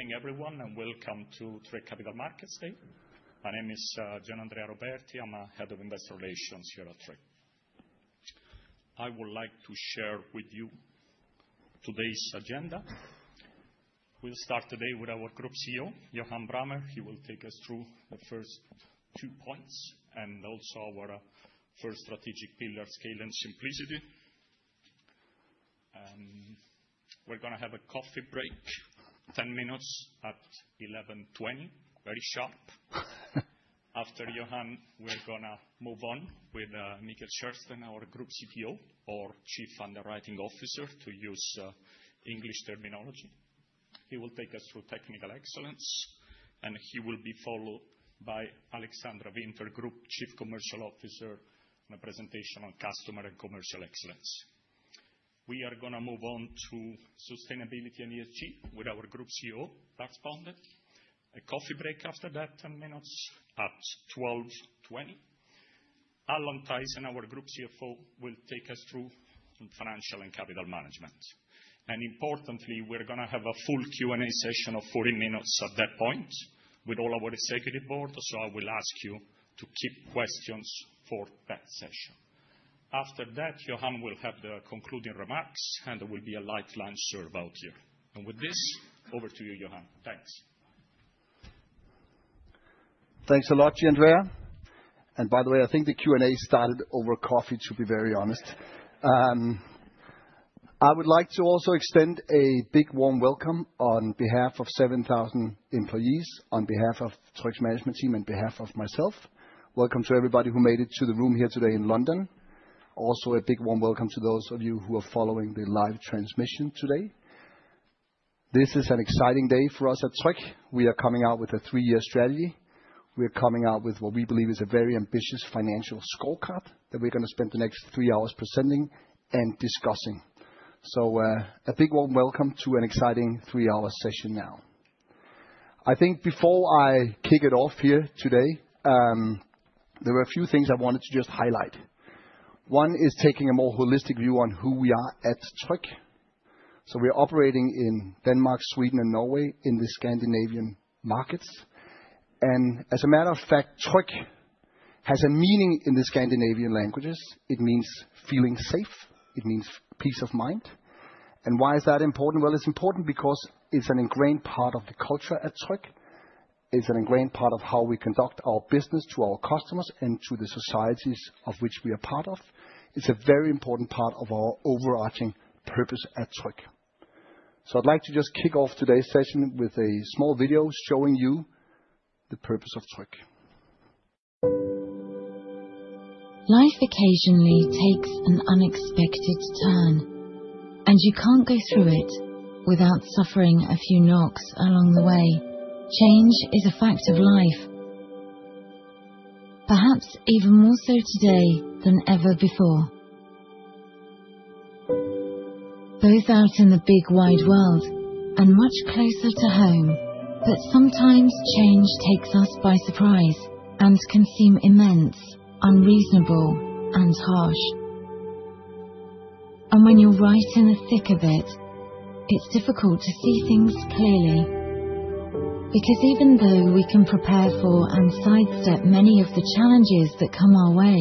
Good morning, everyone, and welcome to Tryg Capital Markets Day. My name is Gianandrea Roberti. I'm the Head of Investor Relations here at Tryg. I would like to share with you today's agenda. We'll start today with our Group CEO, Johan Brammer. He will take us through the first two points and also our first strategic pillar: Scale and Simplicity. We're going to have a coffee break, 10 minutes at 11:20 A.M., very sharp. After Johan, we're going to move on with Mikael Kärrsten, our Group CTO, or Chief Underwriting Officer, to use English terminology. He will take us through Technical Excellence, and he will be followed by Alexandra Winther, Group Chief Commercial Officer, on a presentation on Customer and Commercial Excellence. We are going to move on to sustainability and ESG with our Group COO, Lars Bonde. A coffee break after that, 10 minutes at 12:20 P.M. Allan Thaysen, our Group CFO, will take us through financial and capital management. And importantly, we're going to have a full Q&A session of 40 minutes at that point with all our Executive Board. So I will ask you to keep questions for that session. After that, Johan will have the concluding remarks, and there will be a live lunch served out here. And with this, over to you, Johan. Thanks. Thanks a lot, Gianandrea, and by the way, I think the Q&A started over coffee, to be very honest. I would like to also extend a big, warm welcome on behalf of 7,000 employees, on behalf of Tryg's management team, and on behalf of myself. Welcome to everybody who made it to the room here today in London. Also, a big, warm welcome to those of you who are following the live transmission today. This is an exciting day for us at Tryg. We are coming out with a three-year strategy. We are coming out with what we believe is a very ambitious financial scorecard that we're going to spend the next three hours presenting and discussing, so a big, warm welcome to an exciting three-hour session now. I think before I kick it off here today, there were a few things I wanted to just highlight. One is taking a more holistic view on who we are at Tryg. So we're operating in Denmark, Sweden, and Norway in the Scandinavian markets. And as a matter of fact, Tryg has a meaning in the Scandinavian languages. It means feeling safe. It means peace of mind. And why is that important? Well, it's important because it's an ingrained part of the culture at Tryg. It's an ingrained part of how we conduct our business to our customers and to the societies of which we are part of. It's a very important part of our overarching purpose at Tryg. So I'd like to just kick off today's session with a small video showing you the purpose of Tryg. Life occasionally takes an unexpected turn, and you can't go through it without suffering a few knocks along the way. Change is a fact of life, perhaps even more so today than ever before. Both out in the big, wide world and much closer to home, but sometimes change takes us by surprise and can seem immense, unreasonable, and harsh. And when you're right in the thick of it, it's difficult to see things clearly because even though we can prepare for and sidestep many of the challenges that come our way,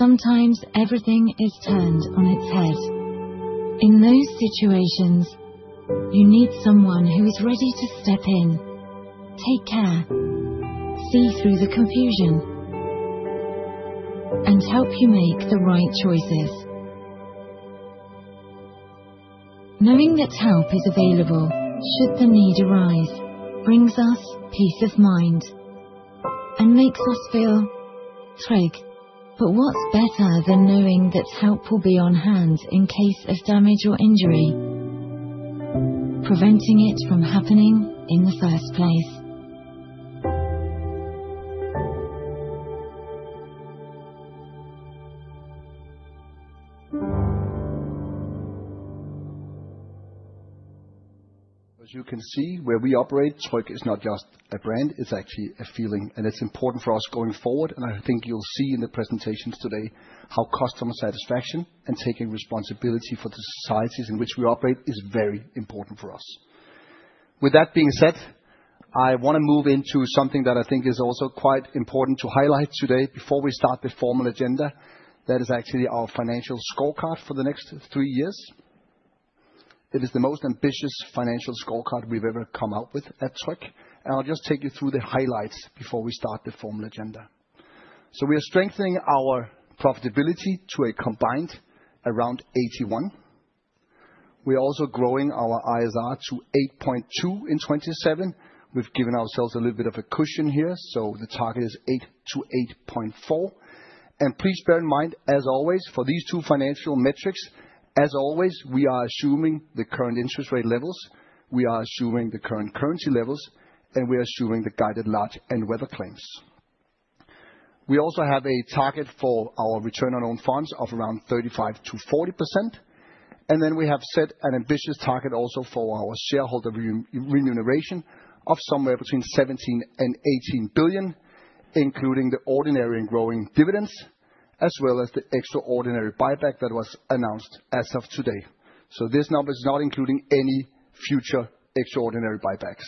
sometimes everything is turned on its head. In those situations, you need someone who is ready to step in, take care, see through the confusion, and help you make the right choices. Knowing that help is available should the need arise brings us peace of mind and makes us feel, "Tryg..." but what's better than knowing that help will be on hand in case of damage or injury, preventing it from happening in the first place? As you can see, where we operate, Tryg is not just a brand. It's actually a feeling, and it's important for us going forward. I think you'll see in the presentations today how customer satisfaction and taking responsibility for the societies in which we operate is very important for us. With that being said, I want to move into something that I think is also quite important to highlight today before we start the formal agenda. That is actually our financial scorecard for the next three years. It is the most ambitious financial scorecard we've ever come out with at Tryg. I'll just take you through the highlights before we start the formal agenda. We are strengthening our profitability to a combined around 81%. We're also growing our ISR to 8.2% in 2027. We've given ourselves a little bit of a cushion here. The target is 8-8.4. Please bear in mind, as always, for these two financial metrics, as always, we are assuming the current interest rate levels. We are assuming the current currency levels, and we are assuming the guided large and weather claims. We also have a target for our return on own funds of around 35-40%. We have set an ambitious target also for our shareholder remuneration of somewhere between 17 billion and 18 billion, including the ordinary and growing dividends, as well as the extraordinary buyback that was announced as of today. This number is not including any future extraordinary buybacks.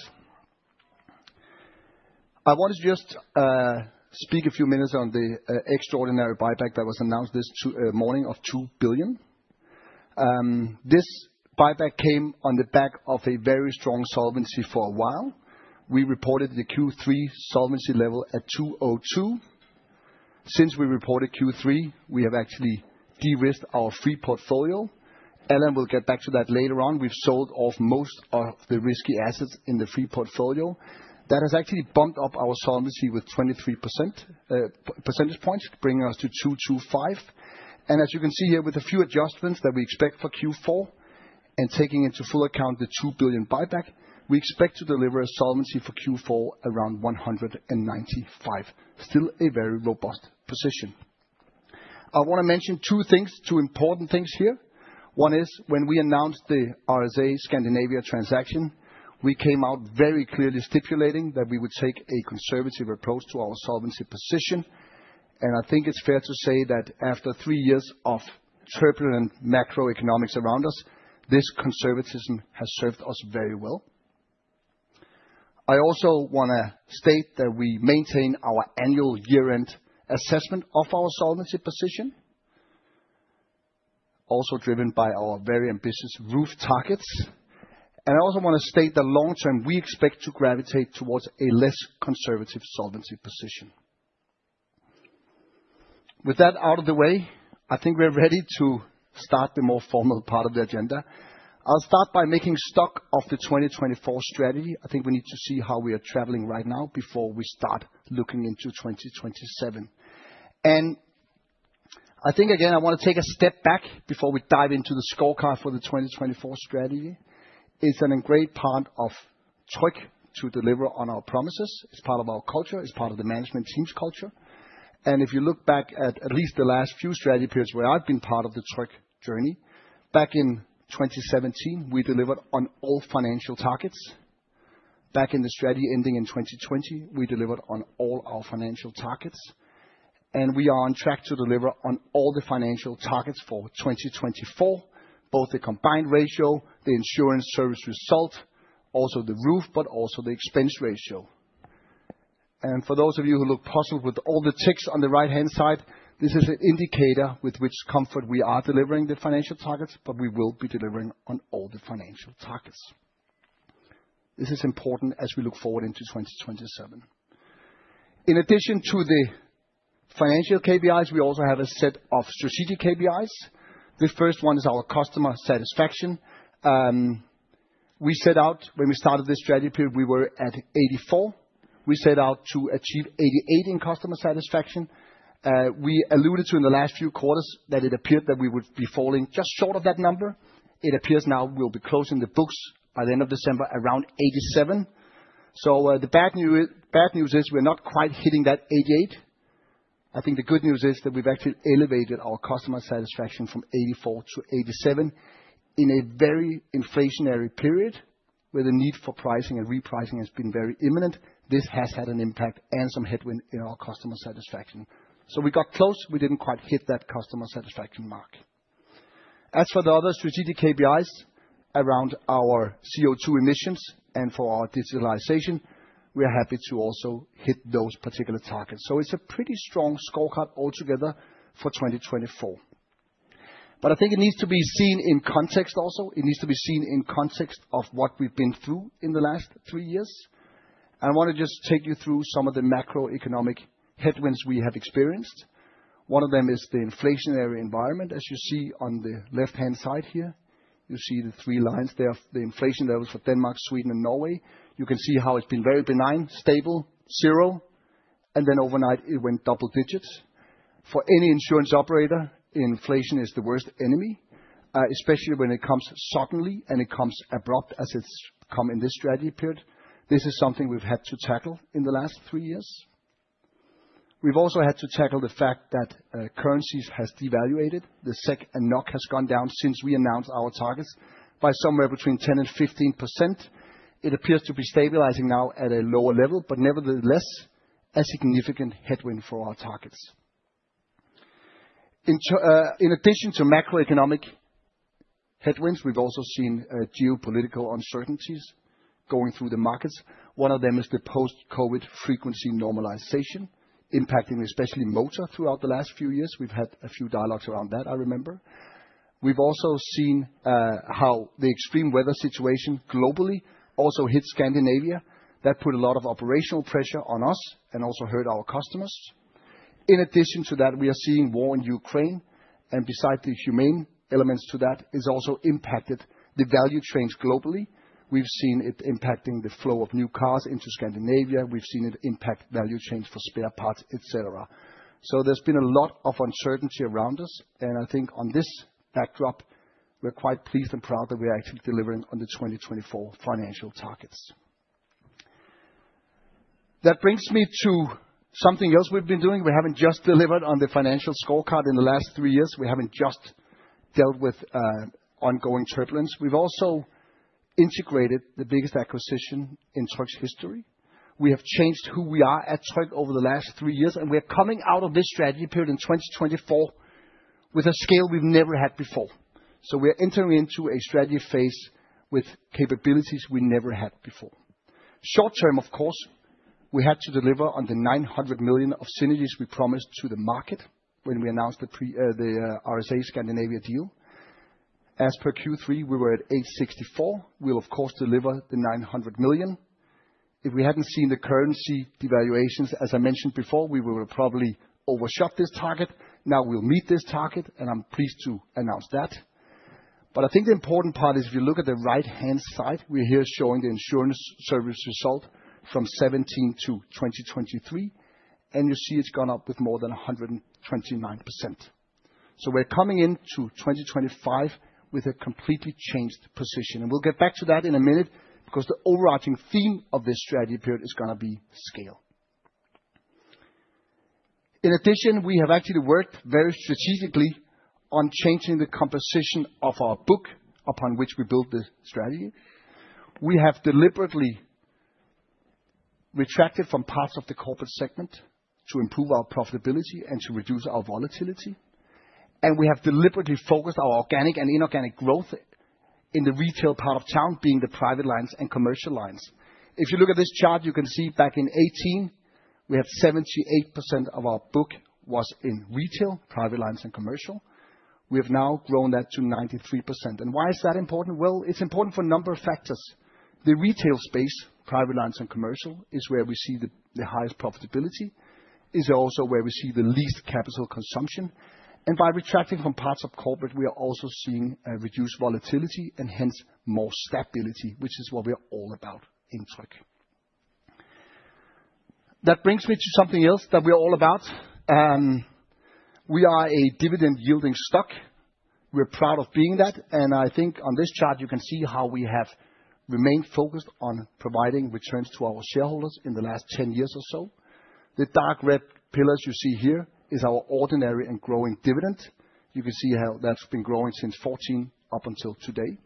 I want to just speak a few minutes on the extraordinary buyback that was announced this morning of 2 billion. This buyback came on the back of a very strong solvency for a while. We reported the Q3 solvency level at 202. Since we reported Q3, we have actually de-risked our free portfolio. Allan will get back to that later on. We've sold off most of the risky assets in the free portfolio. That has actually bumped up our solvency with 23 percentage points, bringing us to 225. And as you can see here, with a few adjustments that we expect for Q4 and taking into full account the 2 billion buyback, we expect to deliver a solvency for Q4 around 195. Still a very robust position. I want to mention two important things here. One is when we announced the RSA Scandinavia transaction, we came out very clearly stipulating that we would take a conservative approach to our solvency position. And I think it's fair to say that after three years of turbulent macroeconomics around us, this conservatism has served us very well. I also want to state that we maintain our annual year-end assessment of our solvency position, also driven by our very ambitious ROOF targets. I also want to state that long-term, we expect to gravitate towards a less conservative solvency position. With that out of the way, I think we're ready to start the more formal part of the agenda. I'll start by taking stock of the 2024 strategy. I think we need to see how we are traveling right now before we start looking into 2027. I think, again, I want to take a step back before we dive into the scorecard for the 2024 strategy. It's an ingrained part of Tryg to deliver on our promises. It's part of our culture. It's part of the management team's culture. If you look back at least the last few strategy periods where I've been part of the Tryg journey, back in 2017, we delivered on all financial targets. Back in the strategy ending in 2020, we delivered on all our financial targets. We are on track to deliver on all the financial targets for 2024, both the combined ratio, the Insurance Service Result, also the ROOF, but also the Expense Ratio. For those of you who look puzzled with all the ticks on the right-hand side, this is an indicator with which comfort we are delivering the financial targets, but we will be delivering on all the financial targets. This is important as we look forward into 2027. In addition to the financial KPIs, we also have a set of strategic KPIs. The first one is our customer satisfaction. We set out, when we started this strategy period, we were at 84. We set out to achieve 88 in customer satisfaction. We alluded to in the last few quarters that it appeared that we would be falling just short of that number. It appears now we'll be closing the books by the end of December around 87. So the bad news is we're not quite hitting that 88. I think the good news is that we've actually elevated our customer satisfaction from 84 to 87 in a very inflationary period where the need for pricing and repricing has been very imminent. This has had an impact and some headwind in our customer satisfaction. So we got close. We didn't quite hit that customer satisfaction mark. As for the other strategic KPIs around our CO2 emissions and for our digitalization, we are happy to also hit those particular targets. So it's a pretty strong scorecard altogether for 2024. But I think it needs to be seen in context also. It needs to be seen in context of what we've been through in the last three years. I want to just take you through some of the macroeconomic headwinds we have experienced. One of them is the inflationary environment. As you see on the left-hand side here, you see the three lines there, the inflation levels for Denmark, Sweden, and Norway. You can see how it's been very benign, stable, zero. And then overnight, it went double digits. For any insurance operator, inflation is the worst enemy, especially when it comes suddenly and it comes abrupt as it's come in this strategy period. This is something we've had to tackle in the last three years. We've also had to tackle the fact that currencies have devalued. The SEK and NOK have gone down since we announced our targets by somewhere between 10%-15%. It appears to be stabilizing now at a lower level, but nevertheless, a significant headwind for our targets. In addition to macroeconomic headwinds, we've also seen geopolitical uncertainties going through the markets. One of them is the post-COVID frequency normalization impacting especially motor throughout the last few years. We've had a few dialogues around that, I remember. We've also seen how the extreme weather situation globally also hit Scandinavia. That put a lot of operational pressure on us and also hurt our customers. In addition to that, we are seeing war in Ukraine, and besides the humane elements to that, it's also impacted the value chains globally. We've seen it impacting the flow of new cars into Scandinavia. We've seen it impact value chains for spare parts, etc. So there's been a lot of uncertainty around us. And I think on this backdrop, we're quite pleased and proud that we're actually delivering on the 2024 financial targets. That brings me to something else we've been doing. We haven't just delivered on the financial scorecard in the last three years. We haven't just dealt with ongoing turbulence. We've also integrated the biggest acquisition in Tryg's history. We have changed who we are at Tryg over the last three years. And we are coming out of this strategy period in 2024 with a scale we've never had before. So we are entering into a strategy phase with capabilities we never had before. Short term, of course, we had to deliver on the 900 million of synergies we promised to the market when we announced the RSA Scandinavia deal. As per Q3, we were at 864 million. We'll, of course, deliver the 900 million. If we hadn't seen the currency devaluations, as I mentioned before, we would have probably overshot this target. Now we'll meet this target, and I'm pleased to announce that, but I think the important part is if you look at the right-hand side, we're here showing the insurance service result from 2017 to 2023, and you see it's gone up with more than 129%, so we're coming into 2025 with a completely changed position, and we'll get back to that in a minute because the overarching theme of this strategy period is going to be scale. In addition, we have actually worked very strategically on changing the composition of our book upon which we built the strategy. We have deliberately retracted from parts of the corporate segment to improve our profitability and to reduce our volatility. We have deliberately focused our organic and inorganic growth in the retail part of town, being the private lines and commercial lines. If you look at this chart, you can see back in 2018, we had 78% of our book was in retail, private lines, and commercial. We have now grown that to 93%. Why is that important? It’s important for a number of factors. The retail space, private lines and commercial, is where we see the highest profitability. It’s also where we see the least capital consumption. By retracting from parts of corporate, we are also seeing reduced volatility and hence more stability, which is what we're all about in Tryg. That brings me to something else that we're all about. We are a dividend-yielding stock. We're proud of being that. I think on this chart, you can see how we have remained focused on providing returns to our shareholders in the last 10 years or so. The dark red pillars you see here are our ordinary and growing dividend. You can see how that's been growing since 2014 up until today.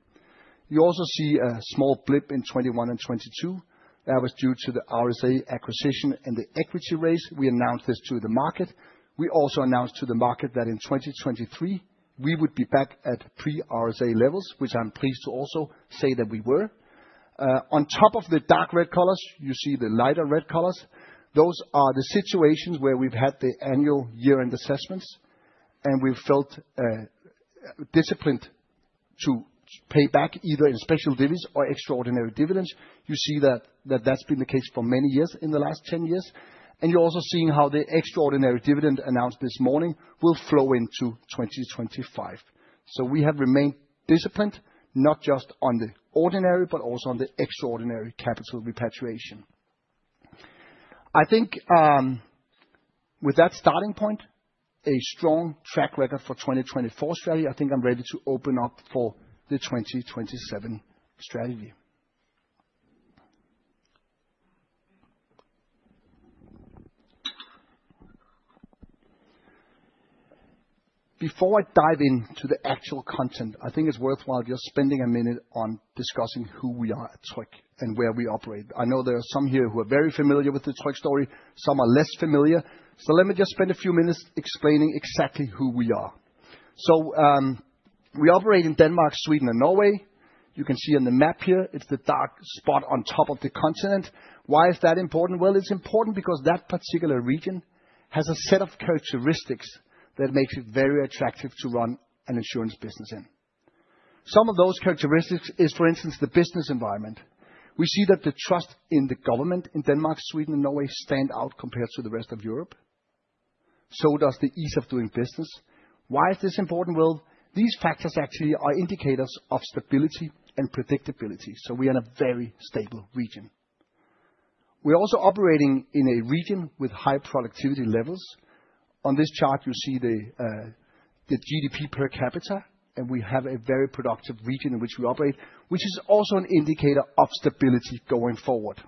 You also see a small blip in 2021 and 2022. That was due to the RSA acquisition and the equity raise. We announced this to the market. We also announced to the market that in 2023, we would be back at pre-RSA levels, which I'm pleased to also say that we were. On top of the dark red colors, you see the lighter red colors. Those are the situations where we've had the annual year-end assessments, and we've felt disciplined to pay back either in special dividends or extraordinary dividends. You see that that's been the case for many years in the last 10 years. And you're also seeing how the extraordinary dividend announced this morning will flow into 2025. So we have remained disciplined, not just on the ordinary, but also on the extraordinary capital repatriation. I think with that starting point, a strong track record for 2024 strategy, I think I'm ready to open up for the 2027 strategy. Before I dive into the actual content, I think it's worthwhile just spending a minute on discussing who we are at Tryg and where we operate. I know there are some here who are very familiar with the Tryg story. Some are less familiar. So let me just spend a few minutes explaining exactly who we are. So we operate in Denmark, Sweden, and Norway. You can see on the map here, it's the dark spot on top of the continent. Why is that important? Well, it's important because that particular region has a set of characteristics that makes it very attractive to run an insurance business in. Some of those characteristics is, for instance, the business environment. We see that the trust in the government in Denmark, Sweden, and Norway stands out compared to the rest of Europe. So does the ease of doing business. Why is this important? Well, these factors actually are indicators of stability and predictability. So we are in a very stable region. We're also operating in a region with high productivity levels. On this chart, you see the GDP per capita, and we have a very productive region in which we operate, which is also an indicator of stability going forward.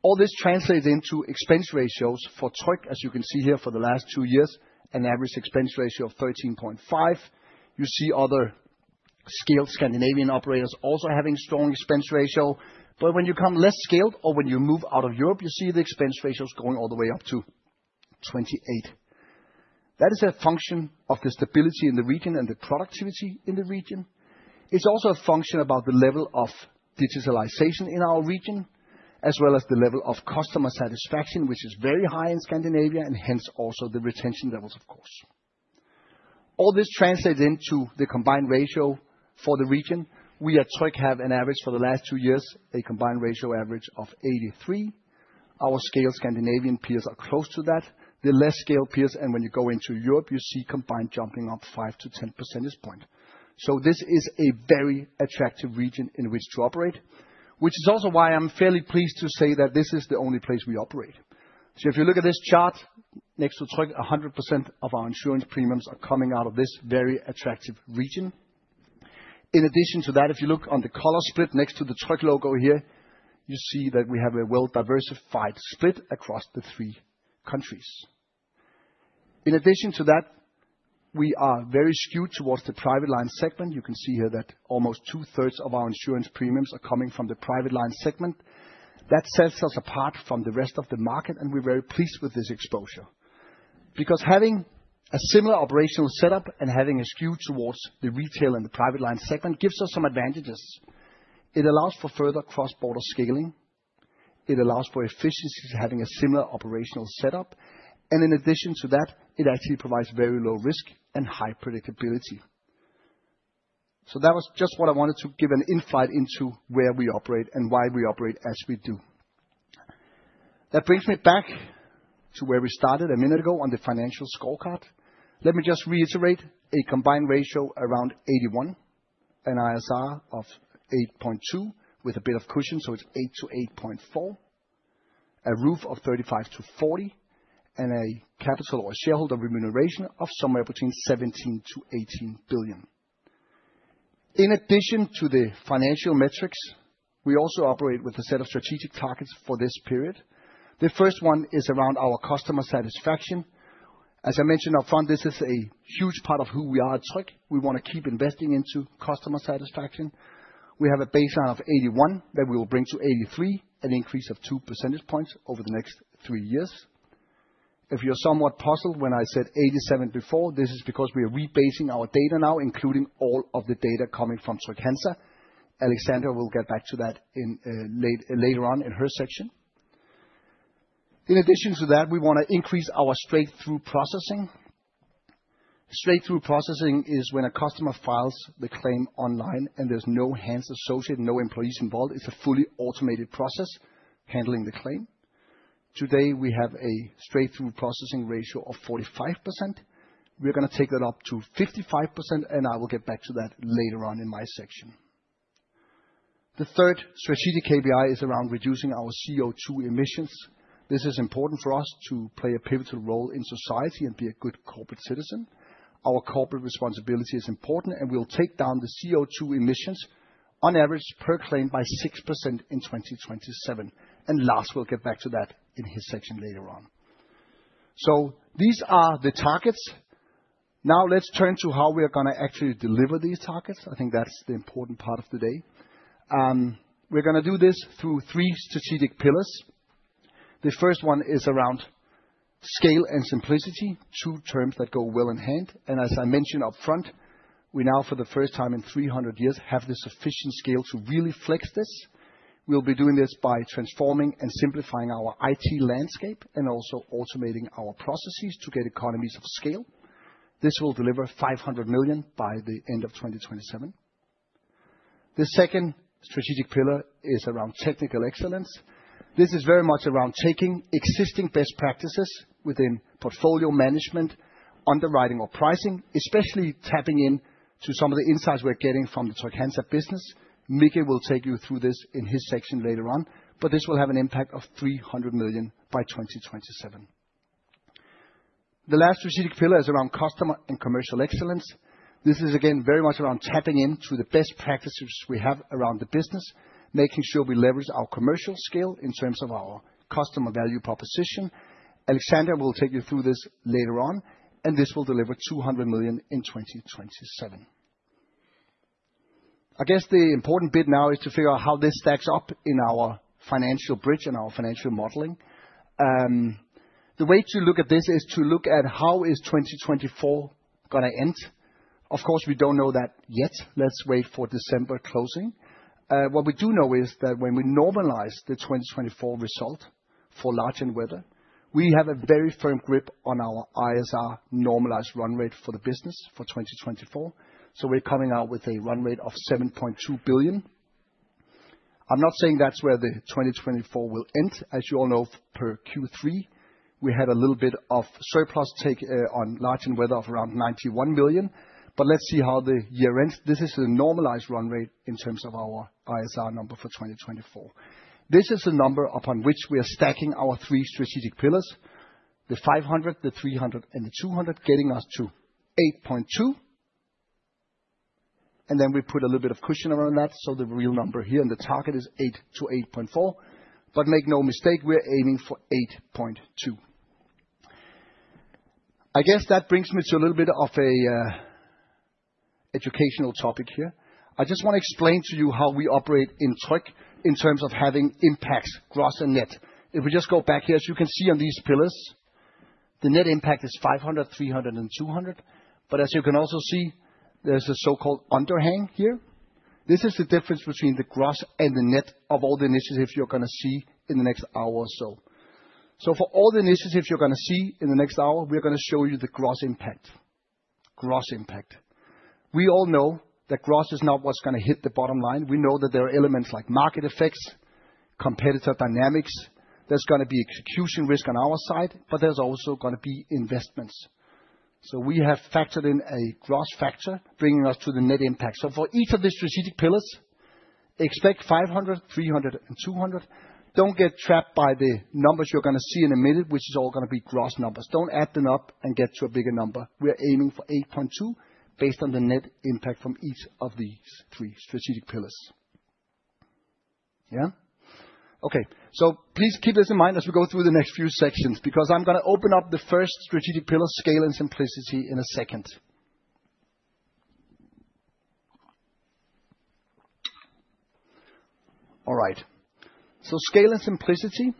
All this translates into expense ratios for Tryg, as you can see here for the last two years, an average expense ratio of 13.5%. You see other scaled Scandinavian operators also having a strong expense ratio. But when you come less scaled or when you move out of Europe, you see the expense ratios going all the way up to 28%. That is a function of the stability in the region and the productivity in the region. It's also a function about the level of digitalization in our region, as well as the level of customer satisfaction, which is very high in Scandinavia, and hence also the retention levels, of course. All this translates into the combined ratio for the region. We at Tryg have an average for the last two years, a combined ratio average of 83%. Our scaled Scandinavian peers are close to that. The less scaled peers, and when you go into Europe, you see combined jumping up 5-10 percentage points. So this is a very attractive region in which to operate, which is also why I'm fairly pleased to say that this is the only place we operate. So if you look at this chart next to Try, 100% of our insurance premiums are coming out of this very attractive region. In addition to that, if you look on the color split next to the Tryg logo here, you see that we have a well-diversified split across the three countries. In addition to that, we are very skewed towards the private line segment. You can see here that almost two-thirds of our insurance premiums are coming from the private line segment. That sets us apart from the rest of the market, and we're very pleased with this exposure. Because having a similar operational setup and having a skew towards the retail and the private line segment gives us some advantages. It allows for further cross-border scaling. It allows for efficiencies having a similar operational setup. And in addition to that, it actually provides very low risk and high predictability. So that was just what I wanted to give an insight into where we operate and why we operate as we do. That brings me back to where we started a minute ago on the financial scorecard. Let me just reiterate a combined ratio around 81%, an ISR of 8.2% with a bit of cushion, so it's 8% to 8.4%, a ROOF of 35% to 40%, and a capital or shareholder remuneration of somewhere between 17 billion to 18 billion. In addition to the financial metrics, we also operate with a set of strategic targets for this period. The first one is around our customer satisfaction. As I mentioned upfront, this is a huge part of who we are at Tryg. We want to keep investing into customer satisfaction. We have a baseline of 81 that we will bring to 83, an increase of two percentage points over the next three years. If you're somewhat puzzled when I said 87 before, this is because we are rebasing our data now, including all of the data coming from Trygg-Hansa. Alexandra will get back to that later on in her section. In addition to that, we want to increase our straight-through processing. Straight-through processing is when a customer files the claim online and there's no hands associated, no employees involved. It's a fully automated process handling the claim. Today, we have a straight-through processing ratio of 45%. We're going to take that up to 55%, and I will get back to that later on in my section. The third strategic KPI is around reducing our CO2 emissions. This is important for us to play a pivotal role in society and be a good corporate citizen. Our corporate responsibility is important, and we'll take down the CO2 emissions on average per claim by 6% in 2027. And last, we'll get back to that in his section later on. So these are the targets. Now let's turn to how we are going to actually deliver these targets. I think that's the important part of the day. We're going to do this through three strategic pillars. The first one is around scale and simplicity, two terms that go hand in hand. As I mentioned upfront, we now, for the first time in 300 years, have the sufficient scale to really flex this. We'll be doing this by transforming and simplifying our IT landscape and also automating our processes to get economies of scale. This will deliver 500 million by the end of 2027. The second strategic pillar is around technical excellence. This is very much around taking existing best practices within portfolio management, underwriting or pricing, especially tapping into some of the insights we're getting from the Trygg-Hansa business. Micke will take you through this in his section later on, but this will have an impact of 300 million by 2027. The last strategic pillar is around customer and commercial excellence. This is again very much around tapping into the best practices we have around the business, making sure we leverage our commercial scale in terms of our customer value proposition. Alexandra will take you through this later on, and this will deliver 200 million in 2027. I guess the important bit now is to figure out how this stacks up in our financial bridge and our financial modeling. The way to look at this is to look at how is 2024 going to end? Of course, we don't know that yet. Let's wait for December closing. What we do know is that when we normalize the 2024 result for large and weather, we have a very firm grip on our ISR normalized run rate for the business for 2024. So we're coming out with a run rate of 7.2 billion. I'm not saying that's where the 2024 will end. As you all know, per Q3, we had a little bit of surplus take on large and weather of around 91 million, but let's see how the year ends. This is a normalized run rate in terms of our ISR number for 2024. This is the number upon which we are stacking our three strategic pillars, the 500, the 300, and the 200, getting us to 8.2, and then we put a little bit of cushion around that, so the real number here and the target is 8-8.4. But make no mistake, we're aiming for 8.2. I guess that brings me to a little bit of an educational topic here. I just want to explain to you how we operate in Tryg in terms of having impacts, gross and net. If we just go back here, as you can see on these pillars, the net impact is 500, 300, and 200, but as you can also see, there's a so-called overhang here. This is the difference between the gross and the net of all the initiatives you're going to see in the next hour or so. For all the initiatives you're going to see in the next hour, we're going to show you the gross impact. Gross impact. We all know that gross is not what's going to hit the bottom line. We know that there are elements like market effects, competitor dynamics. There's going to be execution risk on our side, but there's also going to be investments. We have factored in a gross factor, bringing us to the net impact. For each of the strategic pillars, expect 500, 300, and 200. Don't get trapped by the numbers you're going to see in a minute, which is all going to be gross numbers. Don't add them up and get to a bigger number. We're aiming for 8.2 based on the net impact from each of these three strategic pillars. Yeah? Okay. So please keep this in mind as we go through the next few sections because I'm going to open up the first strategic pillar, scale and simplicity, in a second. All right. So scale and simplicity,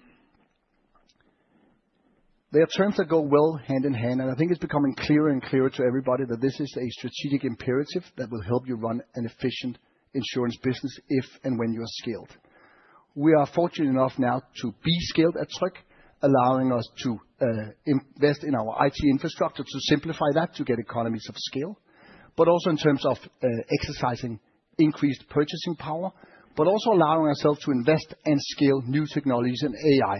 there are terms that go well hand in hand, and I think it's becoming clearer and clearer to everybody that this is a strategic imperative that will help you run an efficient insurance business if and when you are scaled. We are fortunate enough now to be scaled at Tryg, allowing us to invest in our IT infrastructure to simplify that, to get economies of scale, but also in terms of exercising increased purchasing power, but also allowing ourselves to invest and scale new technologies and AI.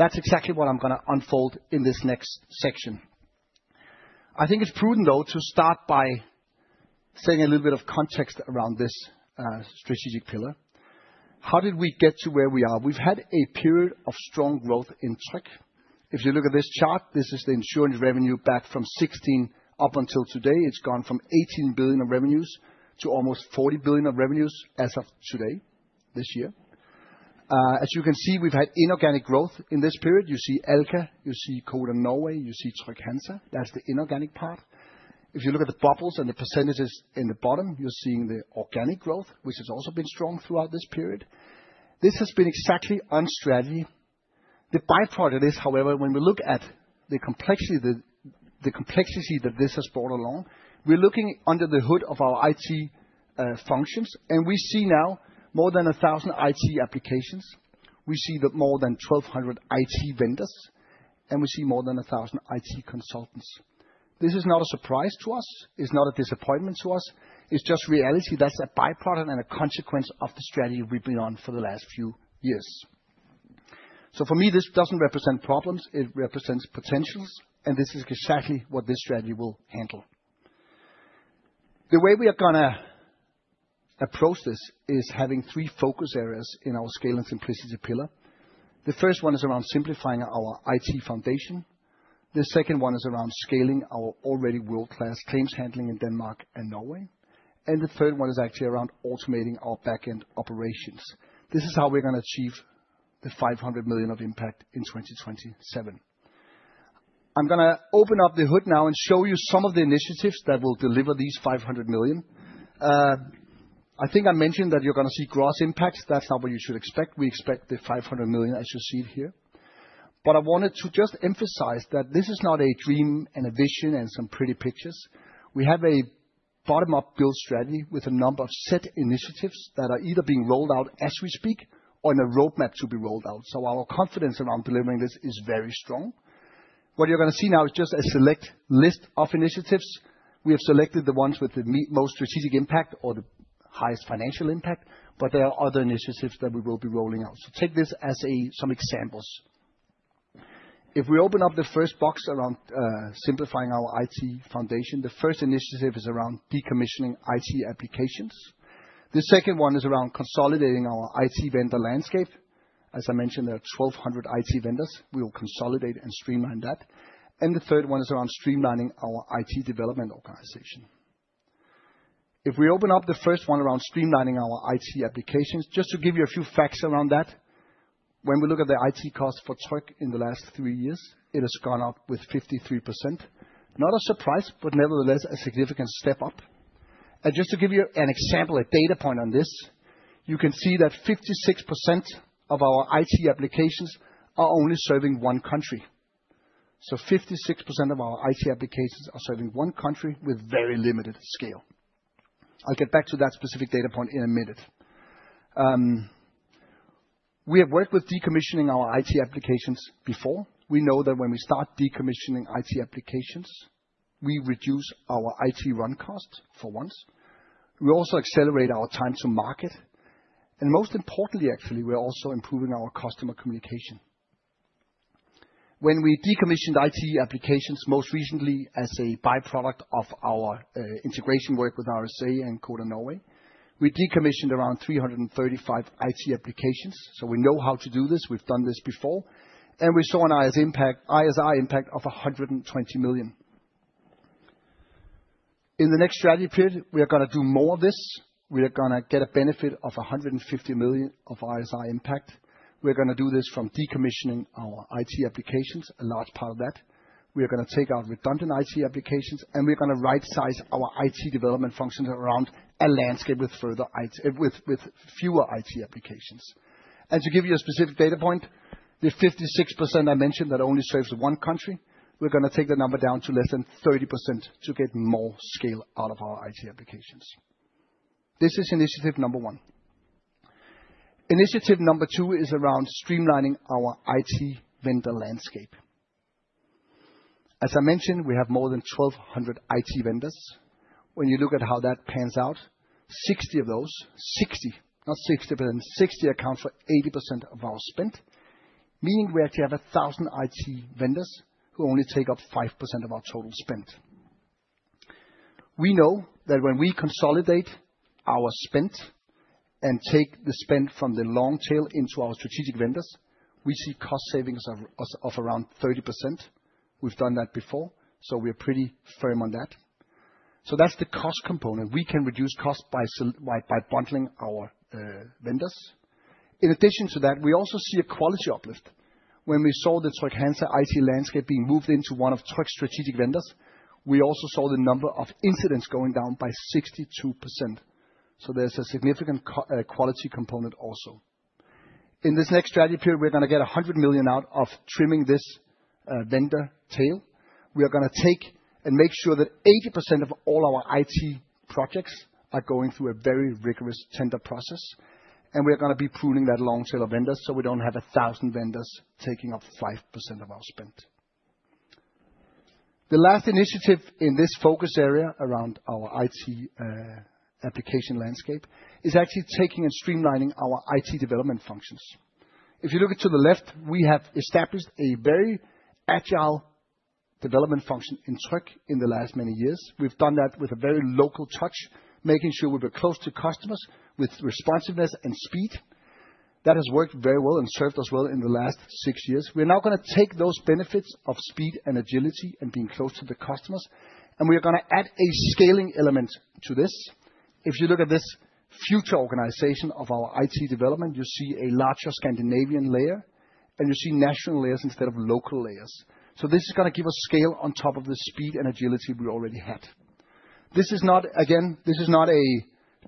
That's exactly what I'm going to unfold in this next section. I think it's prudent, though, to start by setting a little bit of context around this strategic pillar. How did we get to where we are? We've had a period of strong growth in T. If you look at this chart, this is the insurance revenue back from 16 up until today. It's gone from 18 billion of revenues to almost 40 billion of revenues as of today, this year. As you can see, we've had inorganic growth in this period. You see Alka, you see Codan Norway, you see Trygg-Hansa. That's the inorganic part. If you look at the bubbles and the percentages in the bottom, you're seeing the organic growth, which has also been strong throughout this period. This has been exactly on strategy. The byproduct of this, however, when we look at the complexity that this has brought along, we're looking under the hood of our IT functions, and we see now more than 1,000 IT applications. We see more than 1,200 IT vendors, and we see more than 1,000 IT consultants. This is not a surprise to us. It's not a disappointment to us. It's just reality. That's a byproduct and a consequence of the strategy we've been on for the last few years. So for me, this doesn't represent problems. It represents potentials, and this is exactly what this strategy will handle. The way we are going to approach this is having three focus areas in our scale and simplicity pillar. The first one is around simplifying our IT foundation. The second one is around scaling our already world-class claims handling in Denmark and Norway. And the third one is actually around automating our backend operations. This is how we're going to achieve the 500 million of impact in 2027. I'm going to open up the hood now and show you some of the initiatives that will deliver these 500 million. I think I mentioned that you're going to see gross impacts. That's not what you should expect. We expect the 500 million, as you see it here. But I wanted to just emphasize that this is not a dream and a vision and some pretty pictures. We have a bottom-up build strategy with a number of set initiatives that are either being rolled out as we speak or in a roadmap to be rolled out. So our confidence around delivering this is very strong. What you're going to see now is just a select list of initiatives. We have selected the ones with the most strategic impact or the highest financial impact, but there are other initiatives that we will be rolling out. So take this as some examples. If we open up the first box around simplifying our IT foundation, the first initiative is around decommissioning IT applications. The second one is around consolidating our IT vendor landscape. As I mentioned, there are 1,200 IT vendors. We will consolidate and streamline that. And the third one is around streamlining our IT development organization. If we open up the first one around streamlining our IT applications, just to give you a few facts around that, when we look at the IT cost for Tryg in the last three years, it has gone up with 53%. Not a surprise, but nevertheless, a significant step up. And just to give you an example, a data point on this, you can see that 56% of our IT applications are only serving one country. So 56% of our IT applications are serving one country with very limited scale. I'll get back to that specific data point in a minute. We have worked with decommissioning our IT applications before. We know that when we start decommissioning IT applications, we reduce our IT run costs for once. We also accelerate our time to market. And most importantly, actually, we're also improving our customer communication. When we decommissioned IT applications most recently as a byproduct of our integration work with RSA and Codan Norway, we decommissioned around 335 IT applications. So we know how to do this. We've done this before. And we saw an ISR impact of 120 million. In the next strategy period, we are going to do more of this. We are going to get a benefit of 150 million of ISR impact. We're going to do this from decommissioning our IT applications, a large part of that. We are going to take out redundant IT applications, and we're going to right-size our IT development functions around a landscape with fewer IT applications. And to give you a specific data point, the 56% I mentioned that only serves one country, we're going to take the number down to less than 30% to get more scale out of our IT applications. This is initiative number one. Initiative number two is around streamlining our IT vendor landscape. As I mentioned, we have more than 1,200 IT vendors. When you look at how that pans out, 60 of those accounts for 80% of our spend, meaning we actually have 1,000 IT vendors who only take up 5% of our total spend. We know that when we consolidate our spend and take the spend from the long tail into our strategic vendors, we see cost savings of around 30%. We've done that before, so we're pretty firm on that. So that's the cost component. We can reduce costs by bundling our vendors. In addition to that, we also see a quality uplift. When we saw the Trygg-Hansa IT landscape being moved into one of Tryg's strategic vendors, we also saw the number of incidents going down by 62%. There's a significant quality component also. In this next strategy period, we're going to get 100 million out of trimming this vendor tail. We are going to take and make sure that 80% of all our IT projects are going through a very rigorous tender process. We're going to be pruning that long tail of vendors so we don't have 1,000 vendors taking up 5% of our spend. The last initiative in this focus area around our IT application landscape is actually taking and streamlining our IT development functions. If you look to the left, we have established a very agile development function in Tryg in the last many years. We've done that with a very local touch, making sure we were close to customers with responsiveness and speed. That has worked very well and served us well in the last six years. We're now going to take those benefits of speed and agility and being close to the customers, and we are going to add a scaling element to this. If you look at this future organization of our IT development, you see a larger Scandinavian layer, and you see national layers instead of local layers. So this is going to give us scale on top of the speed and agility we already had. This is not, again, this is not a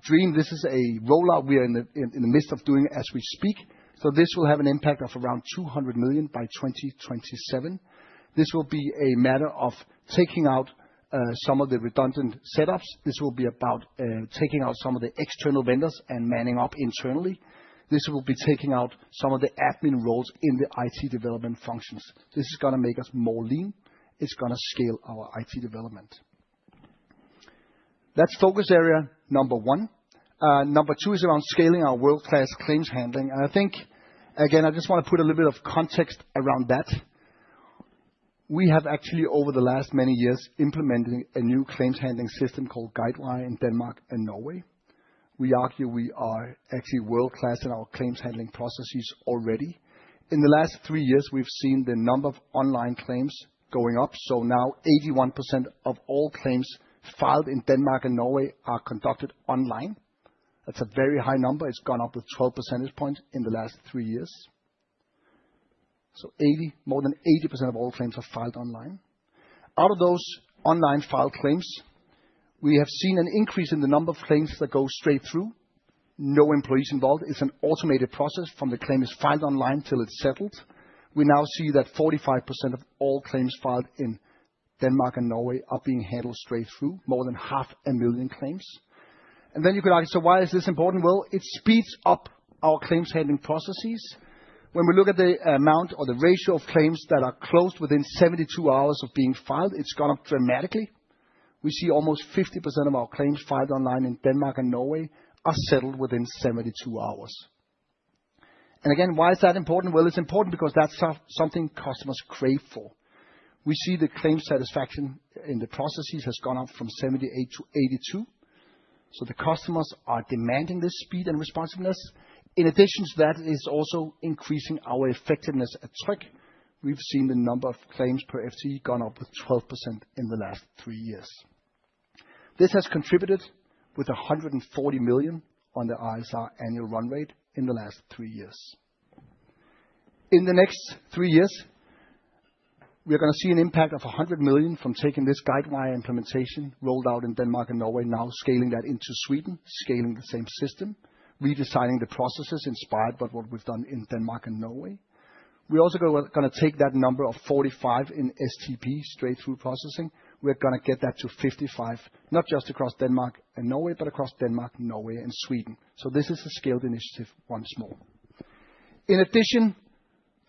dream. This is a rollout we are in the midst of doing as we speak. So this will have an impact of around 200 million by 2027. This will be a matter of taking out some of the redundant setups. This will be about taking out some of the external vendors and manning up internally. This will be taking out some of the admin roles in the IT development functions. This is going to make us more lean. It's going to scale our IT development. That's focus area number one. Number two is around scaling our world-class claims handling. And I think, again, I just want to put a little bit of context around that. We have actually, over the last many years, implemented a new claims handling system called Guidewire in Denmark and Norway. We argue we are actually world-class in our claims handling processes already. In the last three years, we've seen the number of online claims going up. So now 81% of all claims filed in Denmark and Norway are conducted online. That's a very high number. It's gone up with 12 percentage points in the last three years. So more than 80% of all claims are filed online. Out of those online filed claims, we have seen an increase in the number of claims that go straight through. No employees involved. It's an automated process from the claim is filed online till it's settled. We now see that 45% of all claims filed in Denmark and Norway are being handled straight through, more than 500,000 claims. And then you can ask, so why is this important? Well, it speeds up our claims handling processes. When we look at the amount or the ratio of claims that are closed within 72 hours of being filed, it's gone up dramatically. We see almost 50% of our claims filed online in Denmark and Norway are settled within 72 hours. And again, why is that important? Well, it's important because that's something customers crave for. We see the claim satisfaction in the processes has gone up from 78 to 82. The customers are demanding this speed and responsiveness. In addition to that, it is also increasing our effectiveness at Tryg. We've seen the number of claims per FTE gone up with 12% in the last three years. This has contributed with 140 million on the ISR annual run rate in the last three years. In the next three years, we're going to see an impact of 100 million from taking this Guidewire implementation rolled out in Denmark and Norway, now scaling that into Sweden, scaling the same system, redesigning the processes inspired by what we've done in Denmark and Norway. We're also going to take that number of 45% in STP straight through processing. We're going to get that to 55%, not just across Denmark and Norway, but across Denmark, Norway, and Sweden. This is a scaled initiative once more. In addition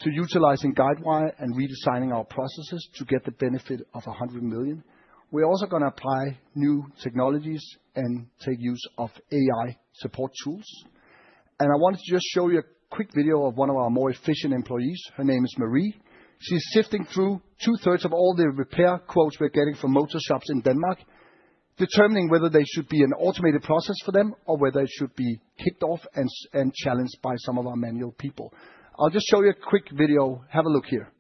to utilizing Guidewire and redesigning our processes to get the benefit of 100 million, we're also going to apply new technologies and take use of AI support tools, and I wanted to just show you a quick video of one of our more efficient employees. Her name is Marie. She's sifting through two-thirds of all the repair quotes we're getting from motor shops in Denmark, determining whether they should be an automated process for them or whether it should be kicked off and challenged by some of our manual people. I'll just show you a quick video. Have a look here.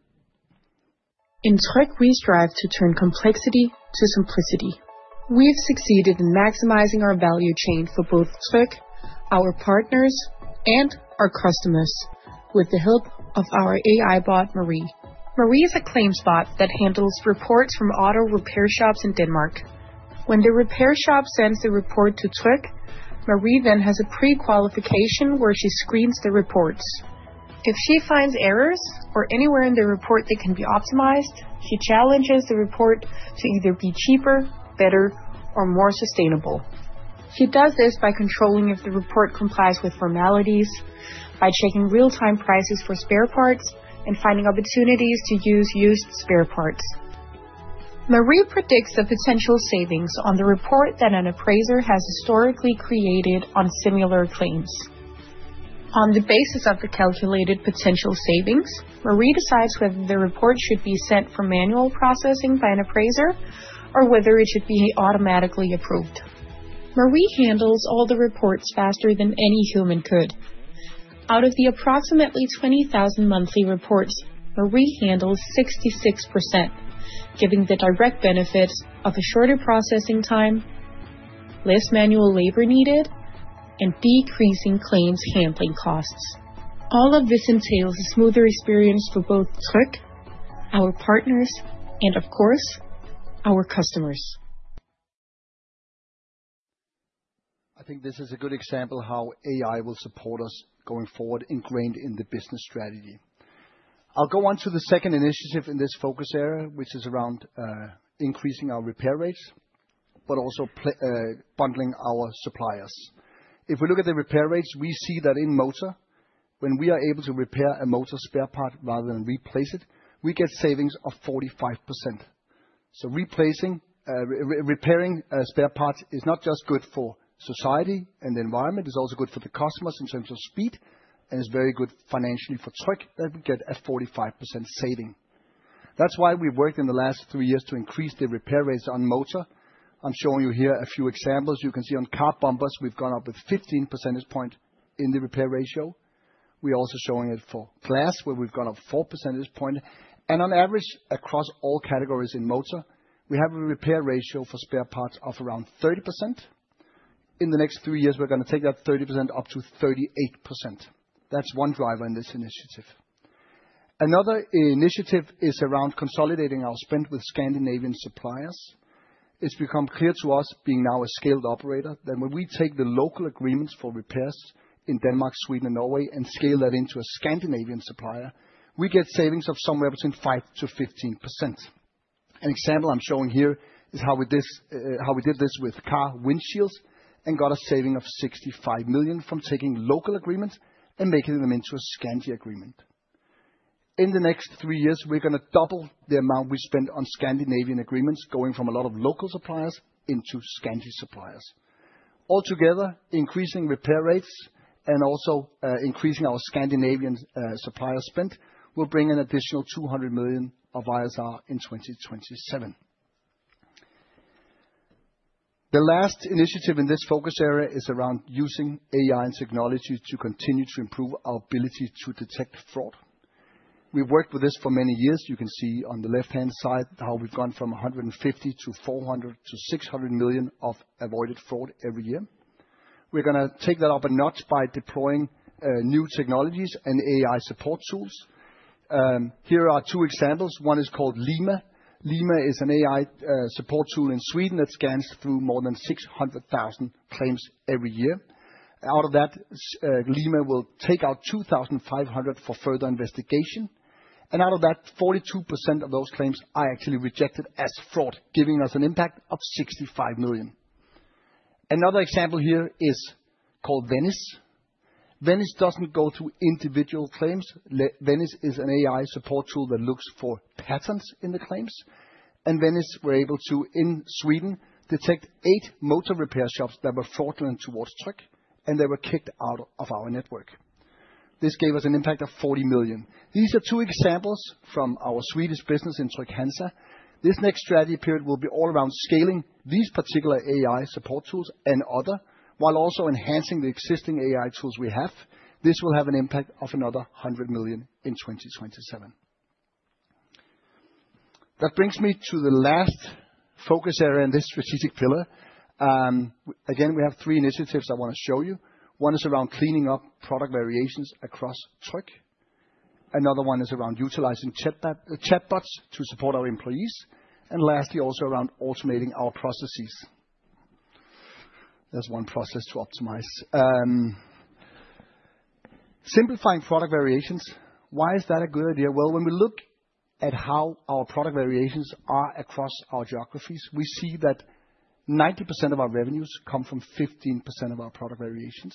In Tryg, we strive to turn complexity to simplicity. We've succeeded in maximizing our value chain for both Tryg, our partners, and our customers with the help of our AI bot, Marie. Marie is a claims bot that handles reports from auto repair shops in Denmark. When the repair shop sends the report to Tryg, Marie then has a pre-qualification where she screens the reports. If she finds errors or anywhere in the report that can be optimized, she challenges the report to either be cheaper, better, or more sustainable. She does this by controlling if the report complies with formalities, by checking real-time prices for spare parts, and finding opportunities to use used spare parts. Marie predicts the potential savings on the report that an appraiser has historically created on similar claims. On the basis of the calculated potential savings, Marie decides whether the report should be sent for manual processing by an appraiser or whether it should be automatically approved. Marie handles all the reports faster than any human could. Out of the approximately 20,000 monthly reports, Marie handles 66%, giving the direct benefit of a shorter processing time, less manual labor needed, and decreasing claims handling costs. All of this entails a smoother experience for both Tryg, our partners, and of course, our customers. I think this is a good example of how AI will support us going forward, ingrained in the business strategy. I'll go on to the second initiative in this focus area, which is around increasing our repair rates, but also bundling our suppliers. If we look at the repair rates, we see that in motor, when we are able to repair a motor spare part rather than replace it, we get savings of 45%. Repairing spare parts is not just good for society and the environment. It's also good for the customers in terms of speed, and it's very good financially for Tryg that we get a 45% saving. That's why we've worked in the last three years to increase the repair rates on motor. I'm showing you here a few examples. You can see on car bumpers, we've gone up with 15 percentage points in the repair ratio. We're also showing it for glass, where we've gone up 4 percentage points. And on average, across all categories in motor, we have a repair ratio for spare parts of around 30%. In the next three years, we're going to take that 30% up to 38%. That's one driver in this initiative. Another initiative is around consolidating our spend with Scandinavian suppliers. It's become clear to us, being now a scaled operator, that when we take the local agreements for repairs in Denmark, Sweden, and Norway and scale that into a Scandinavian supplier, we get savings of somewhere between 5%-15%. An example I'm showing here is how we did this with car windshields and got a saving of 65 million from taking local agreements and making them into a Scandi agreement. In the next three years, we're going to double the amount we spent on Scandinavian agreements, going from a lot of local suppliers into Scandi suppliers. Altogether, increasing repair rates and also increasing our Scandinavian supplier spent will bring an additional 200 million of ISR in 2027. The last initiative in this focus area is around using AI and technology to continue to improve our ability to detect fraud. We've worked with this for many years. You can see on the left-hand side how we've gone from 150 million to 400 million to 600 million of avoided fraud every year. We're going to take that up a notch by deploying new technologies and AI support tools. Here are two examples. One is called Lima. Lima is an AI support tool in Sweden that scans through more than 600,000 claims every year. Out of that, Lima will take out 2,500 for further investigation. And out of that, 42% of those claims are actually rejected as fraud, giving us an impact of 65 million. Another example here is called Venice. Venice doesn't go through individual claims. Venice is an AI support tool that looks for patterns in the claims. And Venice, we're able to, in Sweden, detect eight motor repair shops that were fraudulent towards Tryg, and they were kicked out of our network. This gave us an impact of 40 million. These are two examples from our Swedish business in Trygg-Hansa. This next strategy period will be all around scaling these particular AI support tools and other, while also enhancing the existing AI tools we have. This will have an impact of another 100 million in 2027. That brings me to the last focus area in this strategic pillar. Again, we have three initiatives I want to show you. One is around cleaning up product variations across Tryg. Another one is around utilizing chatbots to support our employees. And lastly, also around automating our processes. There's one process to optimize. Simplifying product variations. Why is that a good idea? Well, when we look at how our product variations are across our geographies, we see that 90% of our revenues come from 15% of our product variations.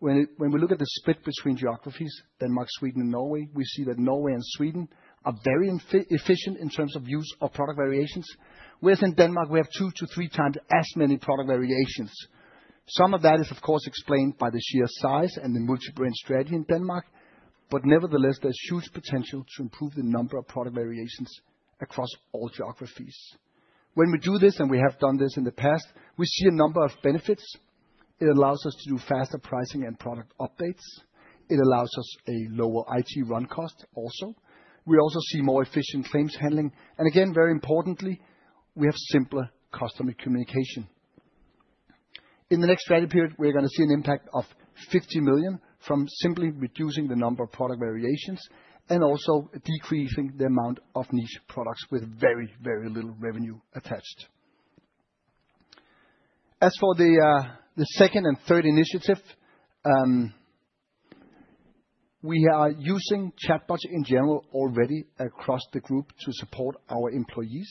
When we look at the split between geographies, Denmark, Sweden, and Norway, we see that Norway and Sweden are very efficient in terms of use of product variations. Whereas in Denmark, we have two to three times as many product variations. Some of that is, of course, explained by the sheer size and the multi-brand strategy in Denmark. But nevertheless, there's huge potential to improve the number of product variations across all geographies. When we do this, and we have done this in the past, we see a number of benefits. It allows us to do faster pricing and product updates. It allows us a lower IT run cost also. We also see more efficient claims handling. And again, very importantly, we have simpler customer communication. In the next strategy period, we're going to see an impact of 50 million from simply reducing the number of product variations and also decreasing the amount of niche products with very, very little revenue attached. As for the second and third initiative, we are using chatbots in general already across the group to support our employees.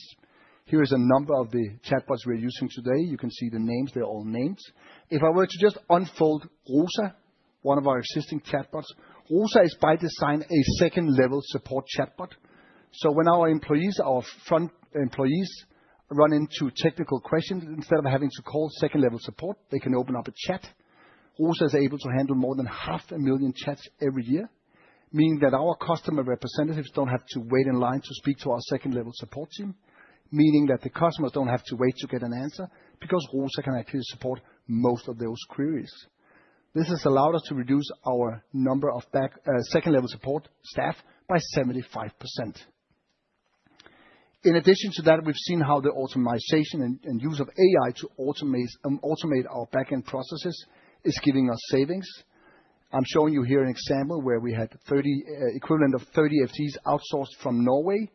Here is a number of the chatbots we're using today. You can see the names. They're all names. If I were to just unfold Rosa, one of our existing chatbots, Rosa is by design a second-level support chatbot. So when our employees, our front employees, run into technical questions, instead of having to call second-level support, they can open up a chat. Rosa is able to handle more than 500,000 chats every year, meaning that our customer representatives don't have to wait in line to speak to our second-level support team, meaning that the customers don't have to wait to get an answer because Rosa can actually support most of those queries. This has allowed us to reduce our number of second-level support staff by 75%. In addition to that, we've seen how the automation and use of AI to automate our back-end processes is giving us savings. I'm showing you here an example where we had equivalent of 30 FTEs outsourced from Norway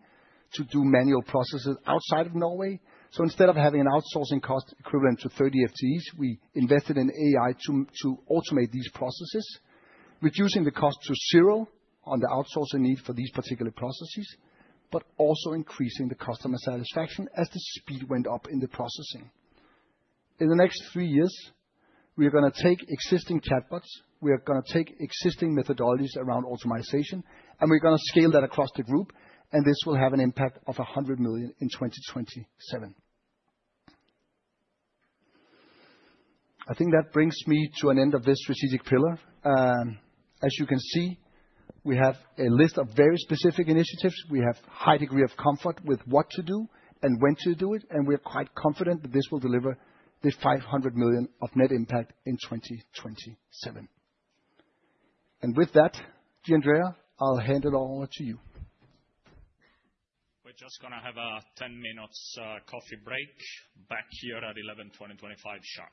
to do manual processes outside of Norway. Instead of having an outsourcing cost equivalent to 30 FTEs, we invested in AI to automate these processes, reducing the cost to zero on the outsourcing need for these particular processes, but also increasing the customer satisfaction as the speed went up in the processing. In the next three years, we're going to take existing chatbots. We're going to take existing methodologies around automation, and we're going to scale that across the group. This will have an impact of 100 million in 2027. I think that brings me to an end of this strategic pillar. As you can see, we have a list of very specific initiatives. We have a high degree of comfort with what to do and when to do it. We're quite confident that this will deliver the 500 million of net impact in 2027. And with that, Gianandrea, I'll hand it all over to you. We're just going to have a 10-minute coffee break back here at 11:25 A.M. sharp.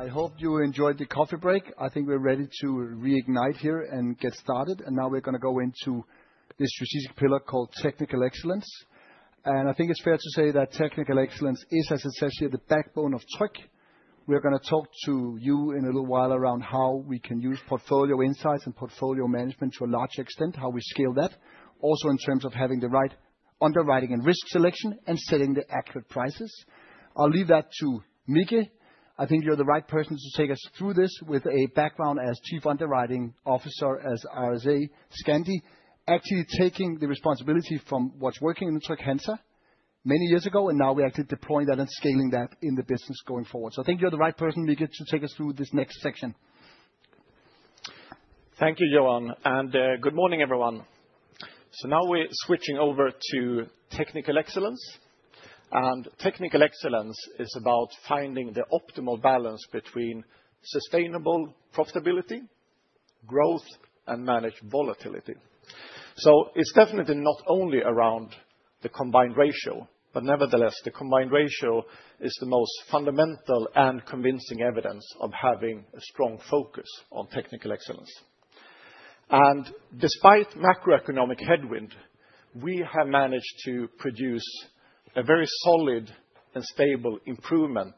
I hope you enjoyed the coffee break. I think we're ready to reignite here and get started. And now we're going to go into this strategic pillar called technical excellence. And I think it's fair to say that technical excellence is, as I said, the backbone of Tryg. We're going to talk to you in a little while around how we can use portfolio insights and portfolio management to a large extent, how we scale that, also in terms of having the right underwriting and risk selection and setting the accurate prices. I'll leave that to Micke. I think you're the right person to take us through this with a background as Chief Underwriting Officer at RSA Scandinavia, actually taking the responsibility from what's working in the Trygg-Hansa many years ago, and now we're actually deploying that and scaling that in the business going forward, so I think you're the right person, Micke, to take us through this next section. Thank you, Johan, and good morning, everyone, so now we're switching over to technical excellence, and technical excellence is about finding the optimal balance between sustainable profitability, growth, and managed volatility, so it's definitely not only around the combined ratio, but nevertheless, the combined ratio is the most fundamental and convincing evidence of having a strong focus on technical excellence. Despite macroeconomic headwind, we have managed to produce a very solid and stable improvement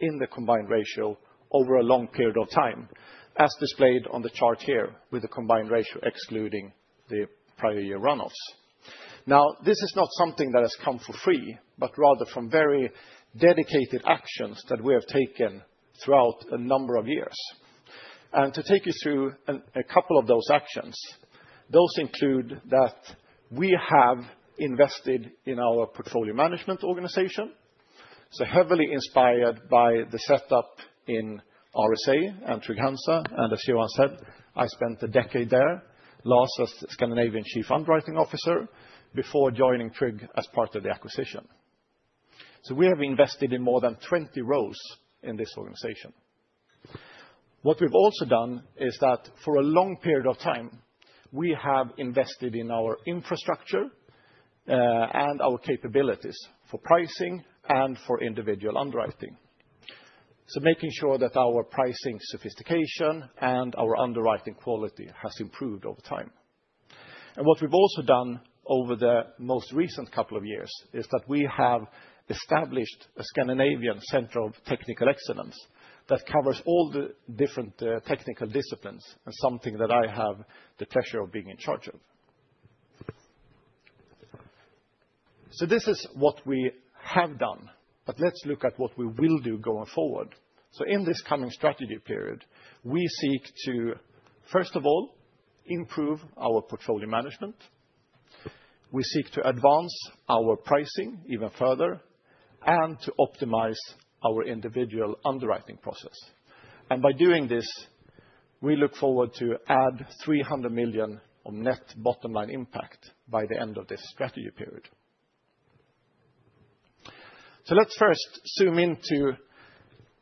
in the combined ratio over a long period of time, as displayed on the chart here with the combined ratio excluding the prior year runoffs. Now, this is not something that has come for free, but rather from very dedicated actions that we have taken throughout a number of years. To take you through a couple of those actions, those include that we have invested in our portfolio management organization. Heavily inspired by the setup in RSA and Trygg-Hansa. As Johan said, I spent a decade there, last as Scandinavian Chief Underwriting Officer before joining Trygg-Hansa as part of the acquisition. We have invested in more than 20 roles in this organization. What we've also done is that for a long period of time, we have invested in our infrastructure and our capabilities for pricing and for individual underwriting, so making sure that our pricing sophistication and our underwriting quality has improved over time. And what we've also done over the most recent couple of years is that we have established a Scandinavian Center of Technical Excellence that covers all the different technical disciplines and something that I have the pleasure of being in charge of. So this is what we have done, but let's look at what we will do going forward. So in this coming strategy period, we seek to, first of all, improve our portfolio management. We seek to advance our pricing even further and to optimize our individual underwriting process. By doing this, we look forward to add 300 million of net bottom line impact by the end of this strategy period. Let's first zoom into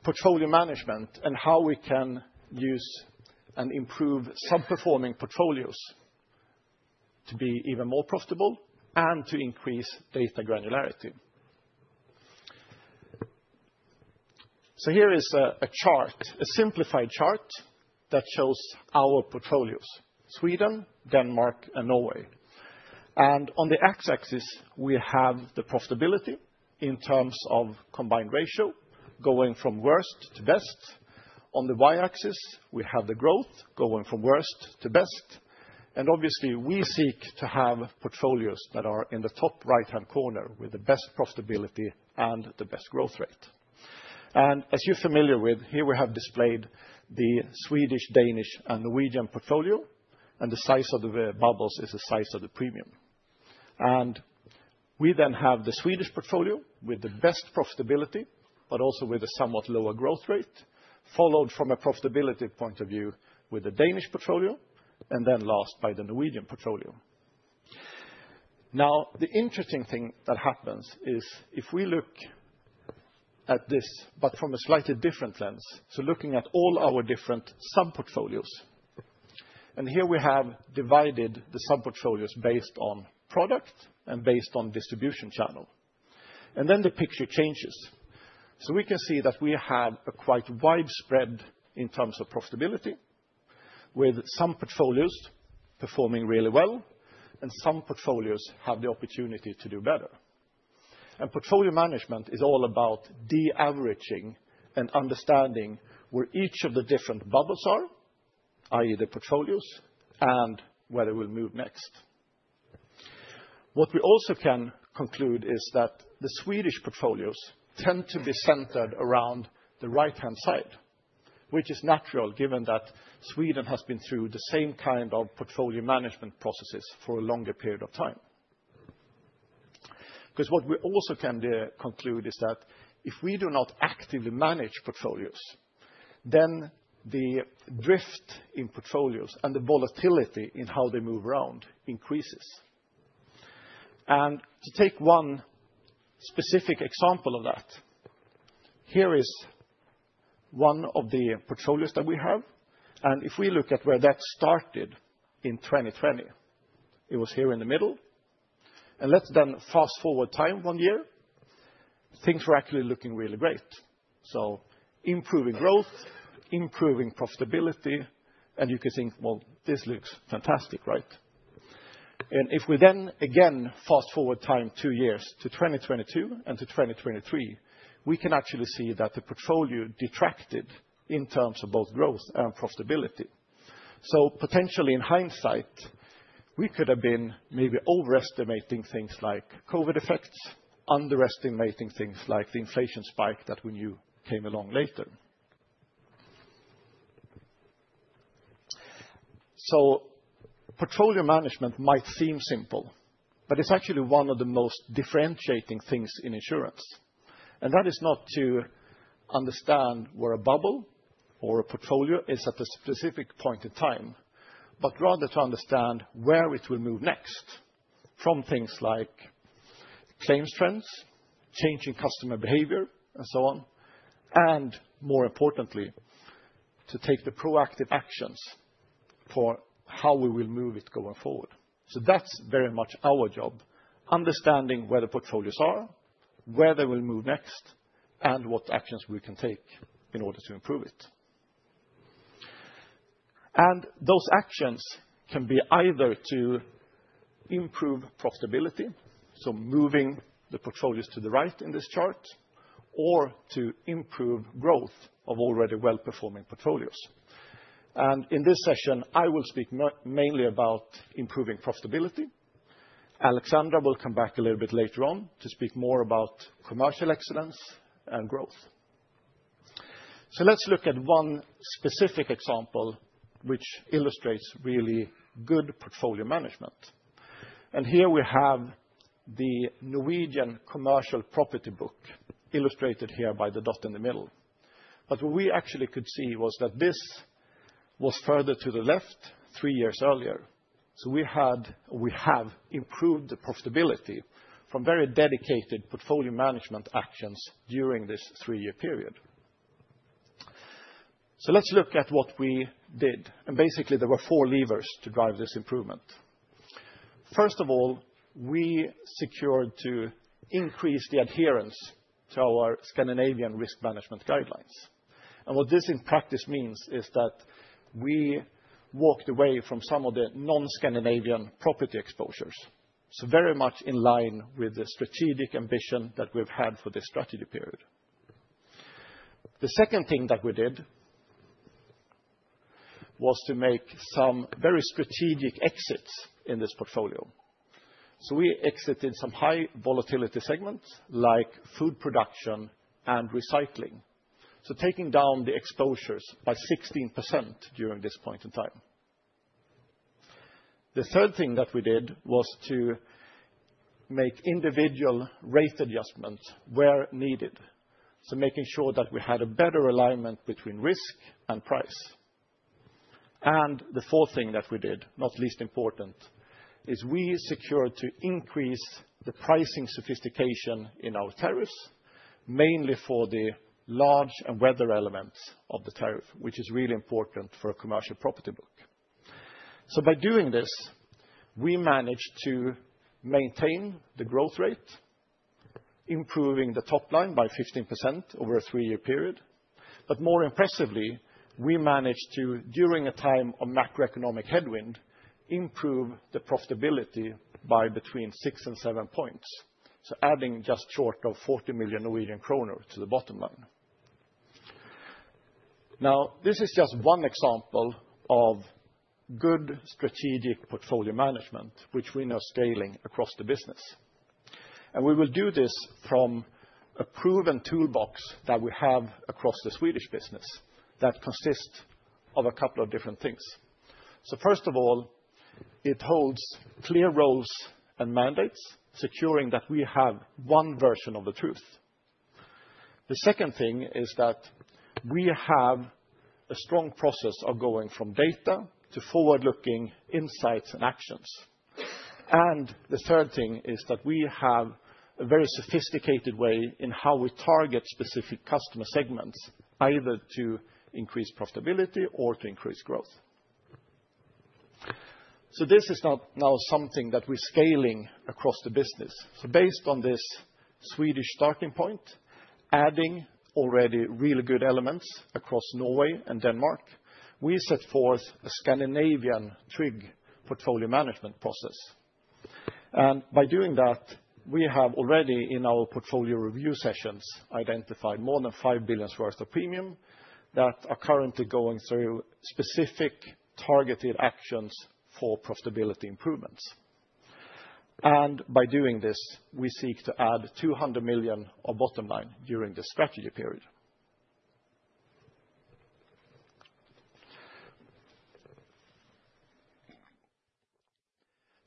portfolio management and how we can use and improve subperforming portfolios to be even more profitable and to increase data granularity. Here is a chart, a simplified chart that shows our portfolios: Sweden, Denmark, and Norway. On the X-axis, we have the profitability in terms of combined ratio going from worst to best. On the Y-axis, we have the growth going from worst to best. Obviously, we seek to have portfolios that are in the top right-hand corner with the best profitability and the best growth rate. As you're familiar with, here we have displayed the Swedish, Danish, and Norwegian portfolio, and the size of the bubbles is the size of the premium. We then have the Swedish portfolio with the best profitability, but also with a somewhat lower growth rate, followed from a profitability point of view with the Danish portfolio, and then last by the Norwegian portfolio. Now, the interesting thing that happens is if we look at this, but from a slightly different lens, so looking at all our different subportfolios. Here we have divided the subportfolios based on product and based on distribution channel. Then the picture changes. We can see that we have a quite widespread. In terms of profitability, with some portfolios performing really well and some portfolios have the opportunity to do better. Portfolio management is all about de-averaging and understanding where each of the different bubbles are, i.e., the portfolios and where they will move next. What we also can conclude is that the Swedish portfolios tend to be centered around the right-hand side, which is natural given that Sweden has been through the same kind of portfolio management processes for a longer period of time. Because what we also can conclude is that if we do not actively manage portfolios, then the drift in portfolios and the volatility in how they move around increases. And to take one specific example of that, here is one of the portfolios that we have. And if we look at where that started in 2020, it was here in the middle. And let's then fast forward time one year. Things were actually looking really great. So improving growth, improving profitability, and you can think, well, this looks fantastic, right? If we then again fast forward time two years to 2022 and to 2023, we can actually see that the portfolio detracted in terms of both growth and profitability. Potentially in hindsight, we could have been maybe overestimating things like COVID effects, underestimating things like the inflation spike that we knew came along later. Portfolio management might seem simple, but it's actually one of the most differentiating things in insurance. That is not to understand where a bubble or a portfolio is at a specific point in time, but rather to understand where it will move next from things like claims trends, changing customer behavior, and so on. More importantly, to take the proactive actions for how we will move it going forward. That's very much our job: understanding where the portfolios are, where they will move next, and what actions we can take in order to improve it. And those actions can be either to improve profitability, so moving the portfolios to the right in this chart, or to improve growth of already well-performing portfolios. And in this session, I will speak mainly about improving profitability. Alexandra will come back a little bit later on to speak more about commercial excellence and growth. So let's look at one specific example which illustrates really good portfolio management. And here we have the Norwegian commercial property book illustrated here by the dot in the middle. But what we actually could see was that this was further to the left three years earlier. So we had or we have improved the profitability from very dedicated portfolio management actions during this three-year period. So let's look at what we did. And basically, there were four levers to drive this improvement. First of all, we secured to increase the adherence to our Scandinavian risk management guidelines. And what this in practice means is that we walked away from some of the non-Scandinavian property exposures. So very much in line with the strategic ambition that we've had for this strategy period. The second thing that we did was to make some very strategic exits in this portfolio. So we exited some high volatility segments like food production and recycling, so taking down the exposures by 16% during this point in time. The third thing that we did was to make individual rate adjustments where needed, so making sure that we had a better alignment between risk and price. And the fourth thing that we did, not least important, is we secured to increase the pricing sophistication in our tariffs, mainly for the large and weather elements of the tariff, which is really important for a commercial property book. So by doing this, we managed to maintain the growth rate, improving the top line by 15% over a three-year period. But more impressively, we managed to, during a time of macroeconomic headwind, improve the profitability by between six and seven points, so adding just short of 40 million Norwegian kroner to the bottom line. Now, this is just one example of good strategic portfolio management, which we are now scaling across the business. And we will do this from a proven toolbox that we have across the Swedish business that consists of a couple of different things. So first of all, it holds clear roles and mandates, securing that we have one version of the truth. The second thing is that we have a strong process of going from data to forward-looking insights and actions. And the third thing is that we have a very sophisticated way in how we target specific customer segments, either to increase profitability or to increase growth. So this is now something that we're scaling across the business. So based on this Swedish starting point, adding already really good elements across Norway and Denmark, we set forth a Scandinavian Tryg portfolio management process. And by doing that, we have already in our portfolio review sessions identified more than 5 billion worth of premium that are currently going through specific targeted actions for profitability improvements. And by doing this, we seek to add 200 million of bottom line during this strategy period.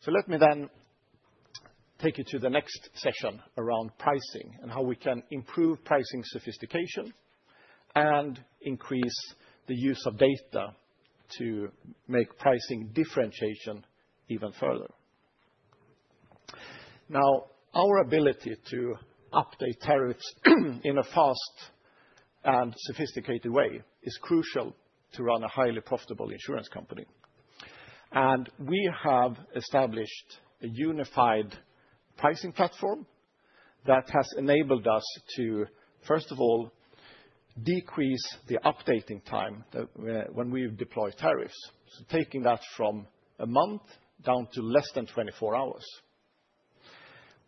So let me then take you to the next session around pricing and how we can improve pricing sophistication and increase the use of data to make pricing differentiation even further. Now, our ability to update tariffs in a fast and sophisticated way is crucial to run a highly profitable insurance company. And we have established a unified pricing platform that has enabled us to, first of all, decrease the updating time when we deploy tariffs, so taking that from a month down to less than 24 hours.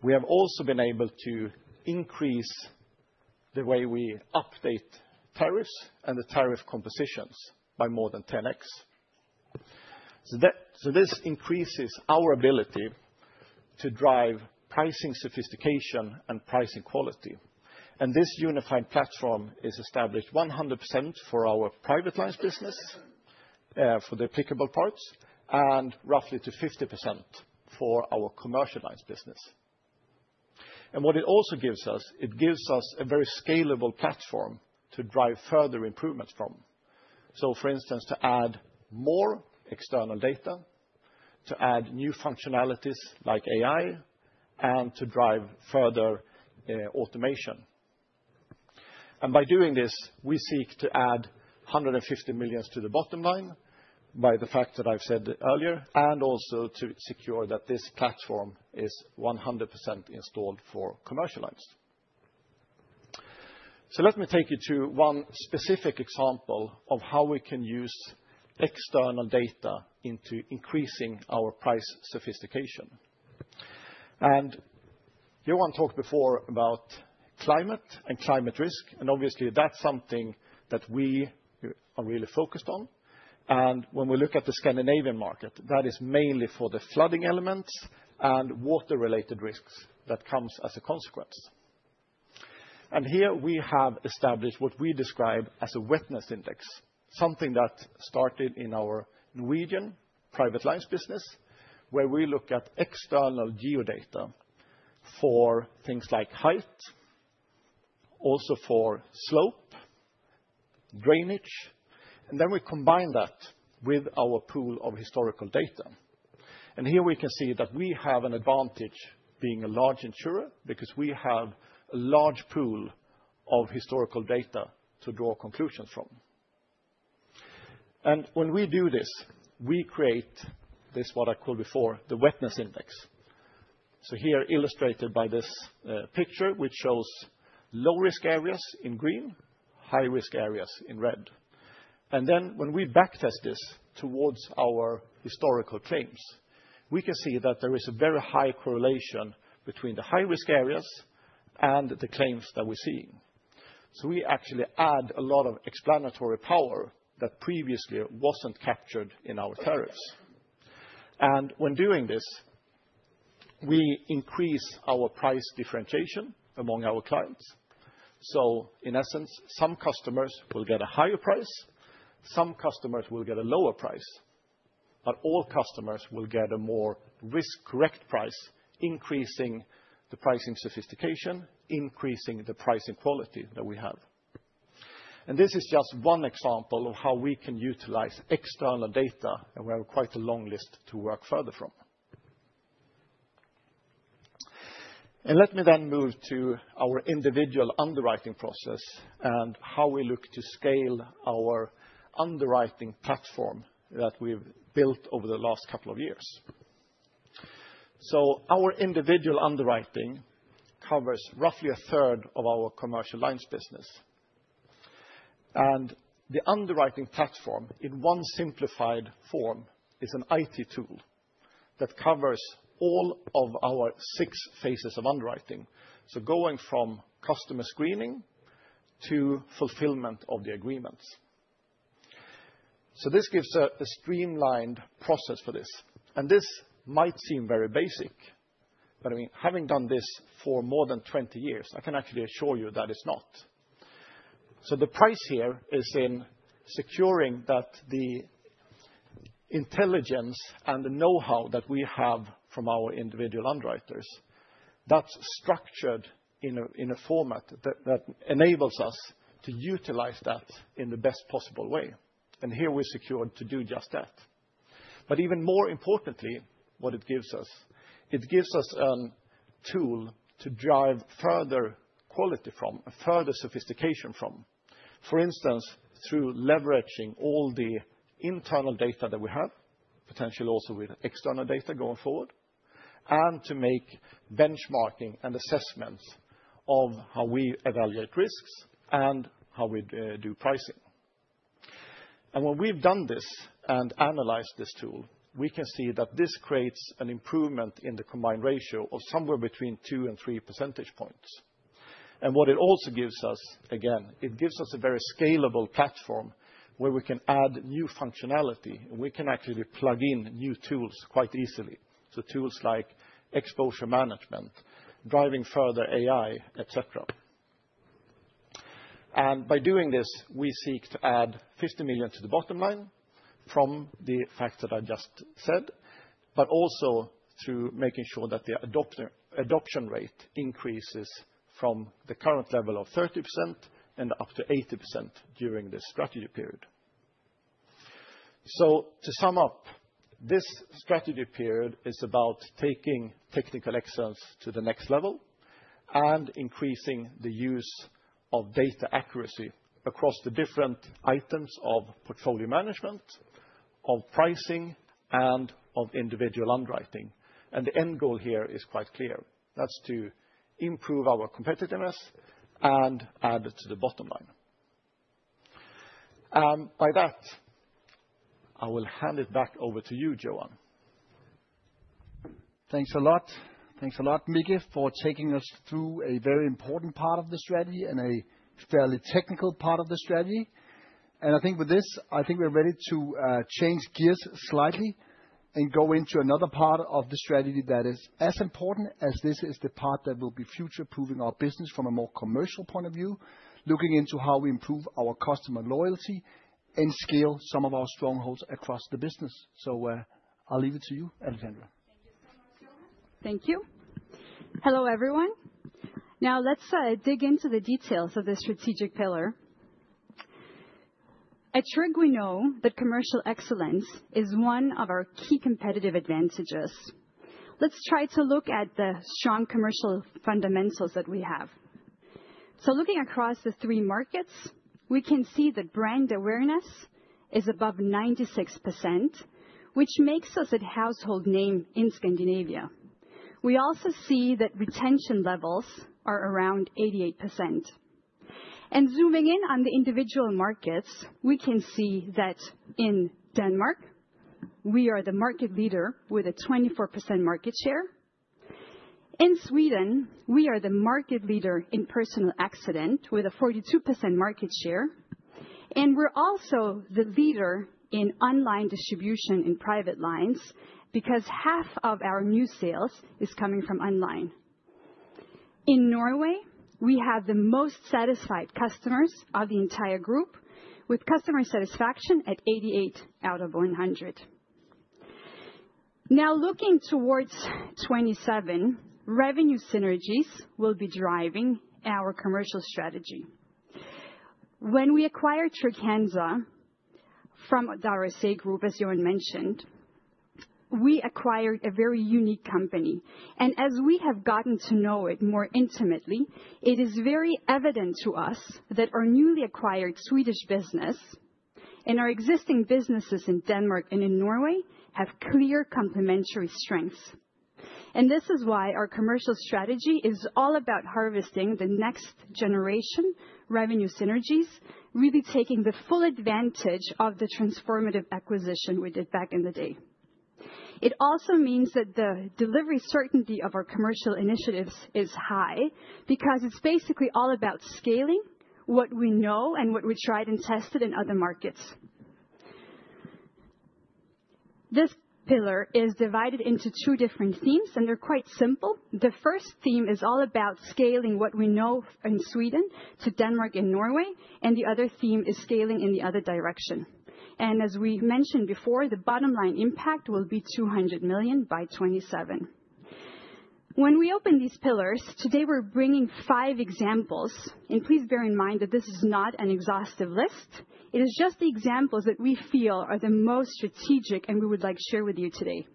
We have also been able to increase the way we update tariffs and the tariff compositions by more than 10x. So this increases our ability to drive pricing sophistication and pricing quality. And this unified platform is established 100% for our Private Lines business for the applicable parts and roughly to 50% for our Commercial Lines business. What it also gives us is a very scalable platform to drive further improvements from. For instance, to add more external data, to add new functionalities like AI, and to drive further automation. By doing this, we seek to add 150 million to the bottom line by the year that I said earlier and also to secure that this platform is 100% installed for Commercial Line. Let me take you to one specific example of how we can use external data in increasing our pricing sophistication. Johan talked before about climate and climate risk, and obviously, that is something that we are really focused on. When we look at the Scandinavian market, that is mainly for the flooding elements and water-related risks that come as a consequence. And here we have established what we describe as a wetness index, something that started in our Norwegian private lines business, where we look at external geodata for things like height, also for slope, drainage. And then we combine that with our pool of historical data. And here we can see that we have an advantage being a large insurer because we have a large pool of historical data to draw conclusions from. And when we do this, we create this, what I called before, the wetness index. So here illustrated by this picture, which shows low-risk areas in green, high-risk areas in red. And then when we backtest this towards our historical claims, we can see that there is a very high correlation between the high-risk areas and the claims that we're seeing. So we actually add a lot of explanatory power that previously wasn't captured in our tariffs. When doing this, we increase our price differentiation among our clients. In essence, some customers will get a higher price, some customers will get a lower price, but all customers will get a more risk-correct price, increasing the pricing sophistication, increasing the pricing quality that we have. This is just one example of how we can utilize external data, and we have quite a long list to work further from. Let me then move to our individual underwriting process and how we look to scale our underwriting platform that we've built over the last couple of years. Our individual underwriting covers roughly a third of our commercial lines business. The underwriting platform, in one simplified form, is an IT tool that covers all of our six phases of underwriting, so going from customer screening to fulfillment of the agreements. So this gives a streamlined process for this. And this might seem very basic, but I mean, having done this for more than 20 years, I can actually assure you that it's not. So the prize here is in securing that the intelligence and the know-how that we have from our individual underwriters, that's structured in a format that enables us to utilize that in the best possible way. And here we're secured to do just that. But even more importantly, what it gives us, it gives us a tool to drive further quality from, further sophistication from, for instance, through leveraging all the internal data that we have, potentially also with external data going forward, and to make benchmarking and assessments of how we evaluate risks and how we do pricing. And when we've done this and analyzed this tool, we can see that this creates an improvement in the combined ratio of somewhere between two and three percentage points. And what it also gives us, again, it gives us a very scalable platform where we can add new functionality. We can actually plug in new tools quite easily, so tools like exposure management, driving further AI, etc. And by doing this, we seek to add 50 million to the bottom line from the facts that I just said, but also through making sure that the adoption rate increases from the current level of 30% and up to 80% during this strategy period. So to sum up, this strategy period is about taking technical excellence to the next level and increasing the use of data accuracy across the different items of portfolio management, of pricing, and of individual underwriting. The end goal here is quite clear. That's to improve our competitiveness and add it to the bottom line. By that, I will hand it back over to you, Johan. Thanks a lot. Thanks a lot, Micke, for taking us through a very important part of the strategy and a fairly technical part of the strategy. I think with this, I think we're ready to change gears slightly and go into another part of the strategy that is as important as this is the part that will be future-proofing our business from a more commercial point of view, looking into how we improve our customer loyalty and scale some of our strongholds across the business. I'll leave it to you, Alexandra. Thank you so much, Johan. Thank you. Hello, everyone. Now, let's dig into the details of the strategic pillar. At Tryg, we know that commercial excellence is one of our key competitive advantages. Let's try to look at the strong commercial fundamentals that we have. So looking across the three markets, we can see that brand awareness is above 96%, which makes us a household name in Scandinavia. We also see that retention levels are around 88%. And zooming in on the individual markets, we can see that in Denmark, we are the market leader with a 24% market share. In Sweden, we are the market leader in personal accident with a 42% market share. And we're also the leader in online distribution in private lines because half of our new sales is coming from online. In Norway, we have the most satisfied customers of the entire group, with customer satisfaction at 88 out of 100. Now, looking towards 2027, revenue synergies will be driving our commercial strategy. When we acquired Trygg-Hansa from RSA Group, as Johan mentioned, we acquired a very unique company. And as we have gotten to know it more intimately, it is very evident to us that our newly acquired Swedish business and our existing businesses in Denmark and in Norway have clear complementary strengths. And this is why our commercial strategy is all about harvesting the next generation revenue synergies, really taking the full advantage of the transformative acquisition we did back in the day. It also means that the delivery certainty of our commercial initiatives is high because it's basically all about scaling what we know and what we tried and tested in other markets. This pillar is divided into two different themes, and they're quite simple. The first theme is all about scaling what we know in Sweden to Denmark and Norway, and the other theme is scaling in the other direction. As we mentioned before, the bottom line impact will be 200 million by 2027. When we open these pillars, today we're bringing five examples, and please bear in mind that this is not an exhaustive list. It is just the examples that we feel are the most strategic and we would like to share with you today.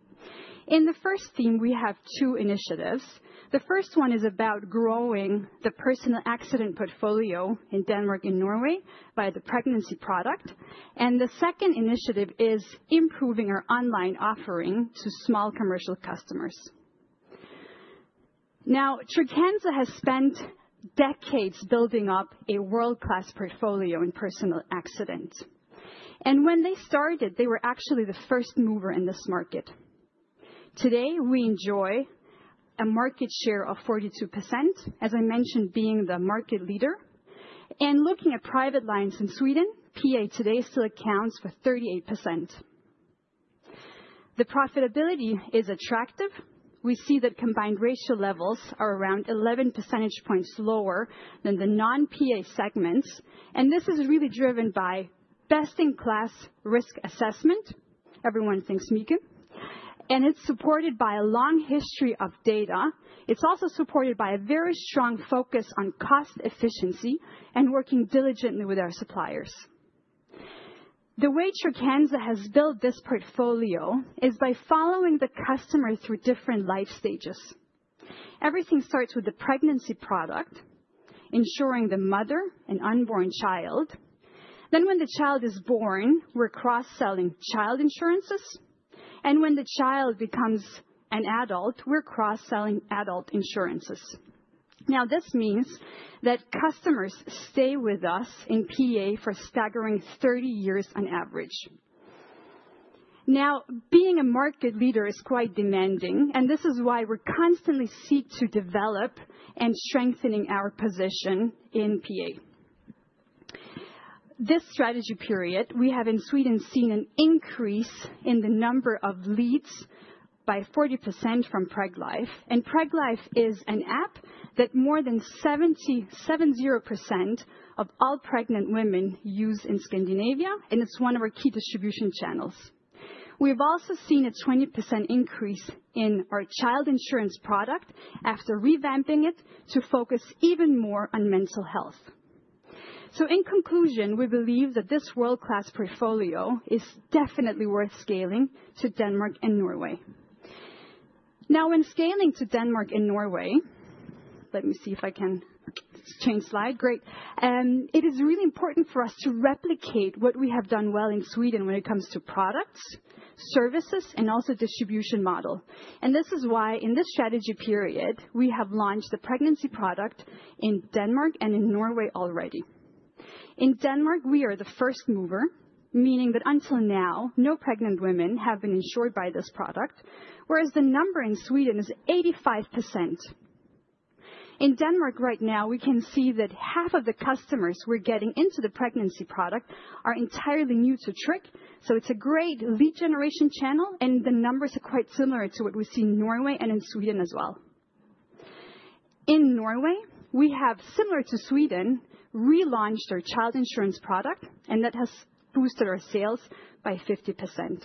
In the first theme, we have two initiatives. The first one is about growing the personal accident portfolio in Denmark and Norway by the pregnancy product, and the second initiative is improving our online offering to small commercial customers. Now, Trygg-Hansa has spent decades building up a world-class portfolio in personal accident. When they started, they were actually the first mover in this market. Today, we enjoy a market share of 42%, as I mentioned, being the market leader. Looking at private lines in Sweden, PA today still accounts for 38%. The profitability is attractive. We see that combined ratio levels are around 11 percentage points lower than the non-PA segments, and this is really driven by best-in-class risk assessment. Everyone thanks Micke. It's supported by a long history of data. It's also supported by a very strong focus on cost efficiency and working diligently with our suppliers. The way Trygg-Hansa has built this portfolio is by following the customer through different life stages. Everything starts with the pregnancy product, ensuring the mother and unborn child. When the child is born, we're cross-selling child insurances, and when the child becomes an adult, we're cross-selling adult insurances. Now, this means that customers stay with us in PA for a staggering 30 years on average. Now, being a market leader is quite demanding, and this is why we constantly seek to develop and strengthen our position in PA. This strategy period, we have in Sweden seen an increase in the number of leads by 40% from Preglife. And Preglife is an app that more than 70% of all pregnant women use in Scandinavia, and it's one of our key distribution channels. We've also seen a 20% increase in our child insurance product after revamping it to focus even more on mental health. So in conclusion, we believe that this world-class portfolio is definitely worth scaling to Denmark and Norway. Now, when scaling to Denmark and Norway, let me see if I can change slide. Great. It is really important for us to replicate what we have done well in Sweden when it comes to products, services, and also distribution model. And this is why in this strategy period, we have launched the pregnancy product in Denmark and in Norway already. In Denmark, we are the first mover, meaning that until now, no pregnant women have been insured by this product, whereas the number in Sweden is 85%. In Denmark right now, we can see that half of the customers we're getting into the pregnancy product are entirely new to Tryg, so it's a great lead generation channel, and the numbers are quite similar to what we see in Norway and in Sweden as well. In Norway, we have, similar to Sweden, relaunched our child insurance product, and that has boosted our sales by 50%.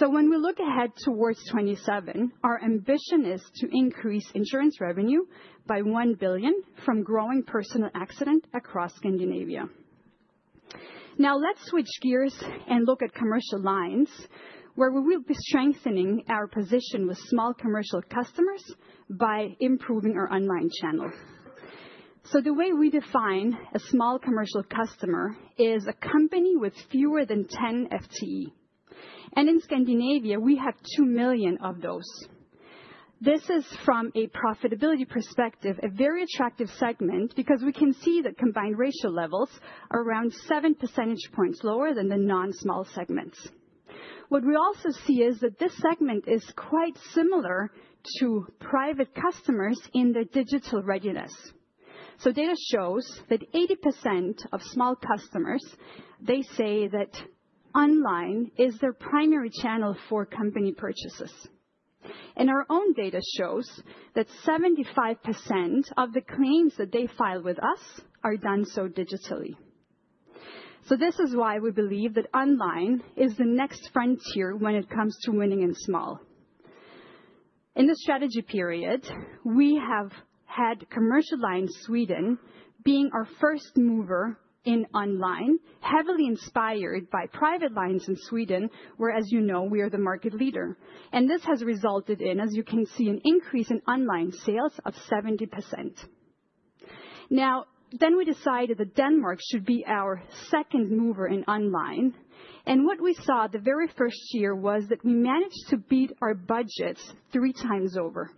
When we look ahead towards 2027, our ambition is to increase insurance revenue by 1 billion from growing personal accident across Scandinavia. Now, let's switch gears and look at commercial lines, where we will be strengthening our position with small commercial customers by improving our online channel. The way we define a small commercial customer is a company with fewer than 10 FTE. In Scandinavia, we have 2 million of those. This is, from a profitability perspective, a very attractive segment because we can see that combined ratio levels are around 7 percentage points lower than the non-small segments. What we also see is that this segment is quite similar to private customers in their digital readiness. Data shows that 80% of small customers, they say that online is their primary channel for company purchases. And our own data shows that 75% of the claims that they file with us are done so digitally. So this is why we believe that online is the next frontier when it comes to winning in small. In the strategy period, we have had commercial lines Sweden being our first mover in online, heavily inspired by private lines in Sweden, where, as you know, we are the market leader. And this has resulted in, as you can see, an increase in online sales of 70%. Now, then we decided that Denmark should be our second mover in online. And what we saw the very first year was that we managed to beat our budgets three times over.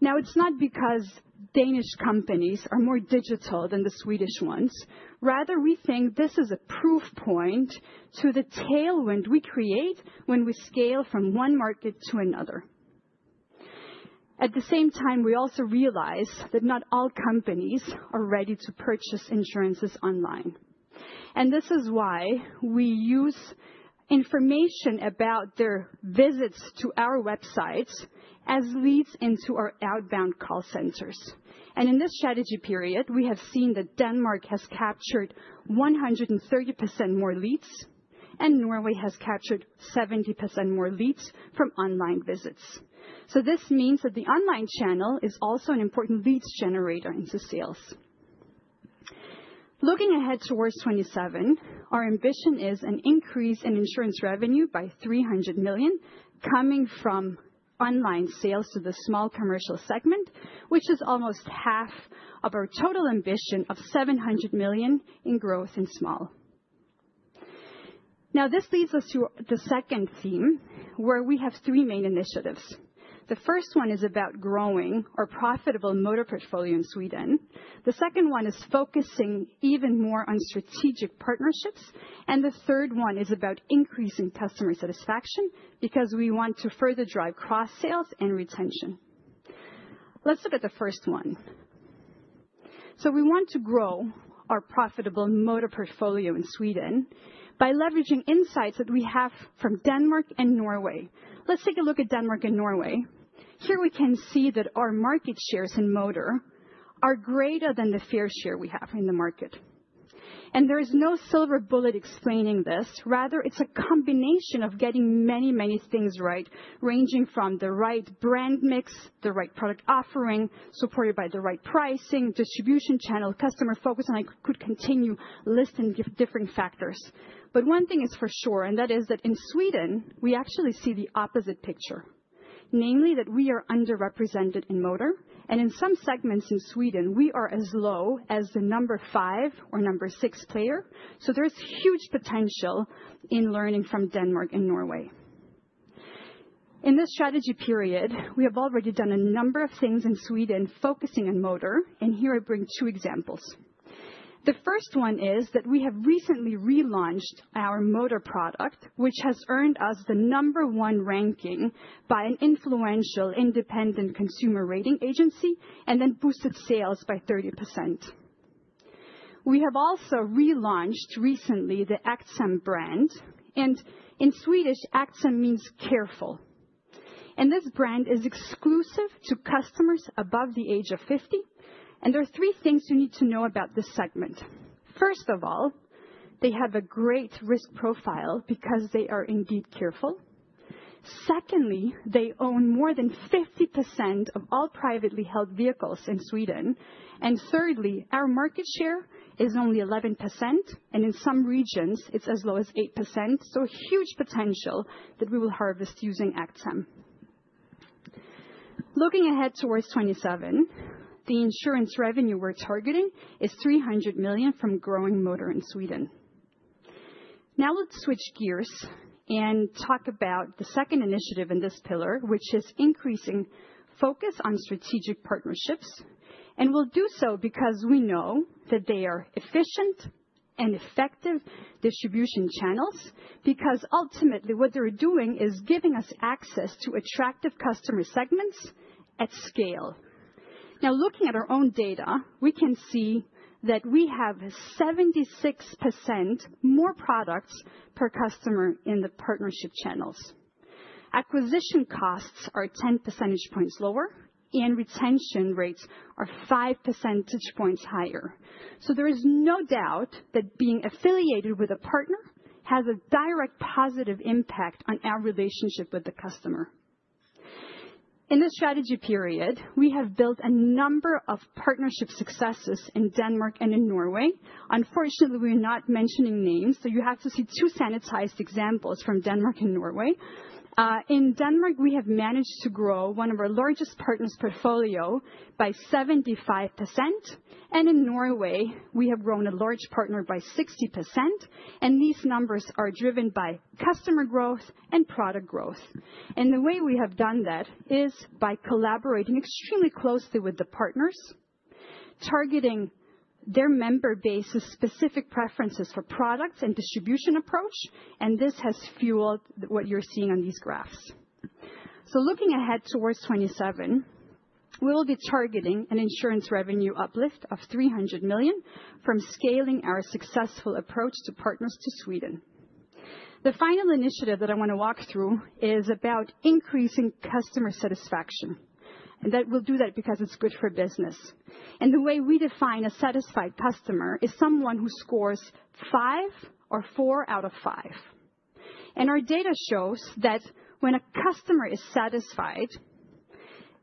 Now, it's not because Danish companies are more digital than the Swedish ones. Rather, we think this is a proof point to the tailwind we create when we scale from one market to another. At the same time, we also realize that not all companies are ready to purchase insurances online. And this is why we use information about their visits to our websites as leads into our outbound call centers. And in this strategy period, we have seen that Denmark has captured 130% more leads, and Norway has captured 70% more leads from online visits. So this means that the online channel is also an important leads generator into sales. Looking ahead towards 2027, our ambition is an increase in insurance revenue by 300 million coming from online sales to the small commercial segment, which is almost half of our total ambition of 700 million in growth in small. Now, this leads us to the second theme, where we have three main initiatives. The first one is about growing our profitable motor portfolio in Sweden. The second one is focusing even more on strategic partnerships. And the third one is about increasing customer satisfaction because we want to further drive cross-sales and retention. Let's look at the first one. So we want to grow our profitable motor portfolio in Sweden by leveraging insights that we have from Denmark and Norway. Let's take a look at Denmark and Norway. Here we can see that our market shares in motor are greater than the fair share we have in the market. And there is no silver bullet explaining this. Rather, it's a combination of getting many, many things right, ranging from the right brand mix, the right product offering, supported by the right pricing, distribution channel, customer focus, and I could continue listing different factors. But one thing is for sure, and that is that in Sweden, we actually see the opposite picture, namely that we are underrepresented in motor. And in some segments in Sweden, we are as low as the number five or number six player. So there is huge potential in learning from Denmark and Norway. In this strategy period, we have already done a number of things in Sweden focusing on motor. And here I bring two examples. The first one is that we have recently relaunched our motor product, which has earned us the number one ranking by an influential independent consumer rating agency and then boosted sales by 30%. We have also relaunched recently the Aktsam brand. And in Swedish, Aktsam means careful. And this brand is exclusive to customers above the age of 50. And there are three things you need to know about this segment. First of all, they have a great risk profile because they are indeed careful. Secondly, they own more than 50% of all privately held vehicles in Sweden. And thirdly, our market share is only 11%. And in some regions, it's as low as 8%. So huge potential that we will harvest using Aktsam. Looking ahead towards 2027, the insurance revenue we're targeting is 300 million from growing motor in Sweden. Now let's switch gears and talk about the second initiative in this pillar, which is increasing focus on strategic partnerships. And we'll do so because we know that they are efficient and effective distribution channels, because ultimately what they're doing is giving us access to attractive customer segments at scale. Now, looking at our own data, we can see that we have 76% more products per customer in the partnership channels. Acquisition costs are 10 percentage points lower, and retention rates are 5 percentage points higher. So there is no doubt that being affiliated with a partner has a direct positive impact on our relationship with the customer. In this strategy period, we have built a number of partnership successes in Denmark and in Norway. Unfortunately, we are not mentioning names, so you have to see two sanitized examples from Denmark and Norway. In Denmark, we have managed to grow one of our largest partners' portfolio by 75%. And in Norway, we have grown a large partner by 60%. These numbers are driven by customer growth and product growth. The way we have done that is by collaborating extremely closely with the partners, targeting their member base's specific preferences for products and distribution approach. This has fueled what you're seeing on these graphs. Looking ahead towards 2027, we will be targeting an insurance revenue uplift of 300 million from scaling our successful approach to partners to Sweden. The final initiative that I want to walk through is about increasing customer satisfaction. That we'll do that because it's good for business. The way we define a satisfied customer is someone who scores five or four out of five. Our data shows that when a customer is satisfied,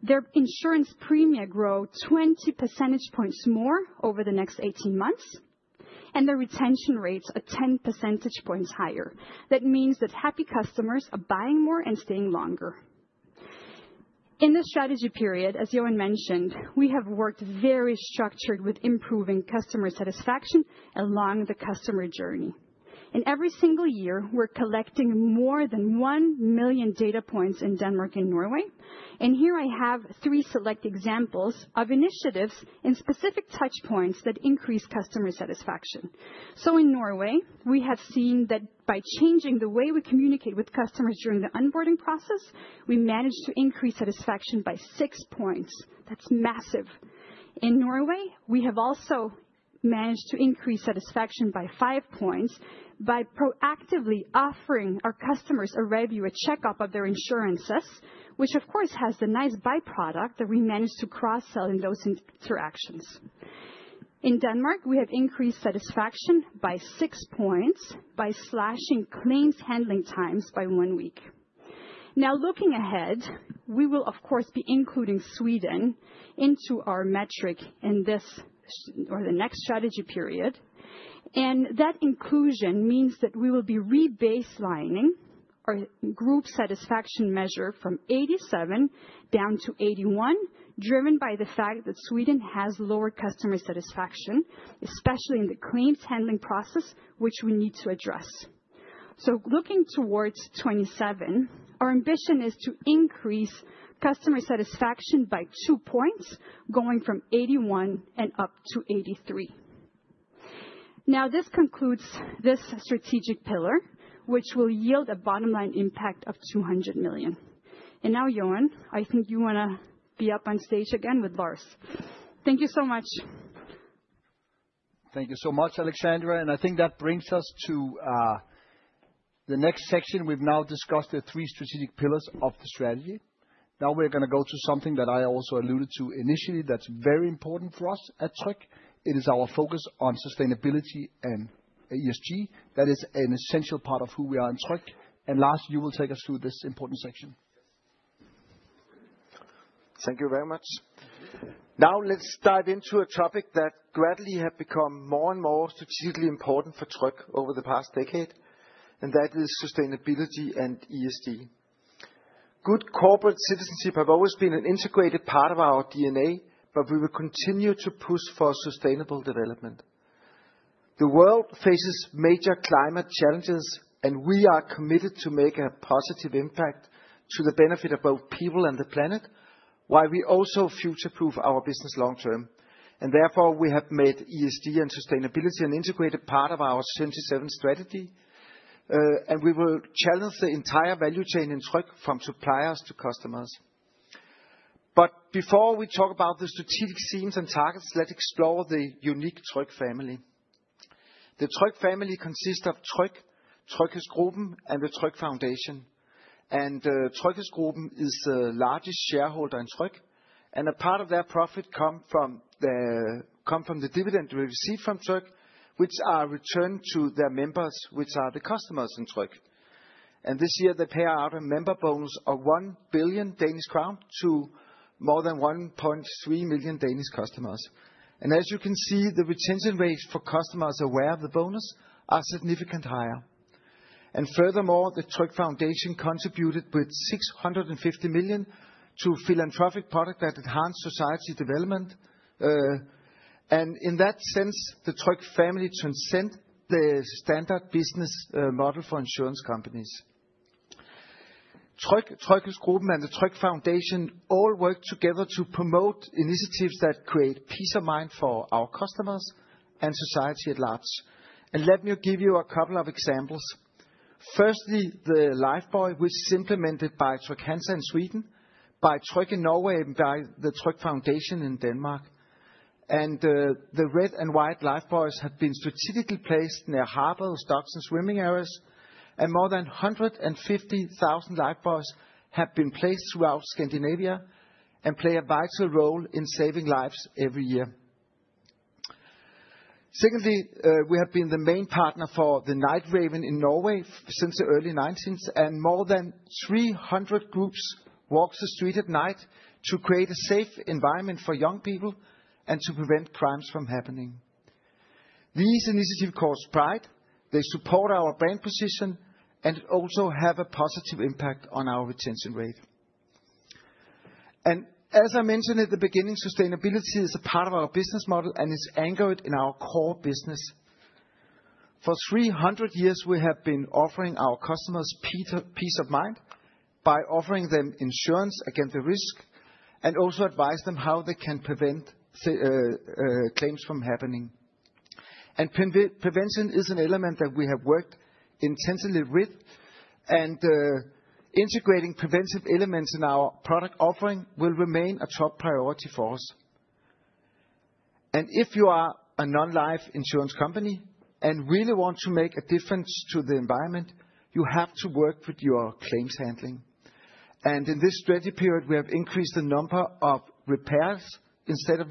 their insurance premia grow 20 percentage points more over the next 18 months, and their retention rates are 10 percentage points higher. That means that happy customers are buying more and staying longer. In this strategy period, as Johan mentioned, we have worked very structured with improving customer satisfaction along the customer journey, and every single year, we're collecting more than one million data points in Denmark and Norway, and here I have three select examples of initiatives and specific touchpoints that increase customer satisfaction, so in Norway, we have seen that by changing the way we communicate with customers during the onboarding process, we managed to increase satisfaction by six points. That's massive. In Norway, we have also managed to increase satisfaction by five points by proactively offering our customers a review, a check-up of their insurances, which of course has the nice byproduct that we managed to cross-sell in those interactions. In Denmark, we have increased satisfaction by six points by slashing claims handling times by one week. Now, looking ahead, we will of course be including Sweden into our metric in this or the next strategy period, and that inclusion means that we will be rebaselining our group satisfaction measure from 87 down to 81, driven by the fact that Sweden has lower customer satisfaction, especially in the claims handling process, which we need to address, so looking towards 2027, our ambition is to increase customer satisfaction by two points, going from 81 and up to 83. Now, this concludes this strategic pillar, which will yield a bottom line impact of 200 million, and now, Johan, I think you want to be up on stage again with Lars. Thank you so much. Thank you so much, Alexandra, and I think that brings us to the next section. We've now discussed the three strategic pillars of the strategy. Now we're going to go to something that I also alluded to initially that's very important for us at Tryg. It is our focus on sustainability and ESG. That is an essential part of who we are at Tryg. And Lars, you will take us through this important section. Thank you very much. Now let's dive into a topic that gradually has become more and more strategically important for Tryg over the past decade, and that is sustainability and ESG. Good corporate citizenship has always been an integrated part of our DNA, but we will continue to push for sustainable development. The world faces major climate challenges, and we are committed to make a positive impact to the benefit of both people and the planet, while we also future-proof our business long-term. And therefore, we have made ESG and sustainability an integrated part of our 2027 strategy. We will challenge the entire value chain in Tryg from suppliers to customers. But before we talk about the strategic themes and targets, let's explore the unique Tryg family. The Tryg family consists of Tryg, TryghedsGruppen, and the Tryg Foundation. And TryghedsGruppen is the largest shareholder in Tryg. And a part of their profit comes from the dividend we receive from Tryg, which is returned to their members, which are the customers in Tryg. And this year, they paid out a member bonus of 1 billion Danish crown to more than 1.3 million Danish customers. And as you can see, the retention rates for customers aware of the bonus are significantly higher. And furthermore, the Tryg Foundation contributed with 650 million to philanthropic products that enhance society development. And in that sense, the Tryg family transcends the standard business model for insurance companies. TryghedsGruppen and the Tryg Foundation all work together to promote initiatives that create peace of mind for our customers and society at large. Let me give you a couple of examples. Firstly, the lifebuoy was implemented by Trygg-Hansa in Sweden, by Tryg in Norway, and by the Tryg Foundation in Denmark. The red and white lifebuoy have been strategically placed near harbors, docks, and swimming areas. More than 150,000 lifebuoy have been placed throughout Scandinavia and play a vital role in saving lives every year. Secondly, we have been the main partner for the Night Ravens in Norway since the early 1990s. More than 300 groups walk the street at night to create a safe environment for young people and to prevent crimes from happening. These initiatives cause pride. They support our brand position and also have a positive impact on our retention rate. As I mentioned at the beginning, sustainability is a part of our business model and is anchored in our core business. For 300 years, we have been offering our customers peace of mind by offering them insurance against the risk and also advising them how they can prevent claims from happening. Prevention is an element that we have worked intensively with. Integrating preventive elements in our product offering will remain a top priority for us. If you are a non-life insurance company and really want to make a difference to the environment, you have to work with your claims handling. In this strategy period, we have increased the number of repairs instead of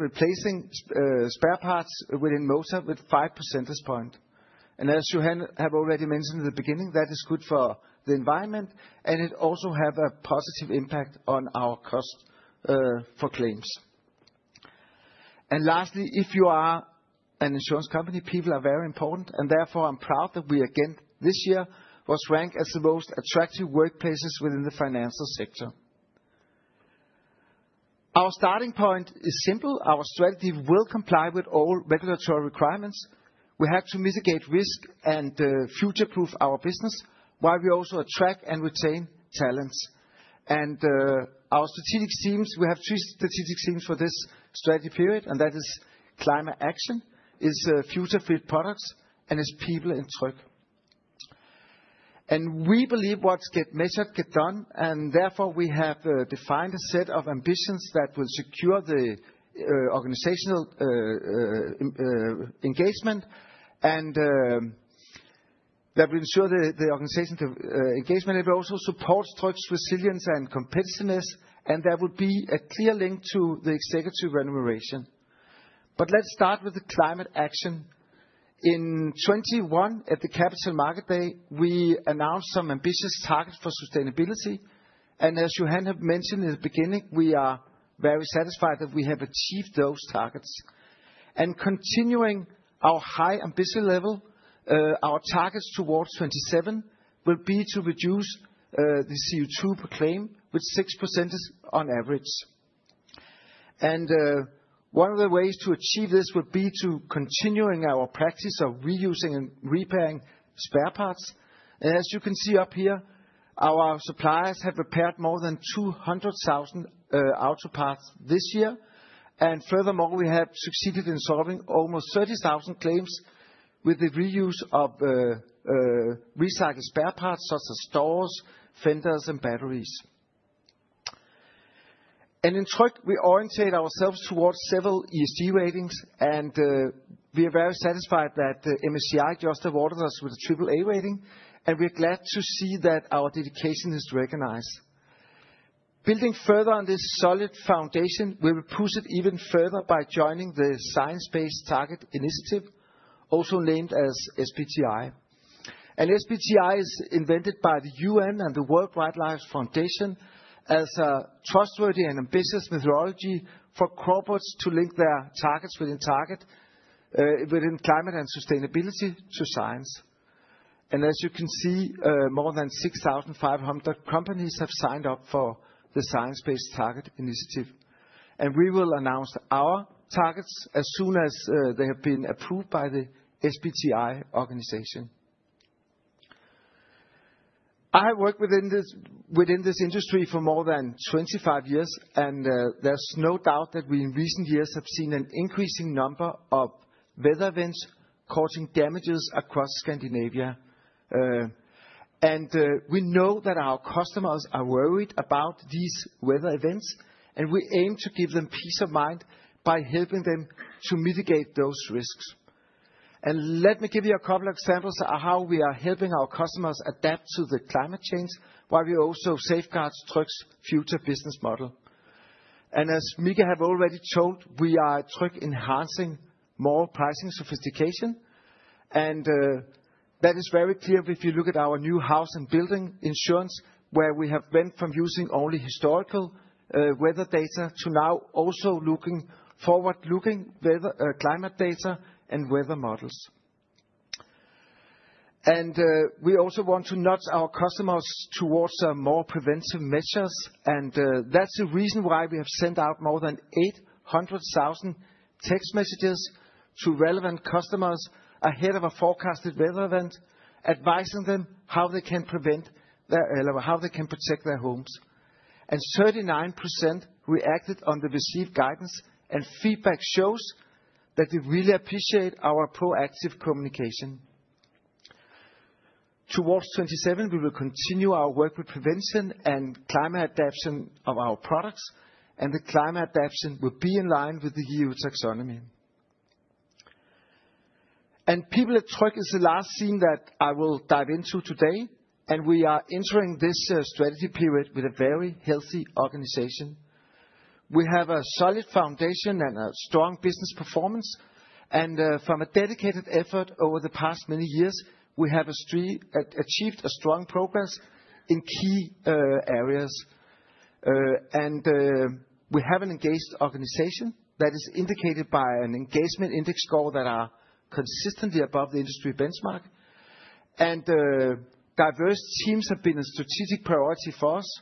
replacing spare parts within motors with 5 percentage points. As Johan have already mentioned in the beginning, that is good for the environment. And it also has a positive impact on our cost for claims. And lastly, if you are an insurance company, people are very important. And therefore, I'm proud that we again this year were ranked as the most attractive workplaces within the financial sector. Our starting point is simple. Our strategy will comply with all regulatory requirements. We have to mitigate risk and future-proof our business while we also attract and retain talents. And our strategic teams, we have three strategic teams for this strategy period. And that is climate action, future-fit products, and people in Tryg. And we believe what's getting measured gets done. And therefore, we have defined a set of ambitions that will secure the organizational engagement and that will ensure the organization's engagement. It will also support Tryg's resilience and competitiveness. And there will be a clear link to the executive remuneration. But let's start with the climate action. In 2021, at the Capital Markets Day, we announced some ambitious targets for sustainability. And as Johan have mentioned in the beginning, we are very satisfied that we have achieved those targets. And continuing our high ambition level, our targets towards 2027 will be to reduce the CO2 per claim with 6% on average. And one of the ways to achieve this will be to continue our practice of reusing and repairing spare parts. And as you can see up here, our suppliers have repaired more than 200,000 auto parts this year. And furthermore, we have succeeded in solving almost 30,000 claims with the reuse of recycled spare parts such as doors, fenders, and batteries. And in Tryg, we orientate ourselves towards several ESG ratings. And we are very satisfied that MSCI just awarded us with a triple-A rating. We are glad to see that our dedication is recognized. Building further on this solid foundation, we will push it even further by joining the Science Based Targets initiative, also named as SBTi. SBTi is invented by the UN and the World Wildlife Fund as a trustworthy and ambitious methodology for corporates to link their targets within climate and sustainability to science. As you can see, more than 6,500 companies have signed up for the Science Based Targets initiative. We will announce our targets as soon as they have been approved by the SBTi organization. I have worked within this industry for more than 25 years. There's no doubt that we in recent years have seen an increasing number of weather events causing damages across Scandinavia. We know that our customers are worried about these weather events. We aim to give them peace of mind by helping them to mitigate those risks. Let me give you a couple of examples of how we are helping our customers adapt to the climate change, while we also safeguard Tryg's future business model. As Mikael have already told, we are at Tryg enhancing more pricing sophistication. That is very clear if you look at our new house and building insurance, where we have went from using only historical weather data to now also looking forward-looking climate data and weather models. We also want to nudge our customers towards more preventive measures. That's the reason why we have sent out more than 800,000 text messages to relevant customers ahead of a forecasted weather event, advising them how they can prevent their, how they can protect their homes. 39% reacted on the received guidance. Feedback shows that they really appreciate our proactive communication. Towards 2027, we will continue our work with prevention and climate adaptation of our products. The climate adaptation will be in line with the EU Taxonomy. People at Tryg is the last theme that I will dive into today. We are entering this strategy period with a very healthy organization. We have a solid foundation and a strong business performance. From a dedicated effort over the past many years, we have achieved strong progress in key areas. We have an engaged organization that is indicated by an engagement index score that is consistently above the industry benchmark. Diverse teams have been a strategic priority for us.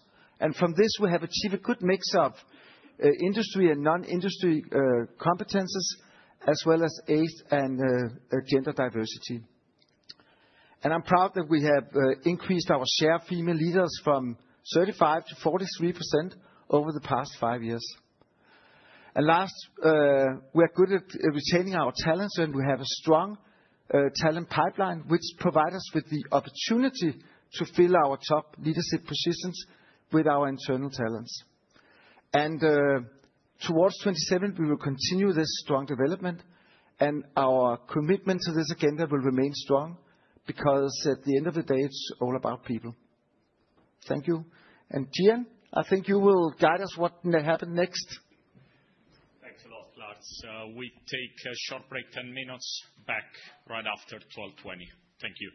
From this, we have achieved a good mix of industry and non-industry competencies, as well as age and gender diversity. I'm proud that we have increased our share of female leaders from 35% to 43% over the past five years. Last, we are good at retaining our talents. We have a strong talent pipeline, which provides us with the opportunity to fill our top leadership positions with our internal talents. Towards 2027, we will continue this strong development. Our commitment to this agenda will remain strong because at the end of the day, it's all about people. Thank you. Gian, I think you will guide us what happens next. Thanks a lot, Lars. We take a short break, 10 minutes back right after 12:20 P.M. Thank you.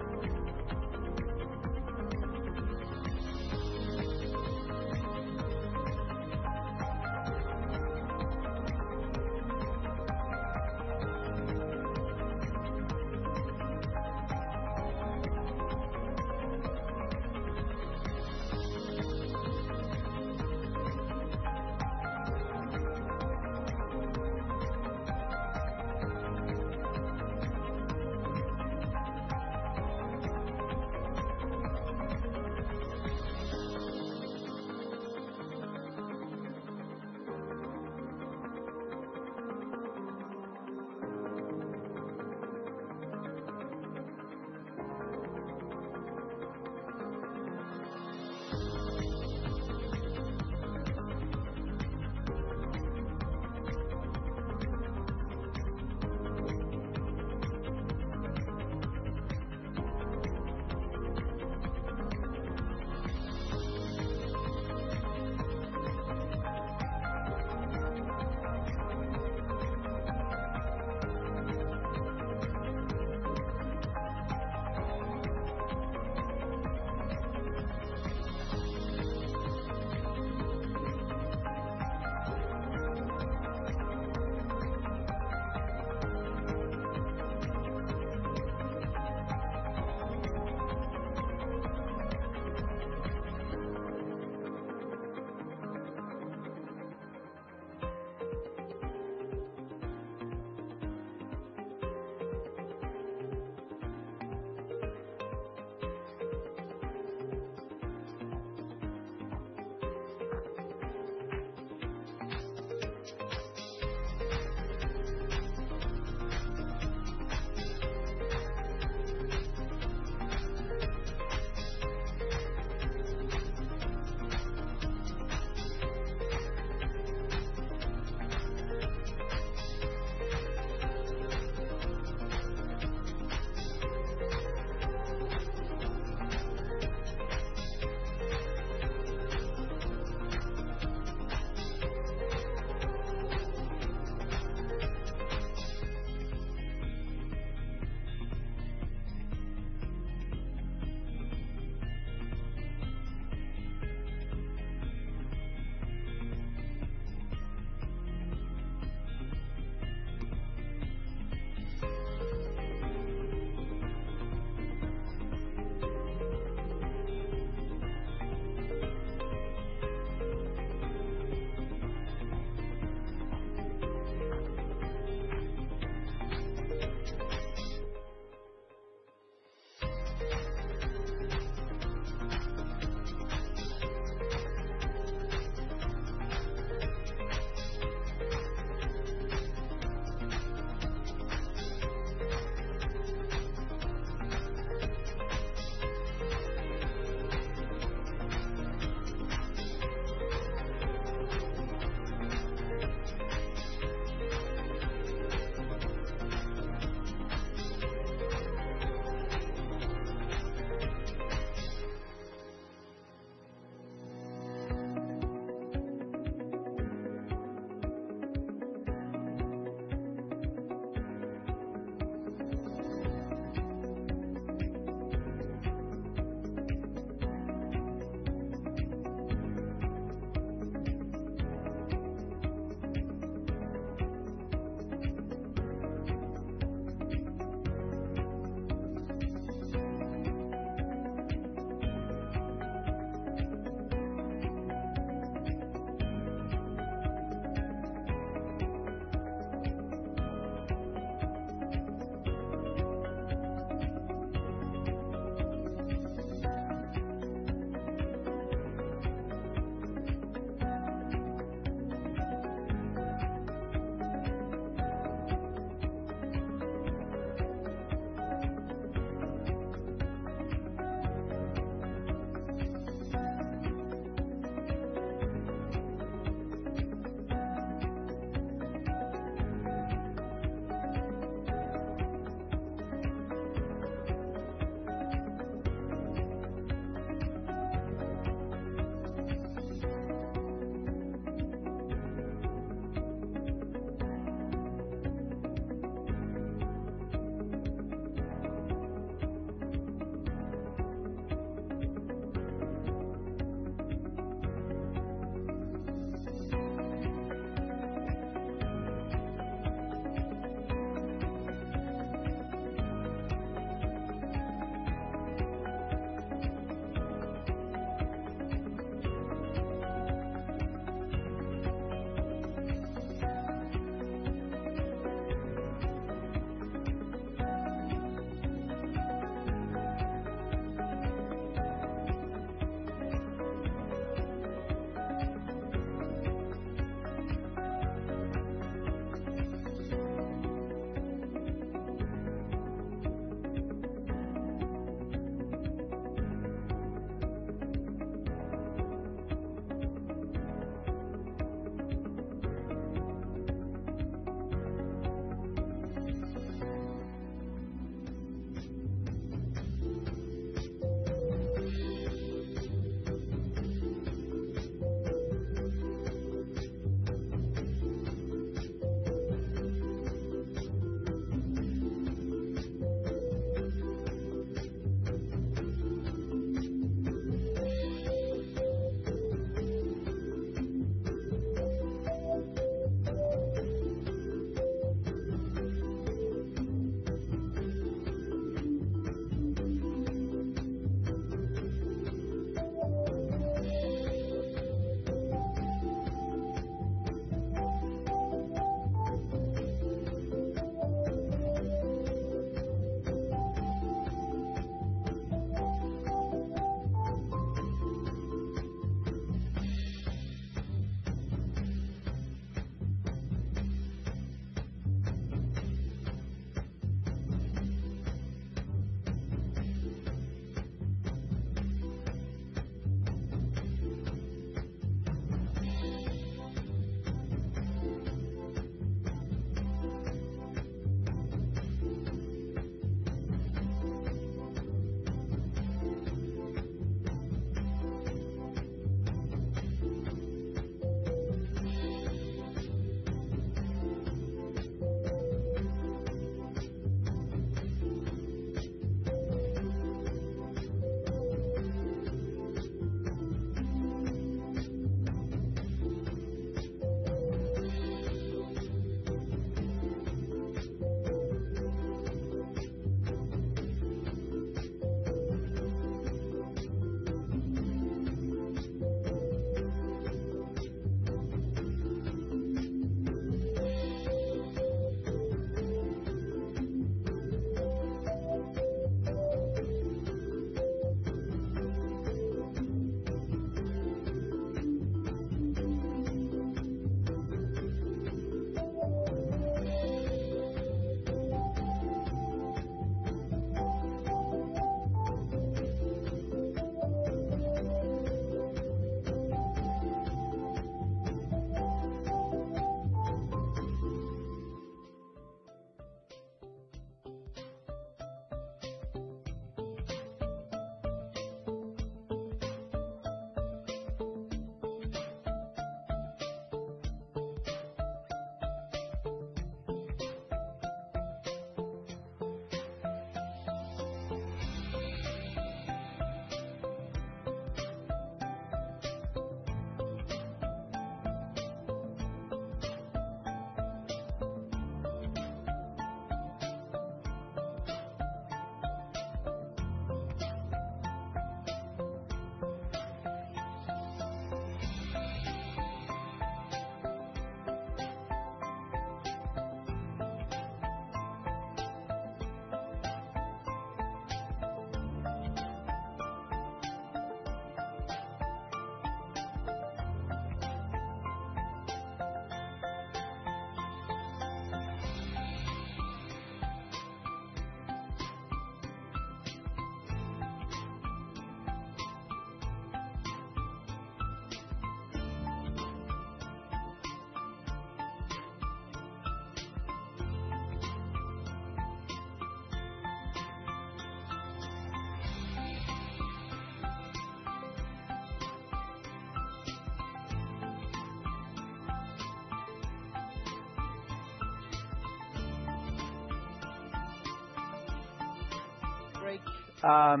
Great.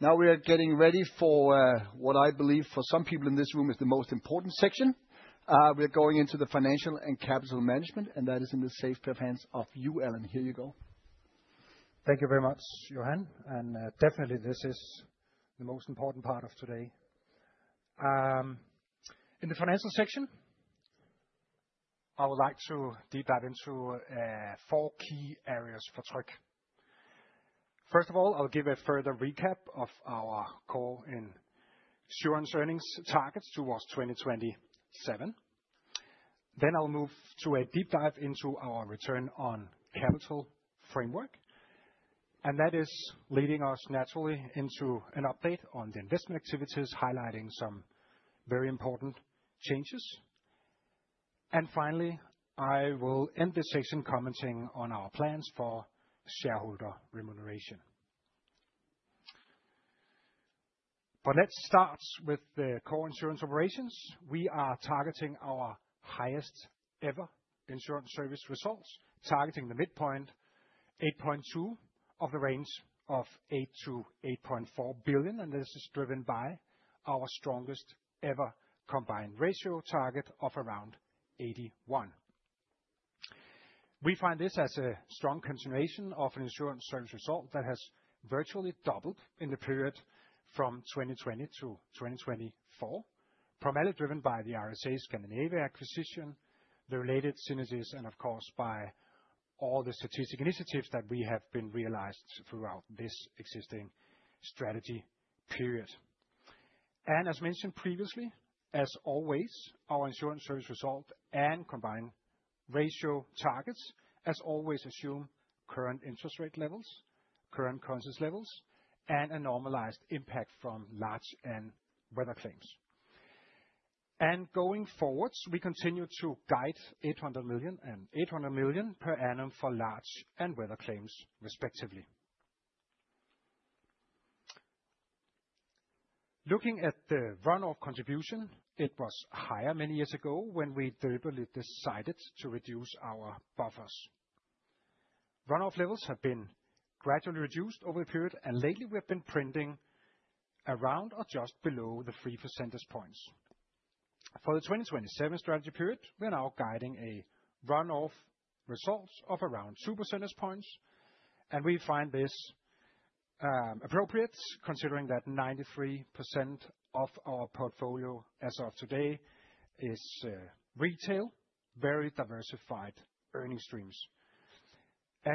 Now we are getting ready for what I believe for some people in this room is the most important section. We are going into the financial and capital management. That is in the safe hands of you, Allan. Here you go. Thank you very much, Johan. Definitely, this is the most important part of today. In the financial section, I would like to deep dive into four key areas for Tryg. First of all, I'll give a further recap of our core insurance earnings targets towards 2027. Then I'll move to a deep dive into our return on capital framework. That is leading us naturally into an update on the investment activities, highlighting some very important changes. Finally, I will end this section commenting on our plans for shareholder remuneration. But let's start with the core insurance operations. We are targeting our highest-ever insurance service results, targeting the midpoint, 8.2 billion, of the range of 8-8.4 billion. This is driven by our strongest-ever combined ratio target of around 81%. We find this as a strong continuation of an Insurance Service Result that has virtually doubled in the period from 2020 to 2024, primarily driven by the RSA Scandinavia acquisition, the related synergies, and of course, by all the strategic initiatives that we have realized throughout this existing strategy period. And as mentioned previously, as always, our Insurance Service Result and Combined Ratio targets, as always, assume current interest rate levels, current currency levels, and a normalized impact from large and weather claims. And going forward, we continue to guide 800 million and 800 million per annum for large and weather claims, respectively. Looking at the run-off contribution, it was higher many years ago when we deliberately decided to reduce our buffers. Run-off levels have been gradually reduced over the period. And lately, we have been printing around or just below the 3 percentage points. For the 2027 strategy period, we are now guiding a run-off result of around 2 percentage points. We find this appropriate, considering that 93% of our portfolio as of today is retail, very diversified earnings streams.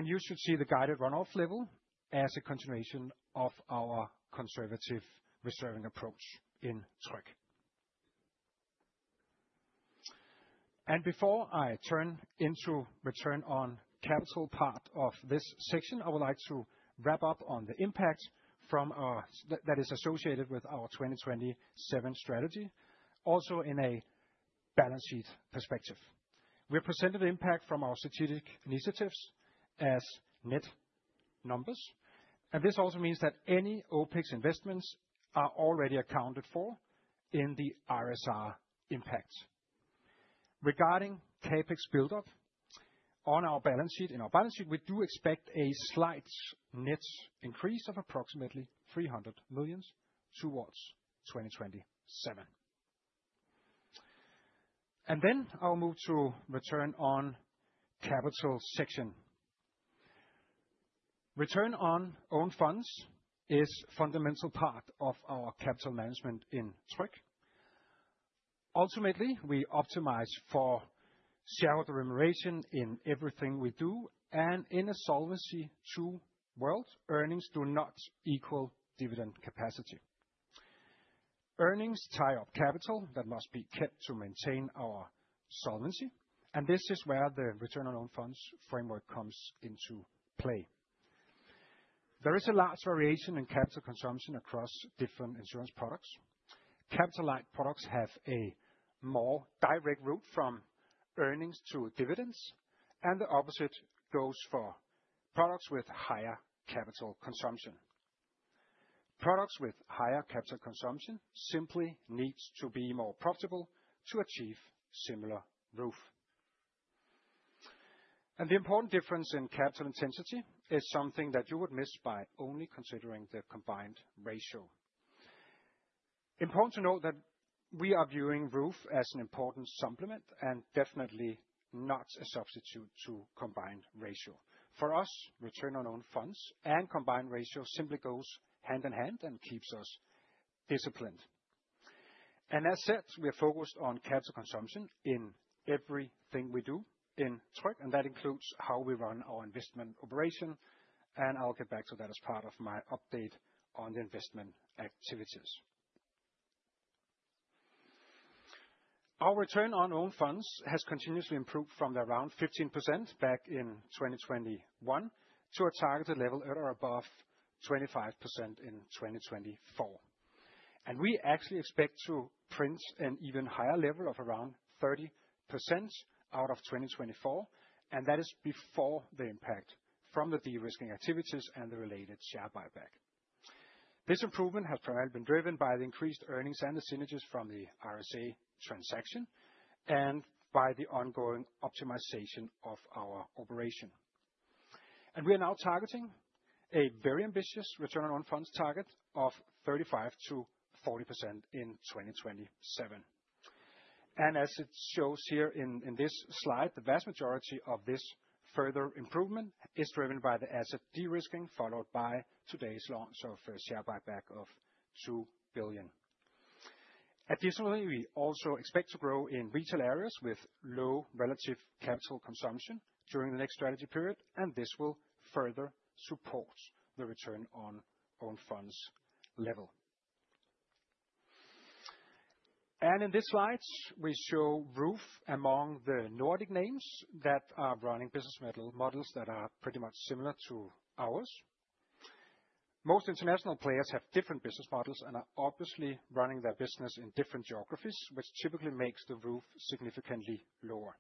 You should see the guided run-off level as a continuation of our conservative reserving approach in Tryg. Before I turn into the return on capital part of this section, I would like to wrap up on the impact that is associated with our 2027 strategy, also in a balance sheet perspective. We presented the impact from our strategic initiatives as net numbers. This also means that any OpEx investments are already accounted for in the ISR impact. Regarding CapEx buildup on our balance sheet, we do expect a slight net increase of approximately 300 million towards 2027. Then I'll move to the return on capital section. Return on own funds is a fundamental part of our capital management in Tryg. Ultimately, we optimize for shareholder remuneration in everything we do. In a Solvency II world, earnings do not equal dividend capacity. Earnings tie up capital that must be kept to maintain our solvency. This is where the return on own funds framework comes into play. There is a large variation in capital consumption across different insurance products. Capital-like products have a more direct route from earnings to dividends. The opposite goes for products with higher capital consumption. Products with higher capital consumption simply need to be more profitable to achieve similar ROOF. The important difference in capital intensity is something that you would miss by only considering the Combined Ratio. Important to note that we are viewing ROOF as an important supplement and definitely not a substitute to combined ratio. For us, return on own funds and combined ratio simply go hand in hand and keeps us disciplined. And as said, we are focused on capital consumption in everything we do in Tryg. And that includes how we run our investment operation. And I'll get back to that as part of my update on the investment activities. Our return on own funds has continuously improved from around 15% back in 2021 to a targeted level at or above 25% in 2024. And we actually expect to print an even higher level of around 30% out of 2024. And that is before the impact from the de-risking activities and the related share buyback. This improvement has primarily been driven by the increased earnings and the synergies from the RSA transaction and by the ongoing optimization of our operation. And we are now targeting a very ambitious Return on Own Funds target of 35%-40% in 2027. And as it shows here in this slide, the vast majority of this further improvement is driven by the asset de-risking followed by today's launch of share buyback of 2 billion. Additionally, we also expect to grow in retail areas with low relative capital consumption during the next strategy period. And this will further support the Return on Own Funds level. And in this slide, we show ROOF among the Nordic names that are running business models that are pretty much similar to ours. Most international players have different business models and are obviously running their business in different geographies, which typically makes the ROOF significantly lower.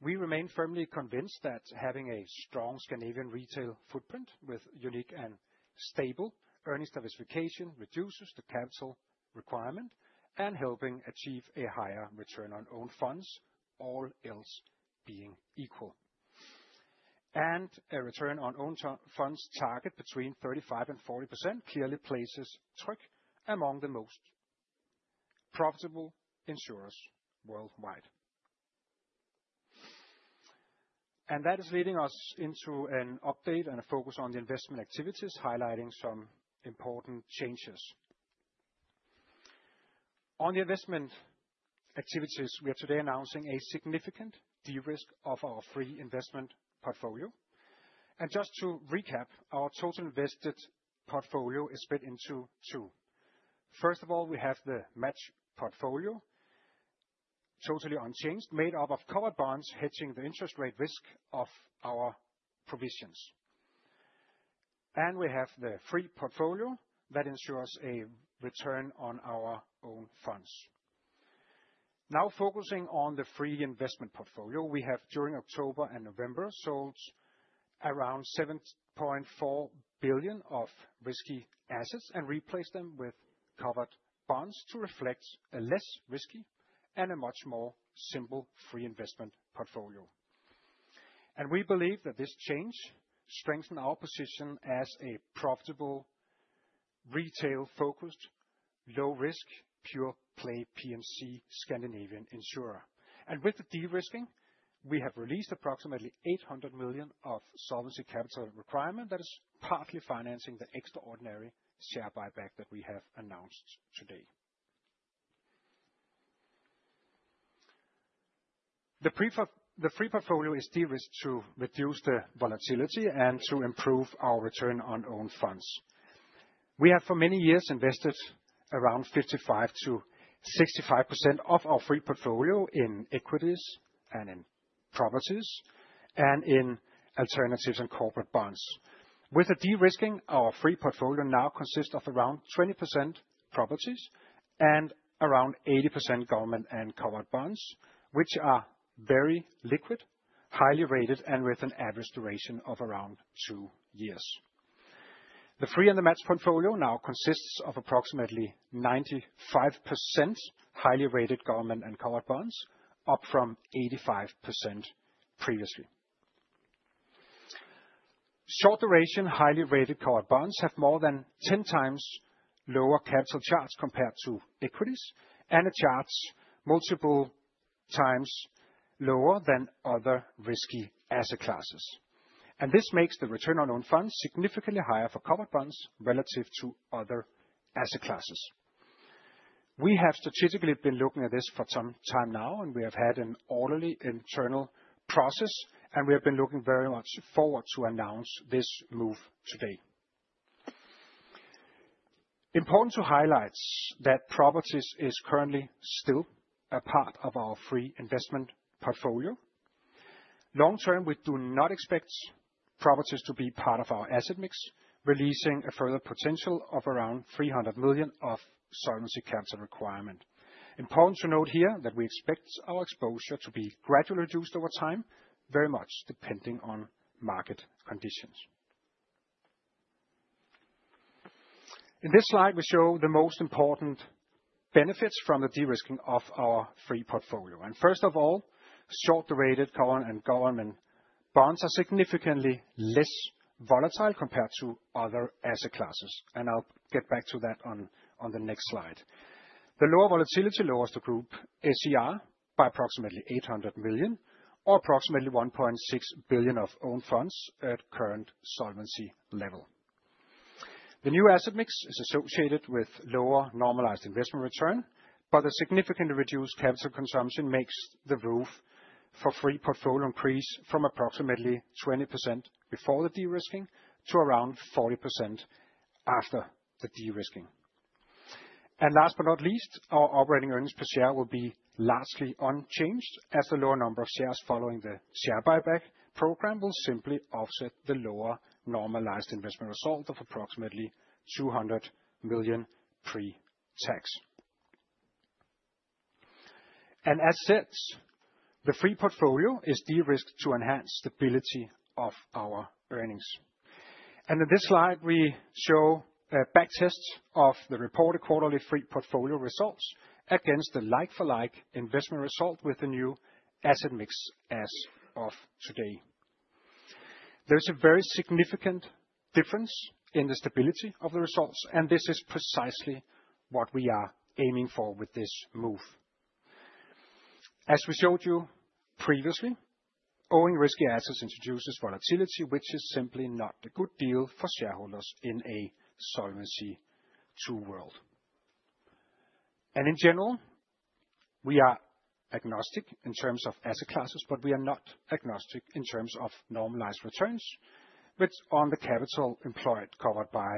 We remain firmly convinced that having a strong Scandinavian retail footprint with unique and stable earnings diversification reduces the capital requirement and helps achieve a higher return on own funds, all else being equal. And a return on own funds target between 35% and 40% clearly places Tryg among the most profitable insurers worldwide. And that is leading us into an update and a focus on the investment activities, highlighting some important changes. On the investment activities, we are today announcing a significant de-risk of our free investment portfolio. And just to recap, our total invested portfolio is split into two. First of all, we have the match portfolio, totally unchanged, made up of covered bonds hedging the interest rate risk of our provisions. We have the Free Portfolio that ensures a Return on Own Funds. Now focusing on the free investment portfolio, we have during October and November sold around 7.4 billion of risky assets and replaced them with covered bonds to reflect a less risky and a much more simple free investment portfolio. We believe that this change strengthens our position as a profitable, retail-focused, low-risk, pure-play P&C Scandinavian insurer. With the de-risking, we have released approximately 800 million of Solvency Capital Requirement that is partly financing the extraordinary share buyback that we have announced today. The Free Portfolio is de-risked to reduce the volatility and to improve our Return on Own Funds. We have for many years invested around 55%-65% of our Free Portfolio in equities and in properties and in alternatives and corporate bonds. With the de-risking, our free portfolio now consists of around 20% properties and around 80% government and covered bonds, which are very liquid, highly rated, and with an average duration of around two years. The free and the match portfolio now consists of approximately 95% highly rated government and covered bonds, up from 85% previously. Short duration, highly rated covered bonds have more than 10 times lower capital charges compared to equities and are charged multiple times lower than other risky asset classes, and this makes the return on own funds significantly higher for covered bonds relative to other asset classes. We have strategically been looking at this for some time now, and we have had an orderly internal process, and we have been looking very much forward to announce this move today. Important to highlight that properties is currently still a part of our free investment portfolio. Long term, we do not expect properties to be part of our asset mix, releasing a further potential of around 300 million of solvency capital requirement. Important to note here that we expect our exposure to be gradually reduced over time, very much depending on market conditions. In this slide, we show the most important benefits from the de-risking of our free portfolio. First of all, short-dated government bonds are significantly less volatile compared to other asset classes. I'll get back to that on the next slide. The lower volatility lowers the group SCR by approximately 800 million or approximately 1.6 billion of own funds at current solvency level. The new asset mix is associated with lower normalized investment return, but the significantly reduced capital consumption makes the ROOF for free portfolio increase from approximately 20% before the de-risking to around 40% after the de-risking. And last but not least, our operating earnings per share will be largely unchanged as the lower number of shares following the share buyback program will simply offset the lower normalized investment result of approximately 200 million pre-tax. And as said, the free portfolio is de-risked to enhance stability of our earnings. And in this slide, we show a backtest of the reported quarterly free portfolio results against the like-for-like investment result with the new asset mix as of today. There is a very significant difference in the stability of the results, and this is precisely what we are aiming for with this move. As we showed you previously, owing risky assets introduces volatility, which is simply not a good deal for shareholders in a Solvency II world. In general, we are agnostic in terms of asset classes, but we are not agnostic in terms of normalized returns on the capital employed covered by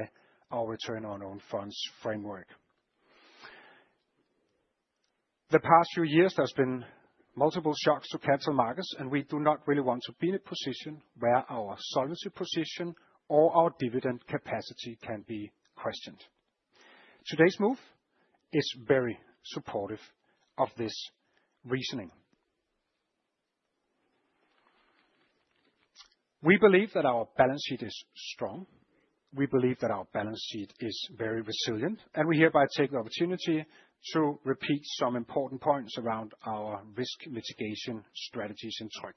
our return on own funds framework. The past few years, there have been multiple shocks to capital markets, and we do not really want to be in a position where our solvency position or our dividend capacity can be questioned. Today's move is very supportive of this reasoning. We believe that our balance sheet is strong. We believe that our balance sheet is very resilient, and we hereby take the opportunity to repeat some important points around our risk mitigation strategies in Tryg.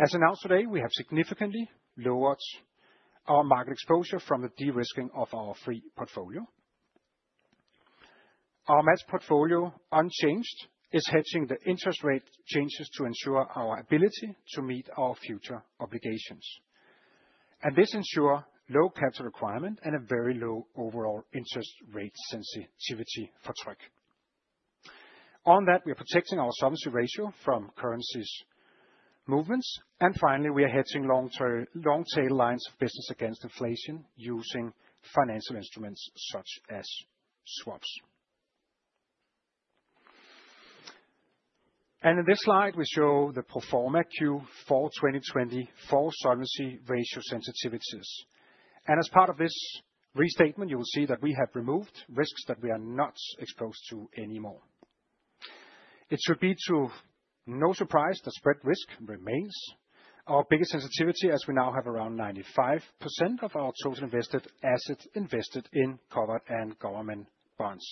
As announced today, we have significantly lowered our market exposure from the de-risking of our free portfolio. Our match portfolio, unchanged, is hedging the interest rate changes to ensure our ability to meet our future obligations. This ensures low capital requirement and a very low overall interest rate sensitivity for Tryg. On that, we are protecting our solvency ratio from currency movements. And finally, we are hedging long-tail lines of business against inflation using financial instruments such as swaps. And in this slide, we show the pro forma Q4 2024 solvency ratio sensitivities. And as part of this restatement, you will see that we have removed risks that we are not exposed to anymore. It should be no surprise that spread risk remains. Our biggest sensitivity, as we now have around 95% of our total invested assets invested in covered and government bonds.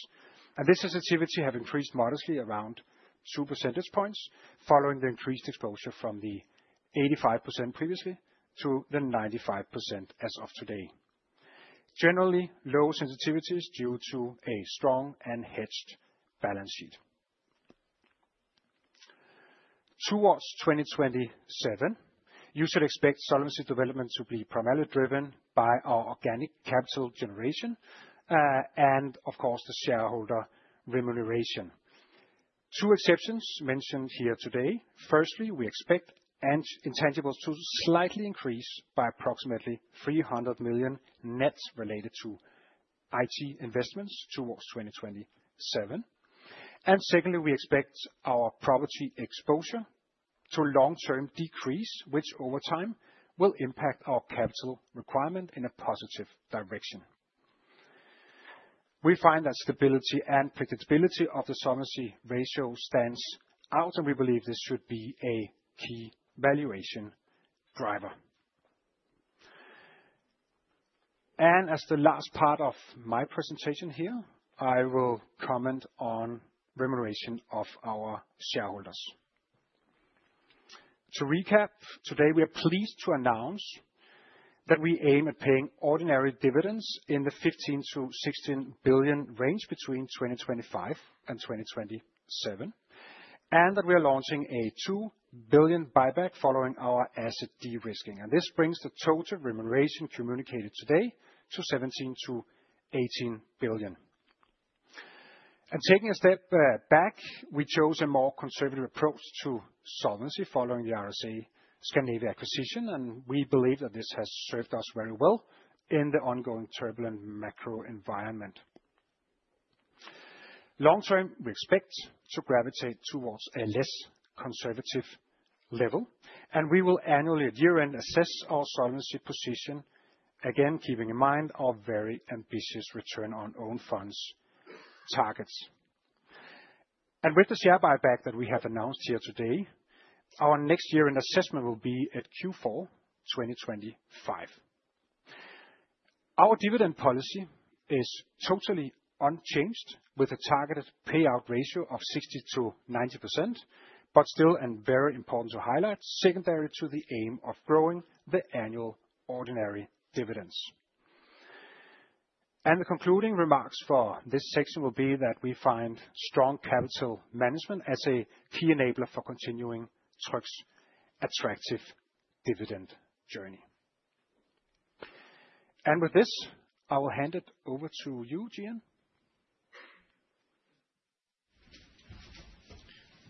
And this sensitivity has increased modestly around 2 percentage points following the increased exposure from the 85% previously to the 95% as of today. Generally, low sensitivities due to a strong and hedged balance sheet. Towards 2027, you should expect solvency development to be primarily driven by our organic capital generation and, of course, the shareholder remuneration. Two exceptions mentioned here today. Firstly, we expect intangibles to slightly increase by approximately 300 million net related to IT investments towards 2027. And secondly, we expect our property exposure to long-term decrease, which over time will impact our capital requirement in a positive direction. We find that stability and predictability of the solvency ratio stands out, and we believe this should be a key valuation driver. And as the last part of my presentation here, I will comment on remuneration of our shareholders. To recap, today we are pleased to announce that we aim at paying ordinary dividends in the 15 to 16 billion range between 2025 and 2027, and that we are launching a 2 billion buyback following our asset de-risking. And this brings the total remuneration communicated today to 17-18 billion. And taking a step back, we chose a more conservative approach to solvency following the RSA Scandinavia acquisition, and we believe that this has served us very well in the ongoing turbulent macro environment. Long term, we expect to gravitate towards a less conservative level, and we will annually at year-end assess our solvency position, again keeping in mind our very ambitious return on own funds targets. And with the share buyback that we have announced here today, our next year-end assessment will be at Q4 2025. Our dividend policy is totally unchanged with a targeted payout ratio of 60-90%, but still very important to highlight, secondary to the aim of growing the annual ordinary dividends. And the concluding remarks for this section will be that we find strong capital management as a key enabler for continuing Tryg's attractive dividend journey. And with this, I will hand it over to you, Gian.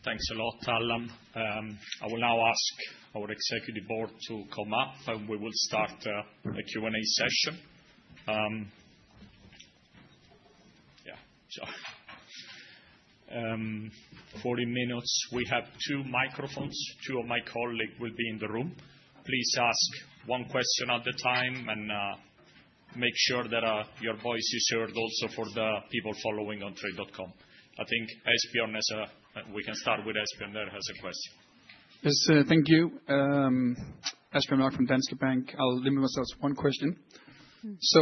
Thanks a lot, Allan. I will now ask our executive board to come up, and we will start the Q&A session. Yeah, sorry. 40 minutes. We have two microphones. Two of my colleagues will be in the room. Please ask one question at a time and make sure that your voice is heard also for the people following on the webcast. I think Asbjørn, we can start with Asbjørn there has a question. Yes, thank you. Asbjørn Mørk from Danske Bank. I'll limit myself to one question. So,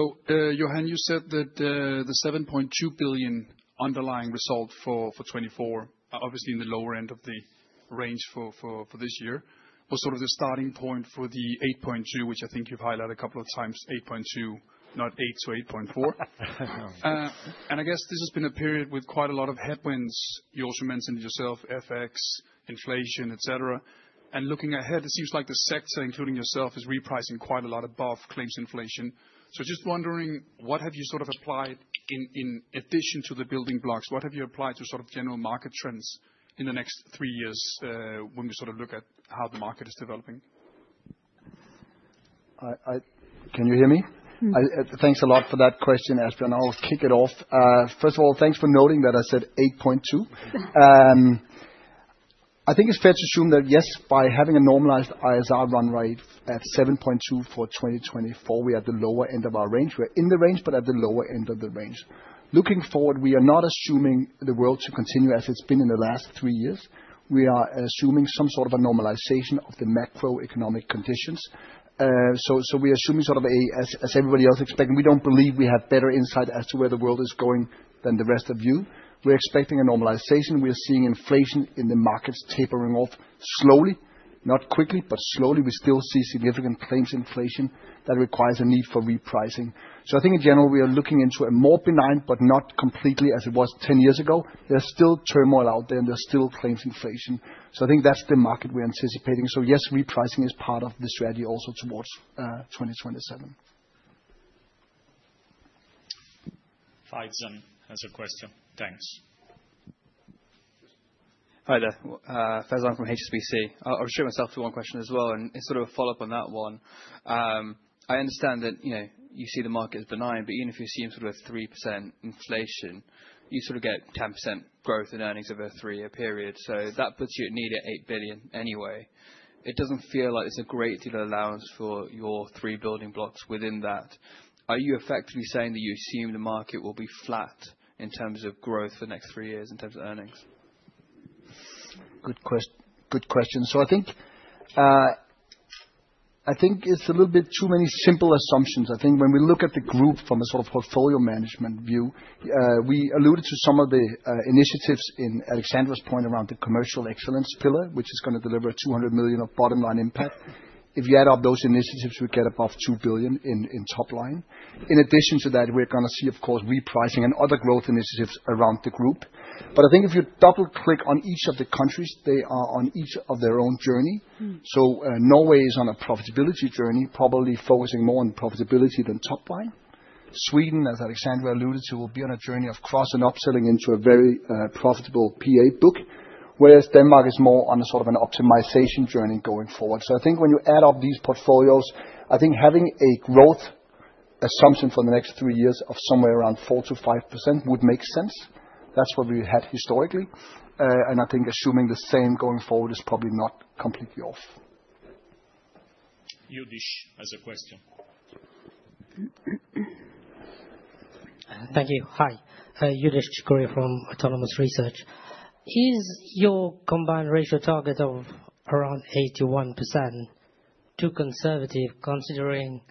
Johan, you said that the 7.2 billion underlying result for 2024, obviously in the lower end of the range for this year, was sort of the starting point for the 8.2 billion, which I think you've highlighted a couple of times, 8.2 billion, not 8 to 8.4. And I guess this has been a period with quite a lot of headwinds. You also mentioned it yourself, FX, inflation, etc. And looking ahead, it seems like the sector, including yourself, is repricing quite a lot above claims inflation. So just wondering, what have you sort of applied in addition to the building blocks? What have you applied to sort of general market trends in the next three years when we sort of look at how the market is developing? Can you hear me? Thanks a lot for that question, Asbjørn. I'll kick it off. First of all, thanks for noting that I said 8.2. I think it's fair to assume that yes, by having a normalized ISR run rate at 7.2 for 2024, we are at the lower end of our range. We are in the range, but at the lower end of the range. Looking forward, we are not assuming the world to continue as it's been in the last three years. We are assuming some sort of a normalization of the macroeconomic conditions. So we are assuming sort of, as everybody else expected, we don't believe we have better insight as to where the world is going than the rest of you. We're expecting a normalization. We are seeing inflation in the markets tapering off slowly, not quickly, but slowly. We still see significant claims inflation that requires a need for repricing. So, I think in general, we are looking into a more benign, but not completely as it was 10 years ago. There's still turmoil out there and there's still claims inflation. So, I think that's the market we're anticipating. So yes, repricing is part of the strategy also towards 2027. Faizan has a question, thanks. Hi there, Faizan from HSBC. I'll limit myself with one question as well, and sort of a follow-up on that one. I understand that you see the market as benign, but even if you see sort of a 3% inflation, you sort of get 10% growth in earnings over a three-year period. So that puts you at need at 8 billion anyway. It doesn't feel like it's a great deal of allowance for your three building blocks within that. Are you effectively saying that you assume the market will be flat in terms of growth for the next three years in terms of earnings? Good question. So I think it's a little bit too many simple assumptions. I think when we look at the group from a sort of portfolio management view, we alluded to some of the initiatives in Alexandra's point around the commercial excellence pillar, which is going to deliver 200 million of bottom-line impact. If you add up those initiatives, we get above 2 billion in top line. In addition to that, we're going to see, of course, repricing and other growth initiatives around the group. But I think if you double-click on each of the countries, they are on each of their own journey. So Norway is on a profitability journey, probably focusing more on profitability than top line. Sweden, as Alexandra alluded to, will be on a journey of cross and upselling into a very profitable PA book, whereas Denmark is more on a sort of an optimization journey going forward. So I think when you add up these portfolios, I think having a growth assumption for the next three years of somewhere around 4%-5% would make sense. That's what we had historically. And I think assuming the same going forward is probably not completely off. Youdish, a question. Thank you. Hi. Youdish Chicooree from Autonomous Research. Is your combined ratio target of around 81% too conservative considering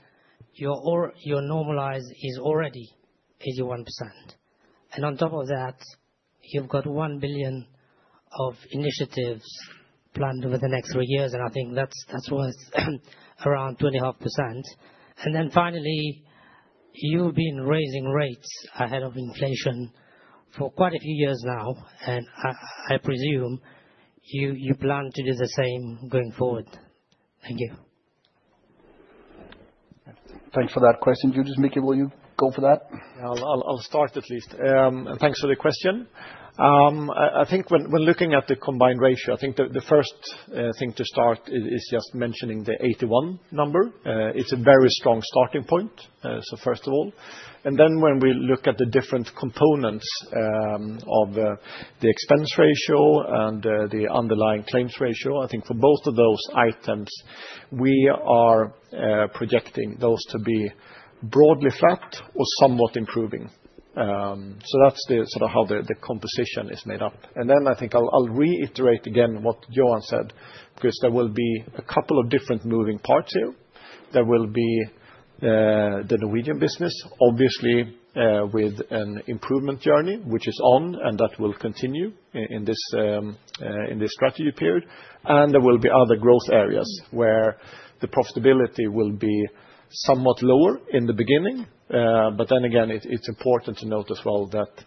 your normalized is already 81%? And on top of that, you've got 1 billion of initiatives planned over the next three years, and I think that's worth around 2.5%. And then finally, you've been raising rates ahead of inflation for quite a few years now, and I presume you plan to do the same going forward. Thank you. Thanks for that question. Youdish, Mikael, will you go for that? I'll start at least. And thanks for the question. I think when looking at the combined ratio, I think the first thing to start is just mentioning the 81% number. It's a very strong starting point, so first of all. And then when we look at the different components of the expense ratio and the underlying claims ratio, I think for both of those items, we are projecting those to be broadly flat or somewhat improving. So that's sort of how the composition is made up. And then I think I'll reiterate again what Johan said, because there will be a couple of different moving parts here. There will be the Norwegian business, obviously, with an improvement journey, which is on, and that will continue in this strategy period. And there will be other growth areas where the profitability will be somewhat lower in the beginning. But then again, it's important to note as well that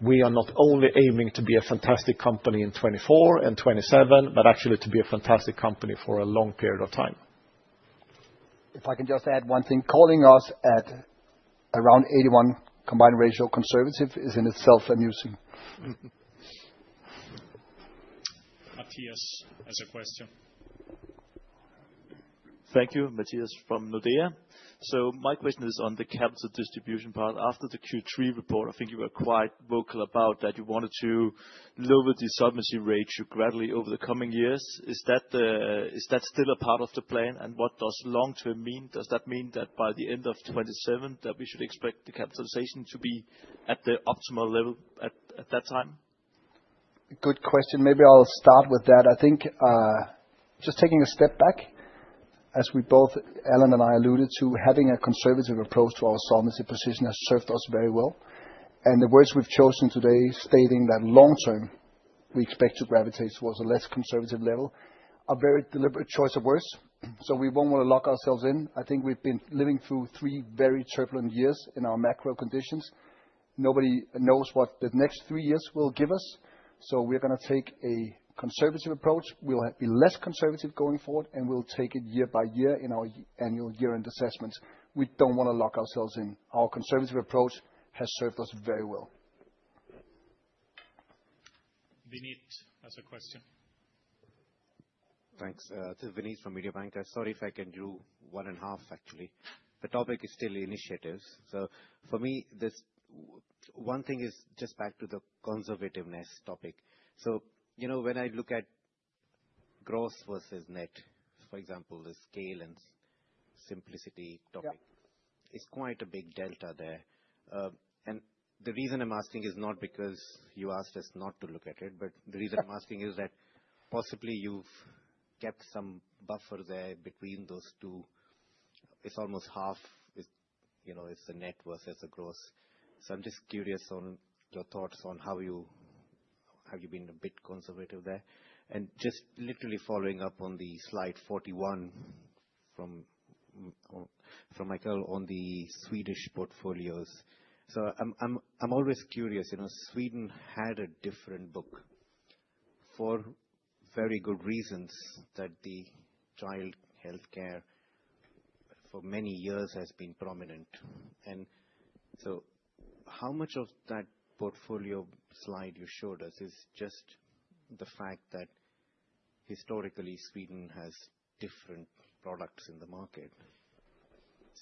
we are not only aiming to be a fantastic company in 2024 and 2027, but actually to be a fantastic company for a long period of time. If I can just add one thing, calling us at around 81 combined ratio conservative is in itself amusing. Mathias has a question. Thank you, Mathias from Nordea. So my question is on the capital distribution part. After the Q3 report, I think you were quite vocal about that you wanted to lower the solvency ratio gradually over the coming years. Is that still a part of the plan? And what does long-term mean? Does that mean that by the end of 2027, that we should expect the capitalization to be at the optimal level at that time? Good question. Maybe I'll start with that. I think just taking a step back, as we both, Allan and I alluded to, having a conservative approach to our solvency position has served us very well. And the words we've chosen today, stating that long-term, we expect to gravitate towards a less conservative level, are a very deliberate choice of words. So we won't want to lock ourselves in. I think we've been living through three very turbulent years in our macro conditions. Nobody knows what the next three years will give us. So we're going to take a conservative approach. We'll be less conservative going forward, and we'll take it year by year in our annual year-end assessments. We don't want to lock ourselves in. Our conservative approach has served us very well. Vinit has a question. Thanks. It's Vinit from Mediobanca, I'm sorry if I can do one and a half, actually. The topic is still initiatives. So for me, one thing is just back to the conservativeness topic. So when I look at gross versus net, for example, the scale and simplicity topic, it's quite a big delta there. And the reason I'm asking is not because you asked us not to look at it, but the reason I'm asking is that possibly you've kept some buffer there between those two. It's almost half, it's the net versus the gross. So I'm just curious on your thoughts on how you have been a bit conservative there. And just literally following up on the slide 41 from Mikael on the Swedish portfolios. So I'm always curious. Sweden had a different book for very good reasons that the child healthcare for many years has been prominent. And so how much of that portfolio slide you showed us is just the fact that historically Sweden has different products in the market.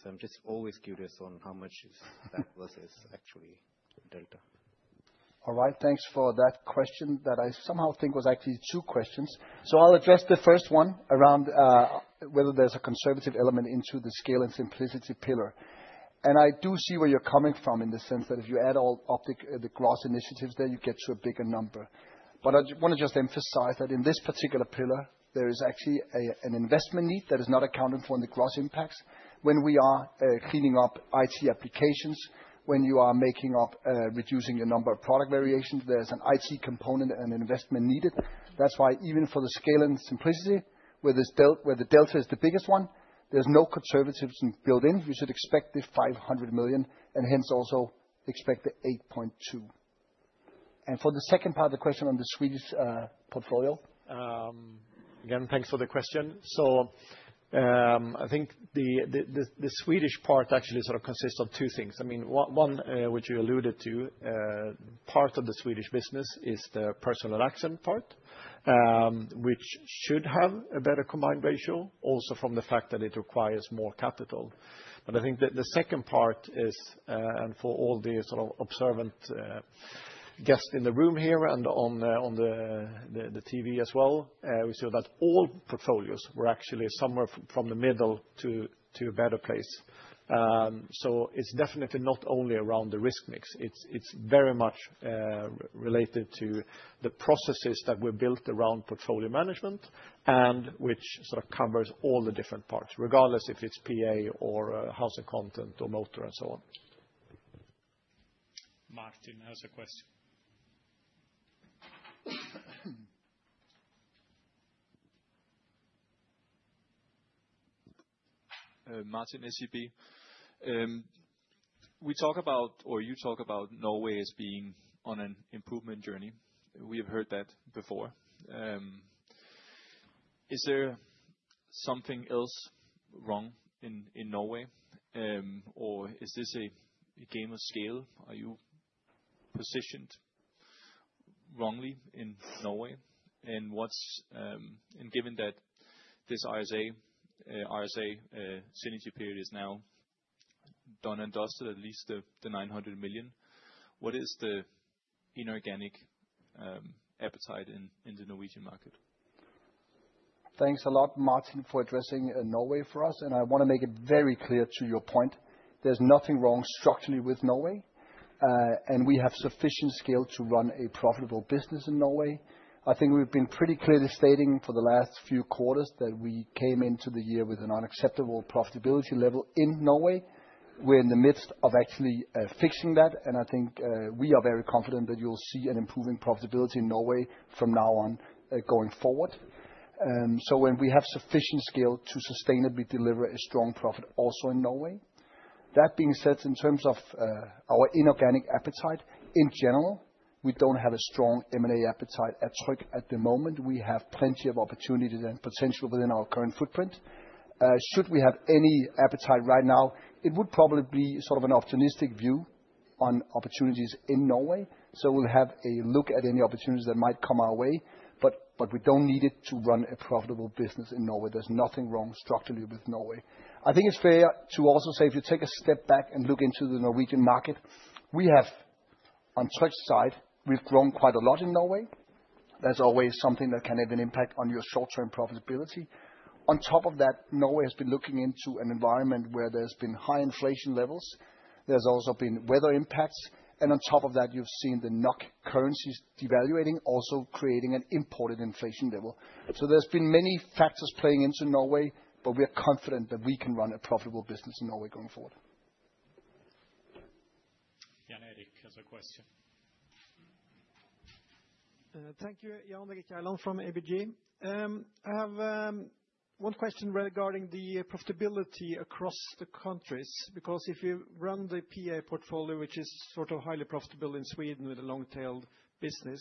So I'm just always curious on how much is that versus actually delta. All right, thanks for that question that I somehow think was actually two questions. So I'll address the first one around whether there's a conservative element into the scale and simplicity pillar. And I do see where you're coming from in the sense that if you add all the gross initiatives there, you get to a bigger number. But I want to just emphasize that in this particular pillar, there is actually an investment need that is not accounted for in the gross impacts. When we are cleaning up IT applications, when you are making up, reducing the number of product variations, there's an IT component and an investment needed. That's why even for the scale and simplicity, where the delta is the biggest one, there's no conservatism built in. We should expect the 500 million and hence also expect the 8.2%. And for the second part of the question on the Swedish portfolio. Again, thanks for the question. So I think the Swedish part actually sort of consists of two things. I mean, one, which you alluded to, part of the Swedish business is the personal accident part, which should have a better combined ratio, also from the fact that it requires more capital. But I think the second part is, and for all the sort of observant guests in the room here and on the TV as well, we saw that all portfolios were actually somewhere from the middle to a better place. So it's definitely not only around the risk mix. It's very much related to the processes that were built around portfolio management and which sort of covers all the different parts, regardless if it's PA or housing content or motor and so on. Martin has a question. Martin, SEB. We talk about, or you talk about Norway as being on an improvement journey. We have heard that before. Is there something else wrong in Norway, or is this a game of scale? Are you positioned wrongly in Norway? Given that this RSA synergy period is now done and dusted, at least the 900 million, what is the inorganic appetite in the Norwegian market? Thanks a lot, Martin, for addressing Norway for us. I want to make it very clear to your point. There's nothing wrong structurally with Norway, and we have sufficient scale to run a profitable business in Norway. I think we've been pretty clearly stating for the last few quarters that we came into the year with an unacceptable profitability level in Norway. We're in the midst of actually fixing that, and I think we are very confident that you'll see an improving profitability in Norway from now on going forward. When we have sufficient scale to sustainably deliver a strong profit also in Norway. That being said, in terms of our inorganic appetite, in general, we don't have a strong M&A appetite at Tryg at the moment. We have plenty of opportunities and potential within our current footprint. Should we have any appetite right now, it would probably be sort of an optimistic view on opportunities in Norway. So we'll have a look at any opportunities that might come our way, but we don't need it to run a profitable business in Norway. There's nothing wrong structurally with Norway. I think it's fair to also say, if you take a step back and look into the Norwegian market, we have on Tryg's side, we've grown quite a lot in Norway. That's always something that can have an impact on your short-term profitability. On top of that, Norway has been looking into an environment where there's been high inflation levels. There's also been weather impacts. On top of that, you've seen the NOK currency devaluing, also creating an imported inflation level. So there's been many factors playing into Norway, but we're confident that we can run a profitable business in Norway going forward. Jan Erik, a question. Thank you, Jan Erik from ABG. I have one question regarding the profitability across the countries, because if you run the PA portfolio, which is sort of highly profitable in Sweden with a long-tailed business,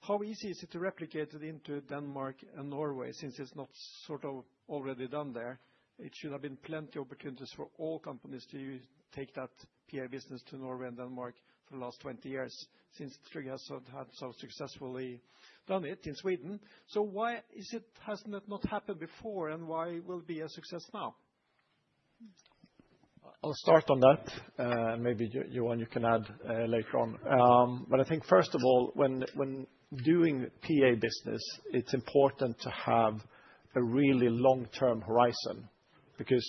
how easy is it to replicate it into Denmark and Norway since it's not sort of already done there? It should have been plenty of opportunities for all companies to take that PA business to Norway and Denmark for the last 20 years since Tryg has had so successfully done it in Sweden. So why hasn't that not happened before, and why will it be a success now? I'll start on that, and maybe Johan, you can add later on, but I think first of all, when doing PA business, it's important to have a really long-term horizon, because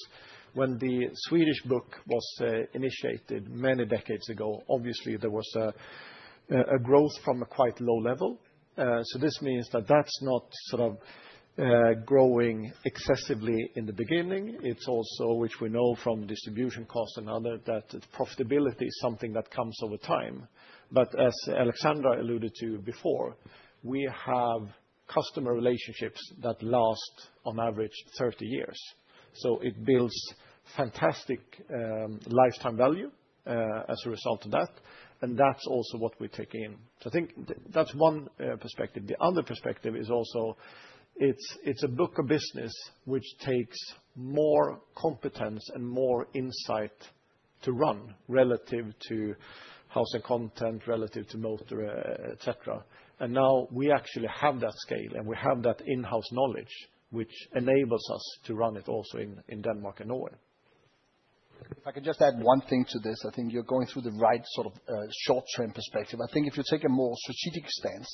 when the Swedish book was initiated many decades ago, obviously there was a growth from a quite low level, so this means that that's not sort of growing excessively in the beginning. It's also, which we know from distribution costs and others, that profitability is something that comes over time, but as Alexandra alluded to before, we have customer relationships that last on average 30 years, so it builds fantastic lifetime value as a result of that, and that's also what we take in. So I think that's one perspective. The other perspective is also it's a book of business which takes more competence and more insight to run relative to housing content, relative to motor, etc. And now we actually have that scale, and we have that in-house knowledge, which enables us to run it also in Denmark and Norway. If I can just add one thing to this, I think you're going through the right sort of short-term perspective. I think if you take a more strategic stance,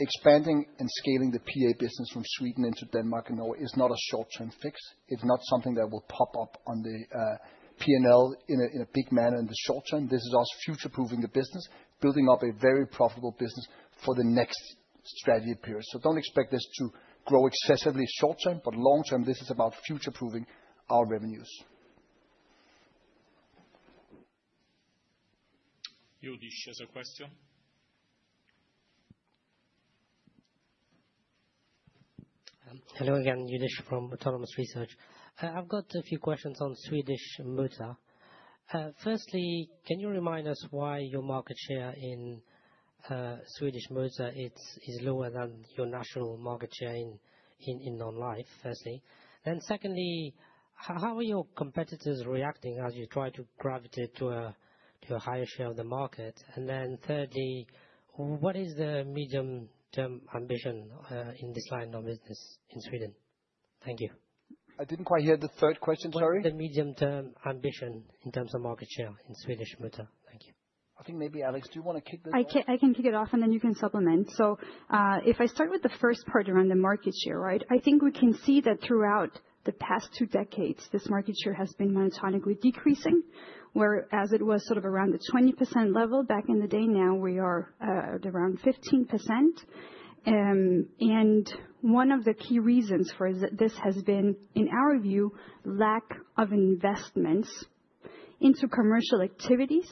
expanding and scaling the PA business from Sweden into Denmark and Norway is not a short-term fix. It's not something that will pop up on the P&L in a big manner in the short term. This is us future-proofing the business, building up a very profitable business for the next strategy period. So don't expect this to grow excessively short-term, but long-term, this is about future-proofing our revenues. Youdish, a question. Hello again, Youdish from Autonomous Research. I've got a few questions on Swedish motor. Firstly, can you remind us why your market share in Swedish motor is lower than your national market share in non-life, firstly? Then secondly, how are your competitors reacting as you try to gravitate to a higher share of the market? And then thirdly, what is the medium-term ambition in this line of business in Sweden? Thank you. I didn't quite hear the third question, sorry. What is the medium-term ambition in terms of market share in Swedish motor? Thank you. I think maybe Alex, do you want to kick this off? I can kick it off, and then you can supplement. So if I start with the first part around the market share, right, I think we can see that throughout the past two decades, this market share has been monotonically decreasing, whereas it was sort of around the 20% level back in the day. Now we are at around 15%. One of the key reasons for this has been, in our view, lack of investments into commercial activities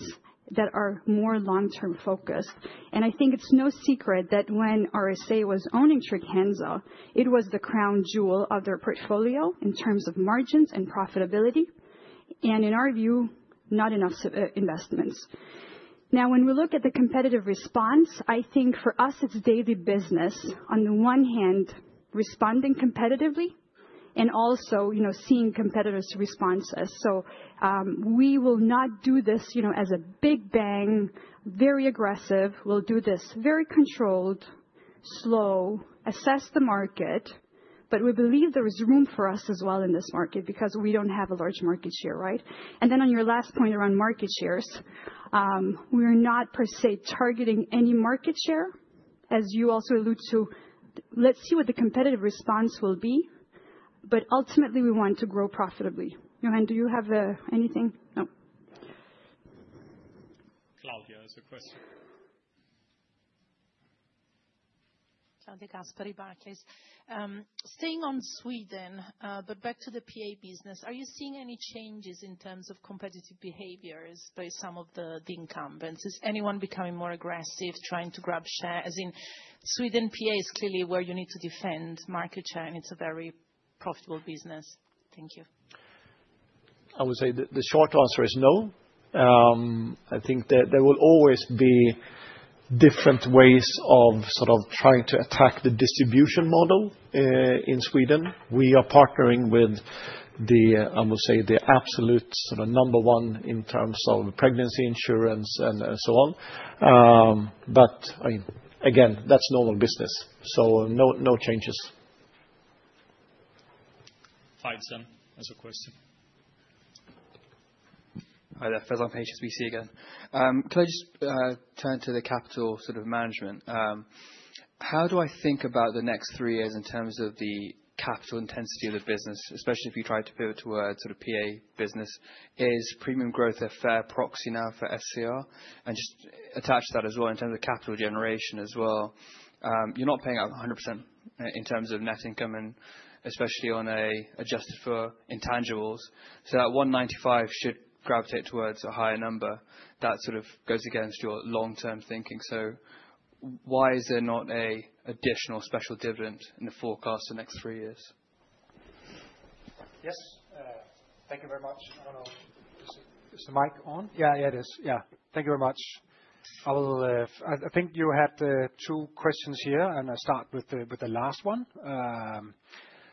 that are more long-term focused. I think it's no secret that when RSA was owning Trygg-Hansa, it was the crown jewel of their portfolio in terms of margins and profitability. In our view, not enough investments. Now, when we look at the competitive response, I think for us, it's daily business, on the one hand, responding competitively and also seeing competitors respond to us. We will not do this as a big bang, very aggressive. We'll do this very controlled, slow, assess the market, but we believe there is room for us as well in this market because we don't have a large market share, right? Then on your last point around market shares, we are not per se targeting any market share, as you also alluded to. Let's see what the competitive response will be, but ultimately we want to grow profitably. Johan, do you have anything? No. Claudia has a question. Jan Erik has a question. Staying on Sweden, but back to the PA business, are you seeing any changes in terms of competitive behaviors by some of the incumbents? Is anyone becoming more aggressive, trying to grab share? As in Sweden PA is clearly where you need to defend market share, and it's a very profitable business. Thank you. I would say the short answer is no. I think there will always be different ways of sort of trying to attack the distribution model in Sweden. We are partnering with the, I would say, the absolute sort of number one in terms of pregnancy insurance and so on. But again, that's normal business, so no changes. Faizan asks question. Hi there, Faizan from HSBC again. Can I just turn to the capital sort of management? How do I think about the next three years in terms of the capital intensity of the business, especially if you try to pivot to a sort of PA business? Is premium growth a fair proxy now for SCR? And just attach that as well in terms of capital generation as well. You're not paying out 100% in terms of net income, and especially on an adjusted for intangibles. So that 195 should gravitate towards a higher number. That sort of goes against your long-term thinking. So why is there not an additional special dividend in the forecast for the next three years? Yes, thank you very much. Is the mic on? Yeah, yeah, it is. Yeah, thank you very much. I think you had two questions here, and I'll start with the last one.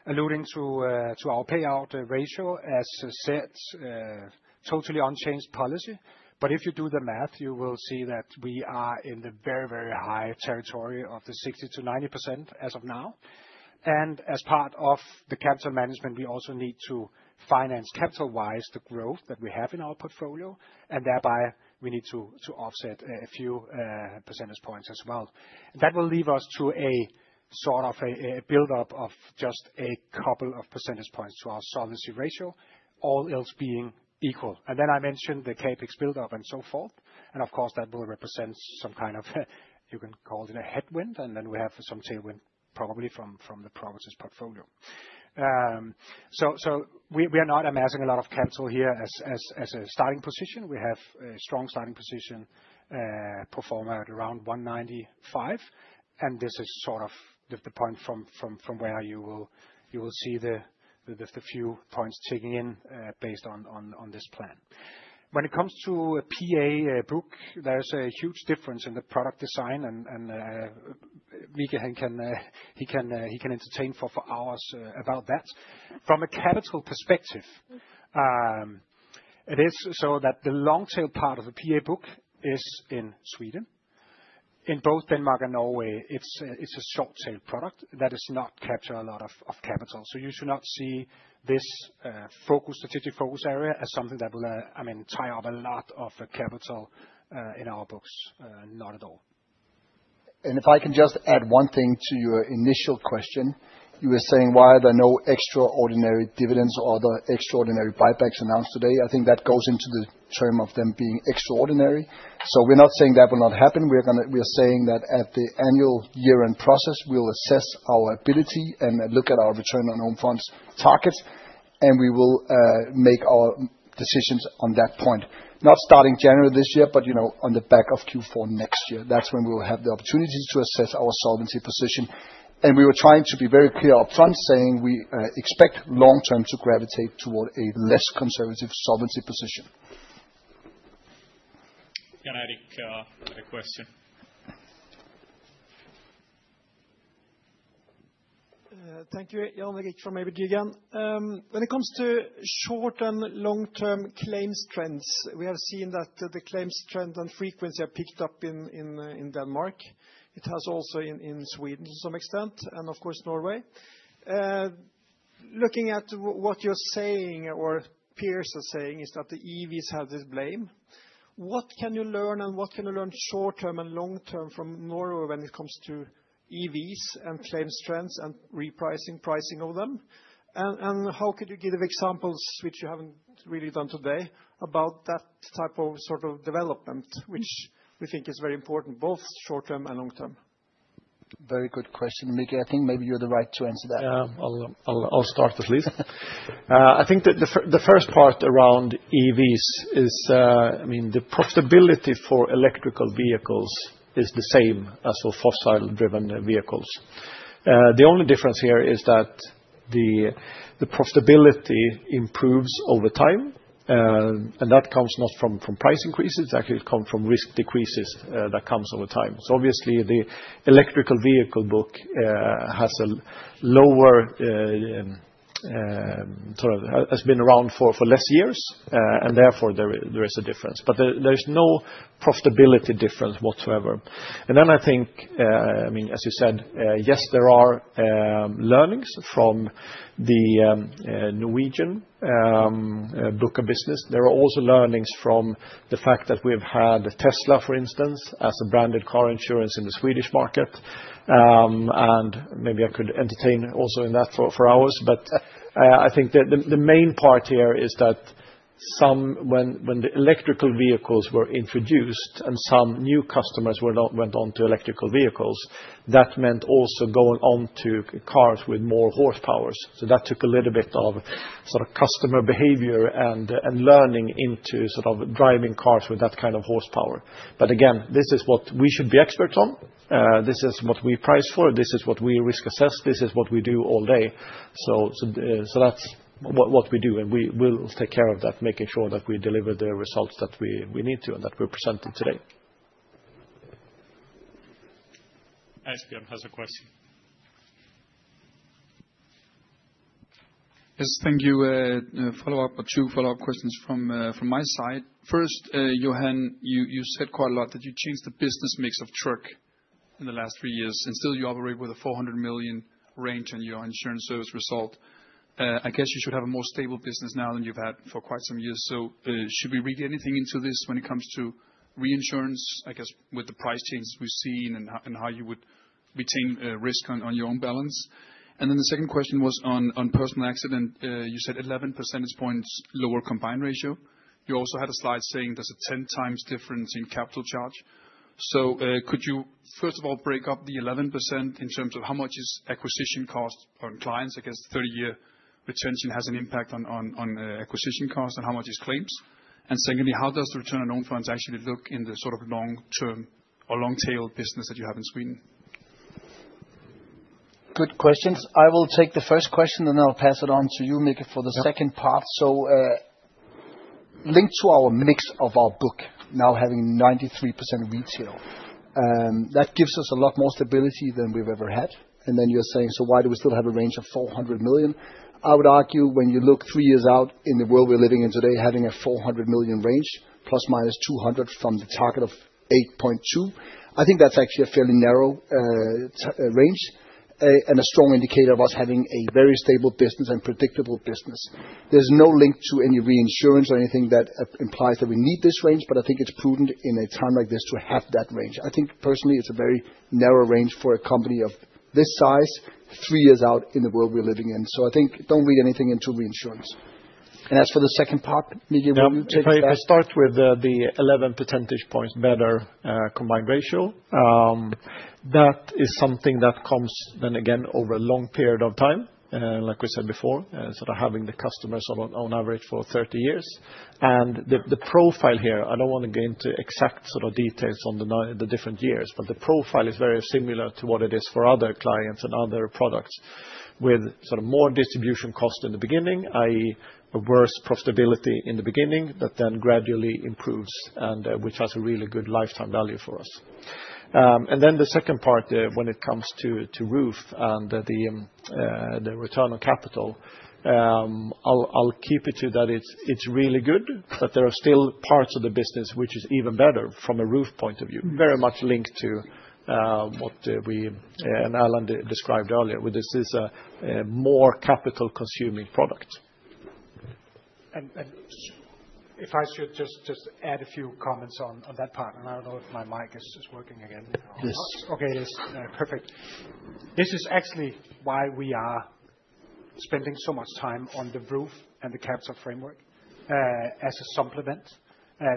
Alluding to our payout ratio as said, totally unchanged policy. But if you do the math, you will see that we are in the very, very high territory of the 60%-90% as of now. And as part of the capital management, we also need to finance capital-wise the growth that we have in our portfolio, and thereby we need to offset a few percentage points as well. And that will leave us to a sort of a build-up of just a couple of percentage points to our solvency ratio, all else being equal. Then I mentioned the CapEx build-up and so forth. Of course, that will represent some kind of, you can call it a headwind, and then we have some tailwind probably from the provisions' portfolio. We are not amassing a lot of capital here as a starting position. We have a strong starting position, performing at around 195, and this is sort of the point from where you will see the few points ticking in based on this plan. When it comes to PA book, there's a huge difference in the product design, and Mikael can entertain for hours about that. From a capital perspective, it is so that the long-tail part of the PA book is in Sweden. In both Denmark and Norway, it's a short-tail product that does not capture a lot of capital. You should not see this strategic focus area as something that will, I mean, tie up a lot of capital in our books, not at all. If I can just add one thing to your initial question, you were saying why are there no extraordinary dividends or other extraordinary buybacks announced today? I think that goes into the term of them being extraordinary. We're not saying that will not happen. We are saying that at the annual year-end process, we'll assess our ability and look at our return on own funds targets, and we will make our decisions on that point. Not starting January this year, but on the back of Q4 next year. That's when we will have the opportunity to assess our solvency position. We were trying to be very clear upfront, saying we expect long-term to gravitate toward a less conservative solvency position. Jan Erik, a question. Thank you, Jan Erik from ABG again. When it comes to short and long-term claims trends, we have seen that the claims trend and frequency are picked up in Denmark. It has also in Sweden to some extent, and of course Norway. Looking at what you're saying or peers are saying is that the EVs have the blame. What can you learn and what can you learn short-term and long-term from Norway when it comes to EVs and claims trends and repricing, pricing of them? And how could you give examples, which you haven't really done today, about that type of sort of development, which we think is very important, both short-term and long-term? Very good question, Mika. I think maybe you're the right to answer that. Yeah, I'll start at least. I think the first part around EVs is, I mean, the profitability for electrical vehicles is the same as for fossil-driven vehicles. The only difference here is that the profitability improves over time, and that comes not from price increases, actually it comes from risk decreases that come over time. So obviously the electrical vehicle book has a lower sort of has been around for less years, and therefore there is a difference. But there is no profitability difference whatsoever. And then I think, I mean, as you said, yes, there are learnings from the Norwegian book of business. There are also learnings from the fact that we've had Tesla, for instance, as a branded car insurance in the Swedish market. And maybe I could entertain also in that for hours, but I think the main part here is that when the electric vehicles were introduced and some new customers went on to electric vehicles, that meant also going on to cars with more horsepower. So that took a little bit of sort of customer behavior and learning into sort of driving cars with that kind of horsepower. But again, this is what we should be experts on. This is what we price for. This is what we risk assess. This is what we do all day. So that's what we do, and we will take care of that, making sure that we deliver the results that we need to and that we're presenting today. Asbjørn has a question. Yes, thank you. Two follow-up questions from my side. First, Johan, you said quite a lot that you changed the business mix of Tryg in the last three years, and still you operate with a 400 million range on your insurance service result. I guess you should have a more stable business now than you've had for quite some years. So should we read anything into this when it comes to reinsurance, I guess, with the price changes we've seen and how you would retain risk on your own balance? And then the second question was on personal accident. You said 11 percentage points lower combined ratio. You also had a slide saying there's a 10 times difference in capital charge. So could you, first of all, break up the 11% in terms of how much is acquisition cost on clients? I guess 30-year retention has an impact on acquisition cost and how much is claims. Secondly, how does the return on own funds actually look in the sort of long-term or long-tail business that you have in Sweden? Good questions. I will take the first question, then I'll pass it on to you, Mikael, for the second part. Linked to our mix of our book now having 93% retail, that gives us a lot more stability than we've ever had. Then you're saying, so why do we still have a range of 400 million? I would argue when you look three years out in the world we're living in today, having a 400 million range, plus minus 200 from the target of 8.2%, I think that's actually a fairly narrow range and a strong indicator of us having a very stable business and predictable business. There's no link to any reinsurance or anything that implies that we need this range, but I think it's prudent in a time like this to have that range. I think personally it's a very narrow range for a company of this size three years out in the world we're living in. So I think don't read anything into reinsurance. And as for the second part, Mika, will you take a slide? If I start with the 11 percentage points better combined ratio, that is something that comes then again over a long period of time, like we said before, sort of having the customers on average for 30 years. And the profile here, I don't want to go into exact sort of details on the different years, but the profile is very similar to what it is for other clients and other products with sort of more distribution cost in the beginning, i.e., a worse profitability in the beginning that then gradually improves, which has a really good lifetime value for us. And then the second part, when it comes to ROOF and the return on capital, I'll keep it to that it's really good, but there are still parts of the business which are even better from a ROOF point of view, very much linked to what we and Allan described earlier, where this is a more capital-consuming product. And if I should just add a few comments on that part, and I don't know if my mic is working again. Yes. Okay, it is. Perfect. This is actually why we are spending so much time on the ROOF and the capital framework as a supplement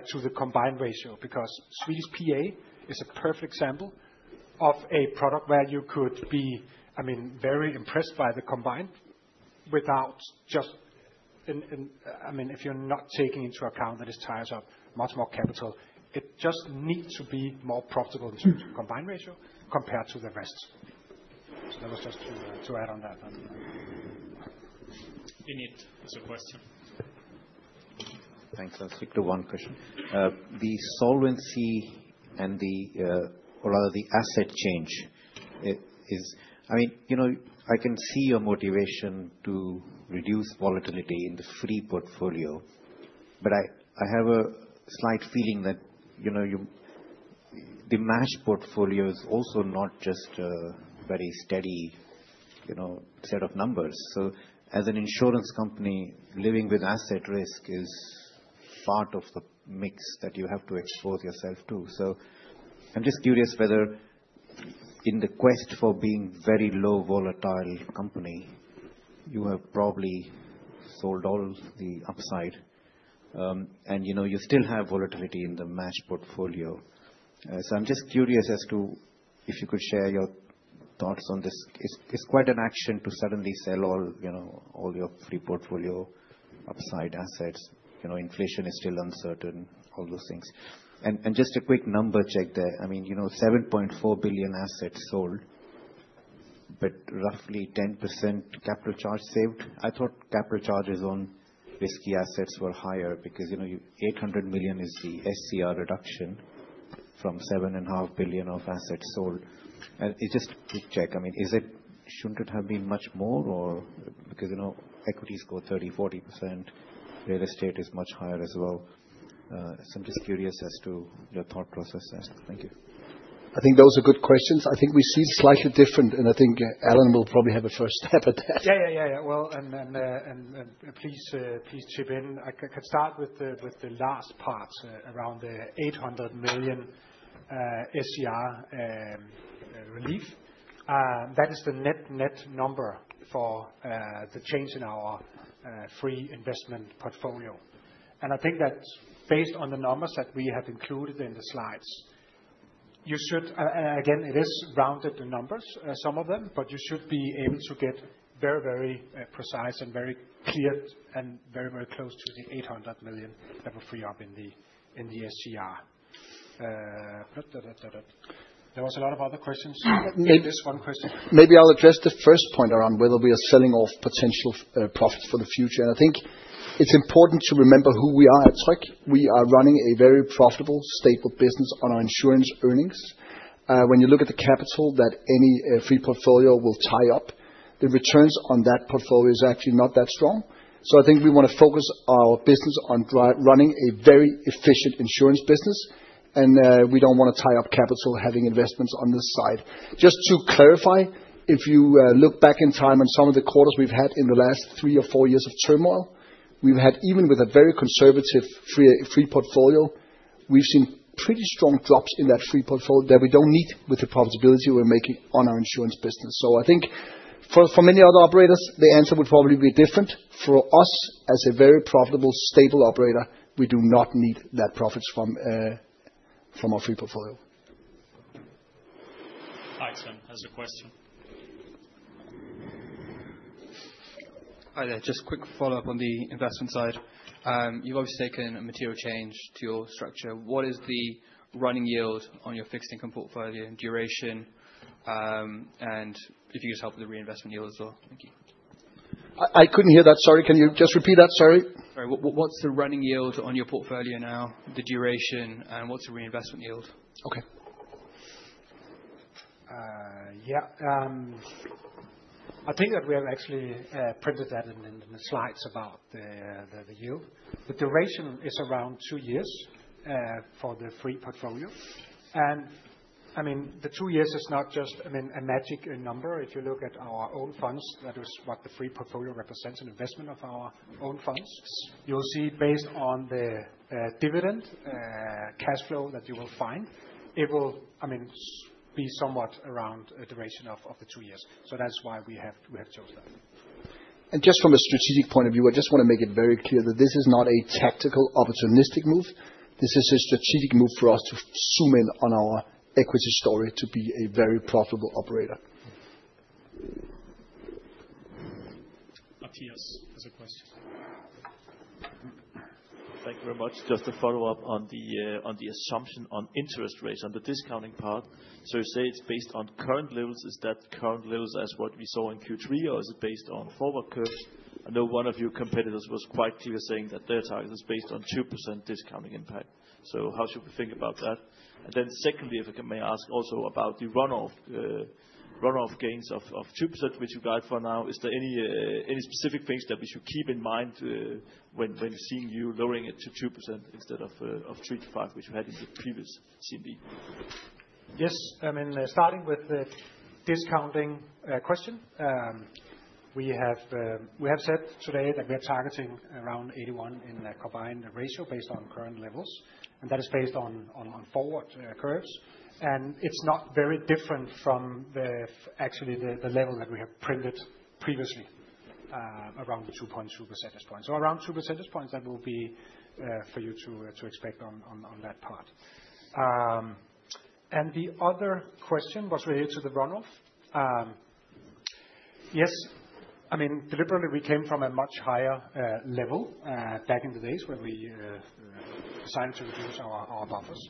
to the combined ratio because Swedish PA is a perfect example of a product where you could be, I mean, very impressed by the combined without just, I mean, if you're not taking into account that it ties up much more capital, it just needs to be more profitable in terms of combined ratio compared to the rest. So that was just to add on that. Vinit, a question. Thanks. I'll stick to one question. The solvency and the, or rather the asset change is, I mean, I can see your motivation to reduce volatility in the free portfolio, but I have a slight feeling that the match portfolio is also not just a very steady set of numbers. As an insurance company, living with asset risk is part of the mix that you have to expose yourself to. I'm just curious whether in the quest for being a very low volatile company, you have probably sold all the upside and you still have volatility in the match portfolio. I'm just curious as to if you could share your thoughts on this. It's quite an action to suddenly sell all your free portfolio upside assets. Inflation is still uncertain, all those things. Just a quick number check there. I mean, 7.4 billion assets sold, but roughly 10% capital charge saved. I thought capital charges on risky assets were higher because 800 million is the SCR reduction from 7.5 billion of assets sold. Just a quick check, I mean, shouldn't it have been much more? Because equities go 30%-40%, real estate is much higher as well. So I'm just curious as to your thought process there. Thank you. I think those are good questions. I think we see slightly different, and I think Allan will probably have a first stab at that. Yeah, yeah, yeah, yeah. Well, and please chip in. I could start with the last part around the 800 million SCR relief. That is the net-net number for the change in our free investment portfolio. And I think that based on the numbers that we have included in the slides, you should, and again, it is rounded the numbers, some of them, but you should be able to get very, very precise and very clear and very, very close to the 800 million that will free up in the SCR. There was a lot of other questions in this one question. Maybe I'll address the first point around whether we are selling off potential profits for the future, and I think it's important to remember who we are at Tryg. We are running a very profitable, stable business on our insurance earnings. When you look at the capital that any free portfolio will tie up, the returns on that portfolio is actually not that strong, so I think we want to focus our business on running a very efficient insurance business, and we don't want to tie up capital having investments on this side. Just to clarify, if you look back in time on some of the quarters we've had in the last three or four years of turmoil, we've had, even with a very conservative free portfolio, we've seen pretty strong drops in that free portfolio that we don't need with the profitability we're making on our insurance business. So I think for many other operators, the answer would probably be different. For us, as a very profitable, stable operator, we do not need that profits from our free portfolio. Asbjørn has a question. Hi there. Just quick follow-up on the investment side. You've obviously taken a material change to your structure. What is the running yield on your fixed income portfolio in duration? And if you could just help with the reinvestment yield as well. Thank you. I couldn't hear that. Sorry. Can you just repeat that? Sorry. Sorry. What's the running yield on your portfolio now, the duration, and what's the reinvestment yield? Okay. Yeah. I think that we have actually printed that in the slides about the yield. The duration is around two years for the free portfolio. And I mean, the two years is not just, I mean, a magic number. If you look at our own funds, that is what the free portfolio represents, an investment of our own funds. You'll see based on the dividend cash flow that you will find, it will, I mean, be somewhat around a duration of two years. That's why we have chosen that. Just from a strategic point of view, I just want to make it very clear that this is not a tactical opportunistic move. This is a strategic move for us to zoom in on our equity story to be a very profitable operator. Matthias has a question. Thank you very much. Just to follow up on the assumption on interest rates on the discounting part. So you say it's based on current levels. Is that current levels as what we saw in Q3, or is it based on forward curves? I know one of your competitors was quite clear saying that their target is based on 2% discounting impact. So how should we think about that? And then secondly, if I may ask also about the run-off gains of 2%, which you guide for now, is there any specific things that we should keep in mind when seeing you lowering it to 2% instead of 3%-5%, which you had in the previous CMD? Yes. I mean, starting with the discounting question, we have said today that we are targeting around 81% combined ratio based on current levels, and that is based on forward curves. And it's not very different from actually the level that we have printed previously around the 2.2% at this point. So around 2% at this point, that will be for you to expect on that part. The other question was related to the run-off. Yes. I mean, deliberately, we came from a much higher level back in the days when we decided to reduce our buffers.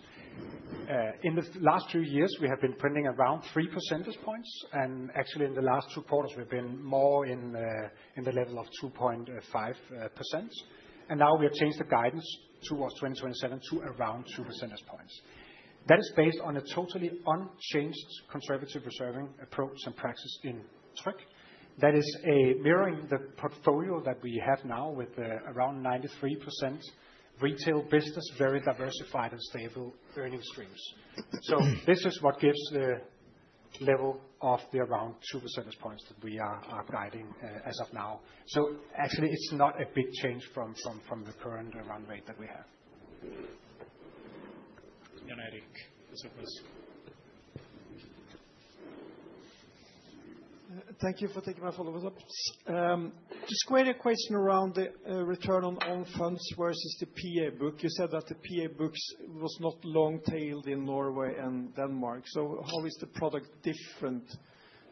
In the last two years, we have been printing around 3% at this point. And actually, in the last two quarters, we've been more in the level of 2.5%. And now we have changed the guidance to 2027 to around 2% at this point. That is based on a totally unchanged conservative reserving approach and practice in Tryg. That is mirroring the portfolio that we have now with around 93% retail business, very diversified and stable earnings streams. So this is what gives the level of the around 2% at this point that we are guiding as of now. So actually, it's not a big change from the current run rate thatwe have. Jan Erik, ask a question. Thank you for taking my follow-up. Just quick question around the return on own funds versus the PA book. You said that the PA book was not long-tailed in Norway and Denmark. So how is the product different?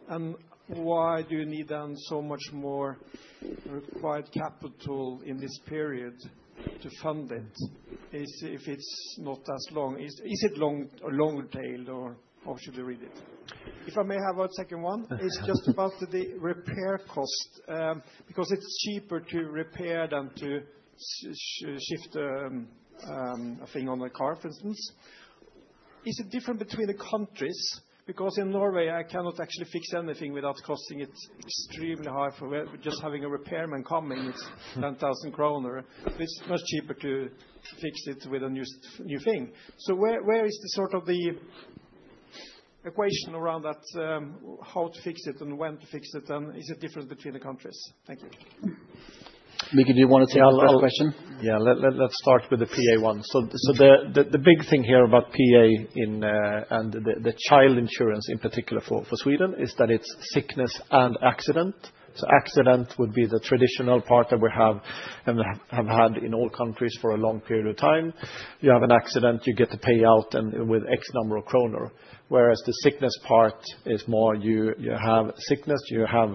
And why do you need then so much more required capital in this period to fund it if it's not as long? Is it long-tailed, or how should we read it? If I may have a second one, it's just about the repair cost because it's cheaper to repair than to shift a thing on a car, for instance. Is it different between the countries? Because in Norway, I cannot actually fix anything without costing it extremely high for just having a repairman coming. It's 10,000 kroner, but it's much cheaper to fix it with a new thing. So where is the sort of the equation around that, how to fix it and when to fix it, and is it different between the countries? Thank you. Micke, do you want to take a question? Yeah. Let's start with the PA one. So the big thing here about PA and the child insurance in particular for Sweden is that it's sickness and accident. So accident would be the traditional part that we have and have had in all countries for a long period of time. You have an accident, you get to pay out with X number of kroner, whereas the sickness part is more you have sickness, you have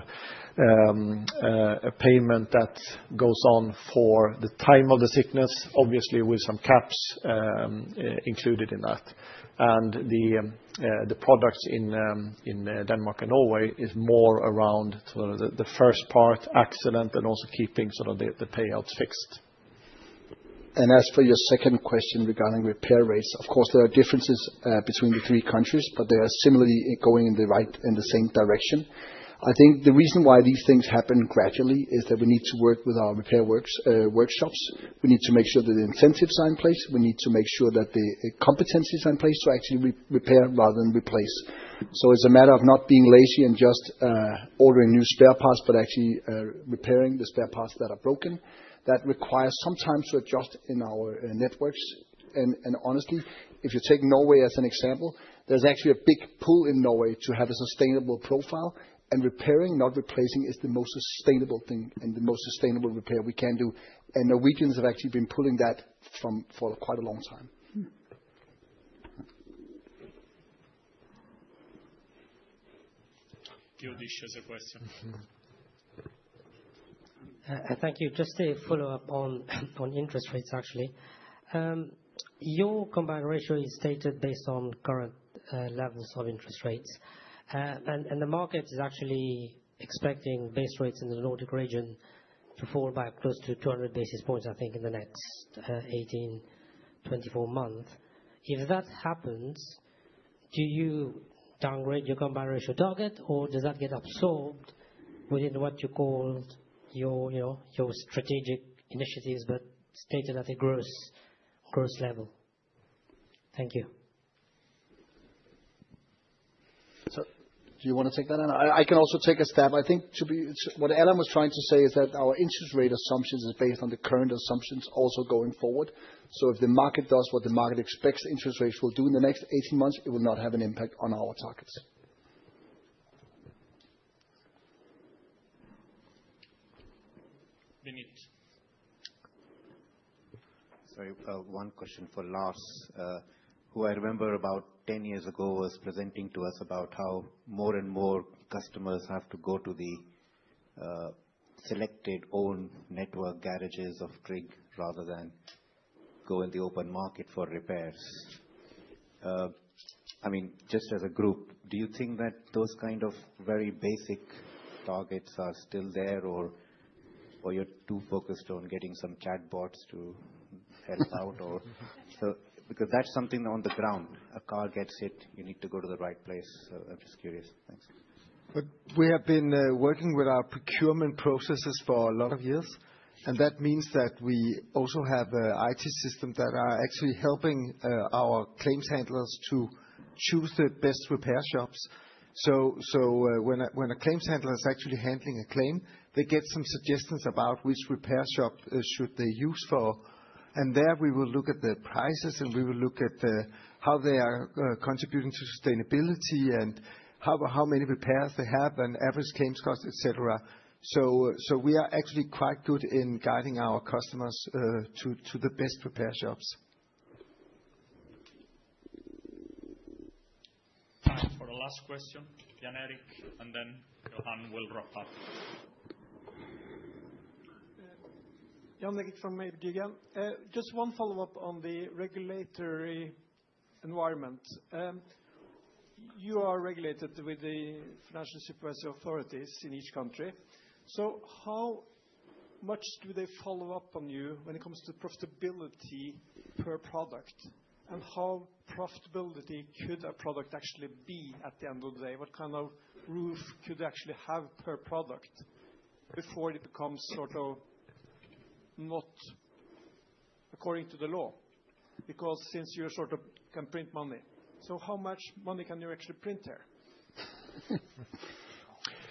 a payment that goes on for the time of the sickness, obviously with some caps included in that. The products in Denmark and Norway is more around sort of the first part, accident, and also keeping sort of the payouts fixed. As for your second question regarding repair rates, of course, there are differences between the three countries, but they are similarly going in the same direction. I think the reason why these things happen gradually is that we need to work with our repair workshops. We need to make sure that the incentives are in place. We need to make sure that the competencies are in place to actually repair rather than replace. It's a matter of not being lazy and just ordering new spare parts, but actually repairing the spare parts that are broken. That requires some time to adjust in our networks. Honestly, if you take Norway as an example, there's actually a big pull in Norway to have a sustainable profile. Repairing, not replacing, is the most sustainable thing and the most sustainable repair we can do. Norwegians have actually been pulling that for quite a long time. Youdish has a question. Thank you. Just a follow-up on interest rates, actually. Your combined ratio is stated based on current levels of interest rates. The market is actually expecting base rates in the Nordic region to fall by close to 200 basis points, I think, in the next 18-24 months. If that happens, do you downgrade your combined ratio target, or does that get absorbed within what you called your strategic initiatives, but stated at a gross level? Thank you. So do you want to take that? I can also take a stab. I think what Allan was trying to say is that our interest rate assumptions are based on the current assumptions also going forward. So if the market does what the market expects interest rates will do in the next 18 months, it will not have an impact on our targets. Vinit. Sorry. One question for last. Who I remember about 10 years ago was presenting to us about how more and more customers have to go to the selected own network garages of Tryg rather than go in the open market for repairs. I mean, just as a group, do you think that those kind of very basic targets are still there, or you're too focused on getting some chatbots to help out? Because that's something on the ground. A car gets hit, you need to go to the right place. So I'm just curious. Thanks. We have been working with our procurement processes for a lot of years, and that means that we also have IT systems that are actually helping our claims handlers to choose the best repair shops. So when a claims handler is actually handling a claim, they get some suggestions about which repair shop should they use for. And there we will look at the prices, and we will look at how they are contributing to sustainability and how many repairs they have and average claims cost, etc. So we are actually quite good in guiding our customers to the best repair shops. Time for the last question. Jan Erik, and then Johan will wrap up. Jan Erik from ABG Sundal Collier. Just one follow-up on the regulatory environment. You are regulated with the financial supervisory authorities in each country. So, how much do they follow up on you when it comes to profitability per product? And how profitable could a product actually be at the end of the day? What kind of roof could they actually have per product before it becomes sort of not according to the law? Because since you sort of can print money, so how much money can you actually print there?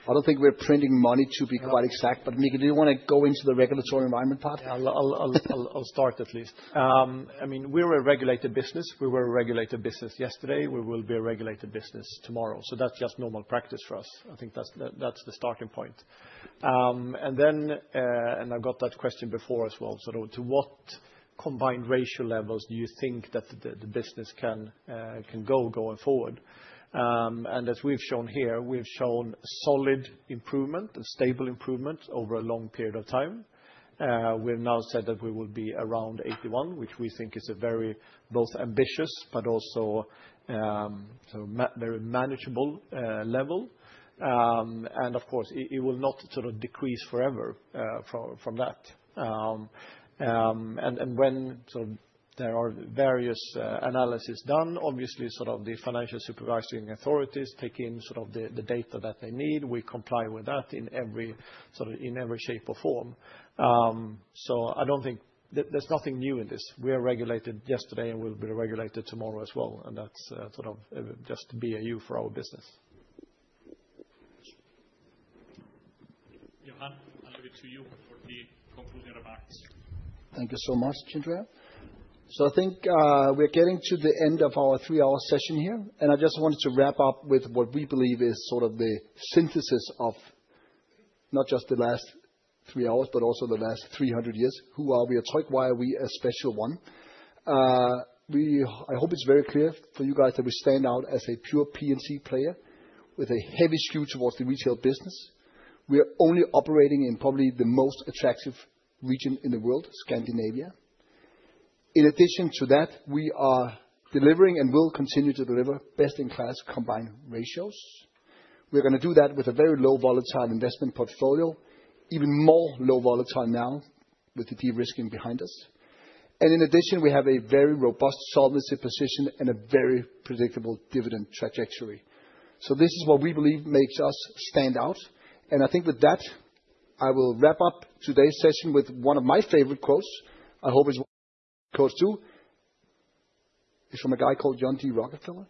I don't think we're printing money, to be quite exact. But Mikael, do you want to go into the regulatory environment part? I'll start at least. I mean, we're a regulated business. We were a regulated business yesterday. We will be a regulated business tomorrow. So that's just normal practice for us. I think that's the starting point. And I got that question before as well. So to what Combined Ratio levels do you think that the business can go going forward? As we've shown here, we've shown solid improvement and stable improvement over a long period of time. We've now said that we will be around 81, which we think is a very both ambitious, but also very manageable level. Of course, it will not sort of decrease forever from that. When there are various analyses done, obviously sort of the financial supervisory authorities take in sort of the data that they need. We comply with that in every shape or form. I don't think there's nothing new in this. We are regulated yesterday, and we'll be regulated tomorrow as well. That's sort of just BAU for our business. Johan, I'll leave it to you for the conclusion of our question. Thank you so much, Gianandrea. I think we're getting to the end of our three-hour session here. I just wanted to wrap up with what we believe is sort of the synthesis of not just the last three hours, but also the last 300 years. Who are we at Tryg? Why are we a special one? I hope it's very clear for you guys that we stand out as a pure P&C player with a heavy skew towards the retail business. We are only operating in probably the most attractive region in the world, Scandinavia. In addition to that, we are delivering and will continue to deliver best-in-class combined ratios. We're going to do that with a very low-volatile investment portfolio, even more low-volatile now with the de-risking behind us. And in addition, we have a very robust solvency position and a very predictable dividend trajectory. This is what we believe makes us stand out. I think with that, I will wrap up today's session with one of my favorite quotes. I hope it's quotes too. It's from a guy called John D. Rockefeller.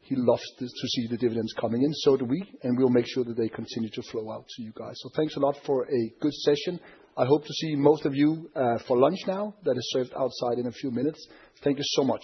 He loves to see the dividends coming in. So do we, and we'll make sure that they continue to flow out to you guys. Thanks a lot for a good session. I hope to see most of you for lunch now that is served outside in a few minutes. Thank you so much.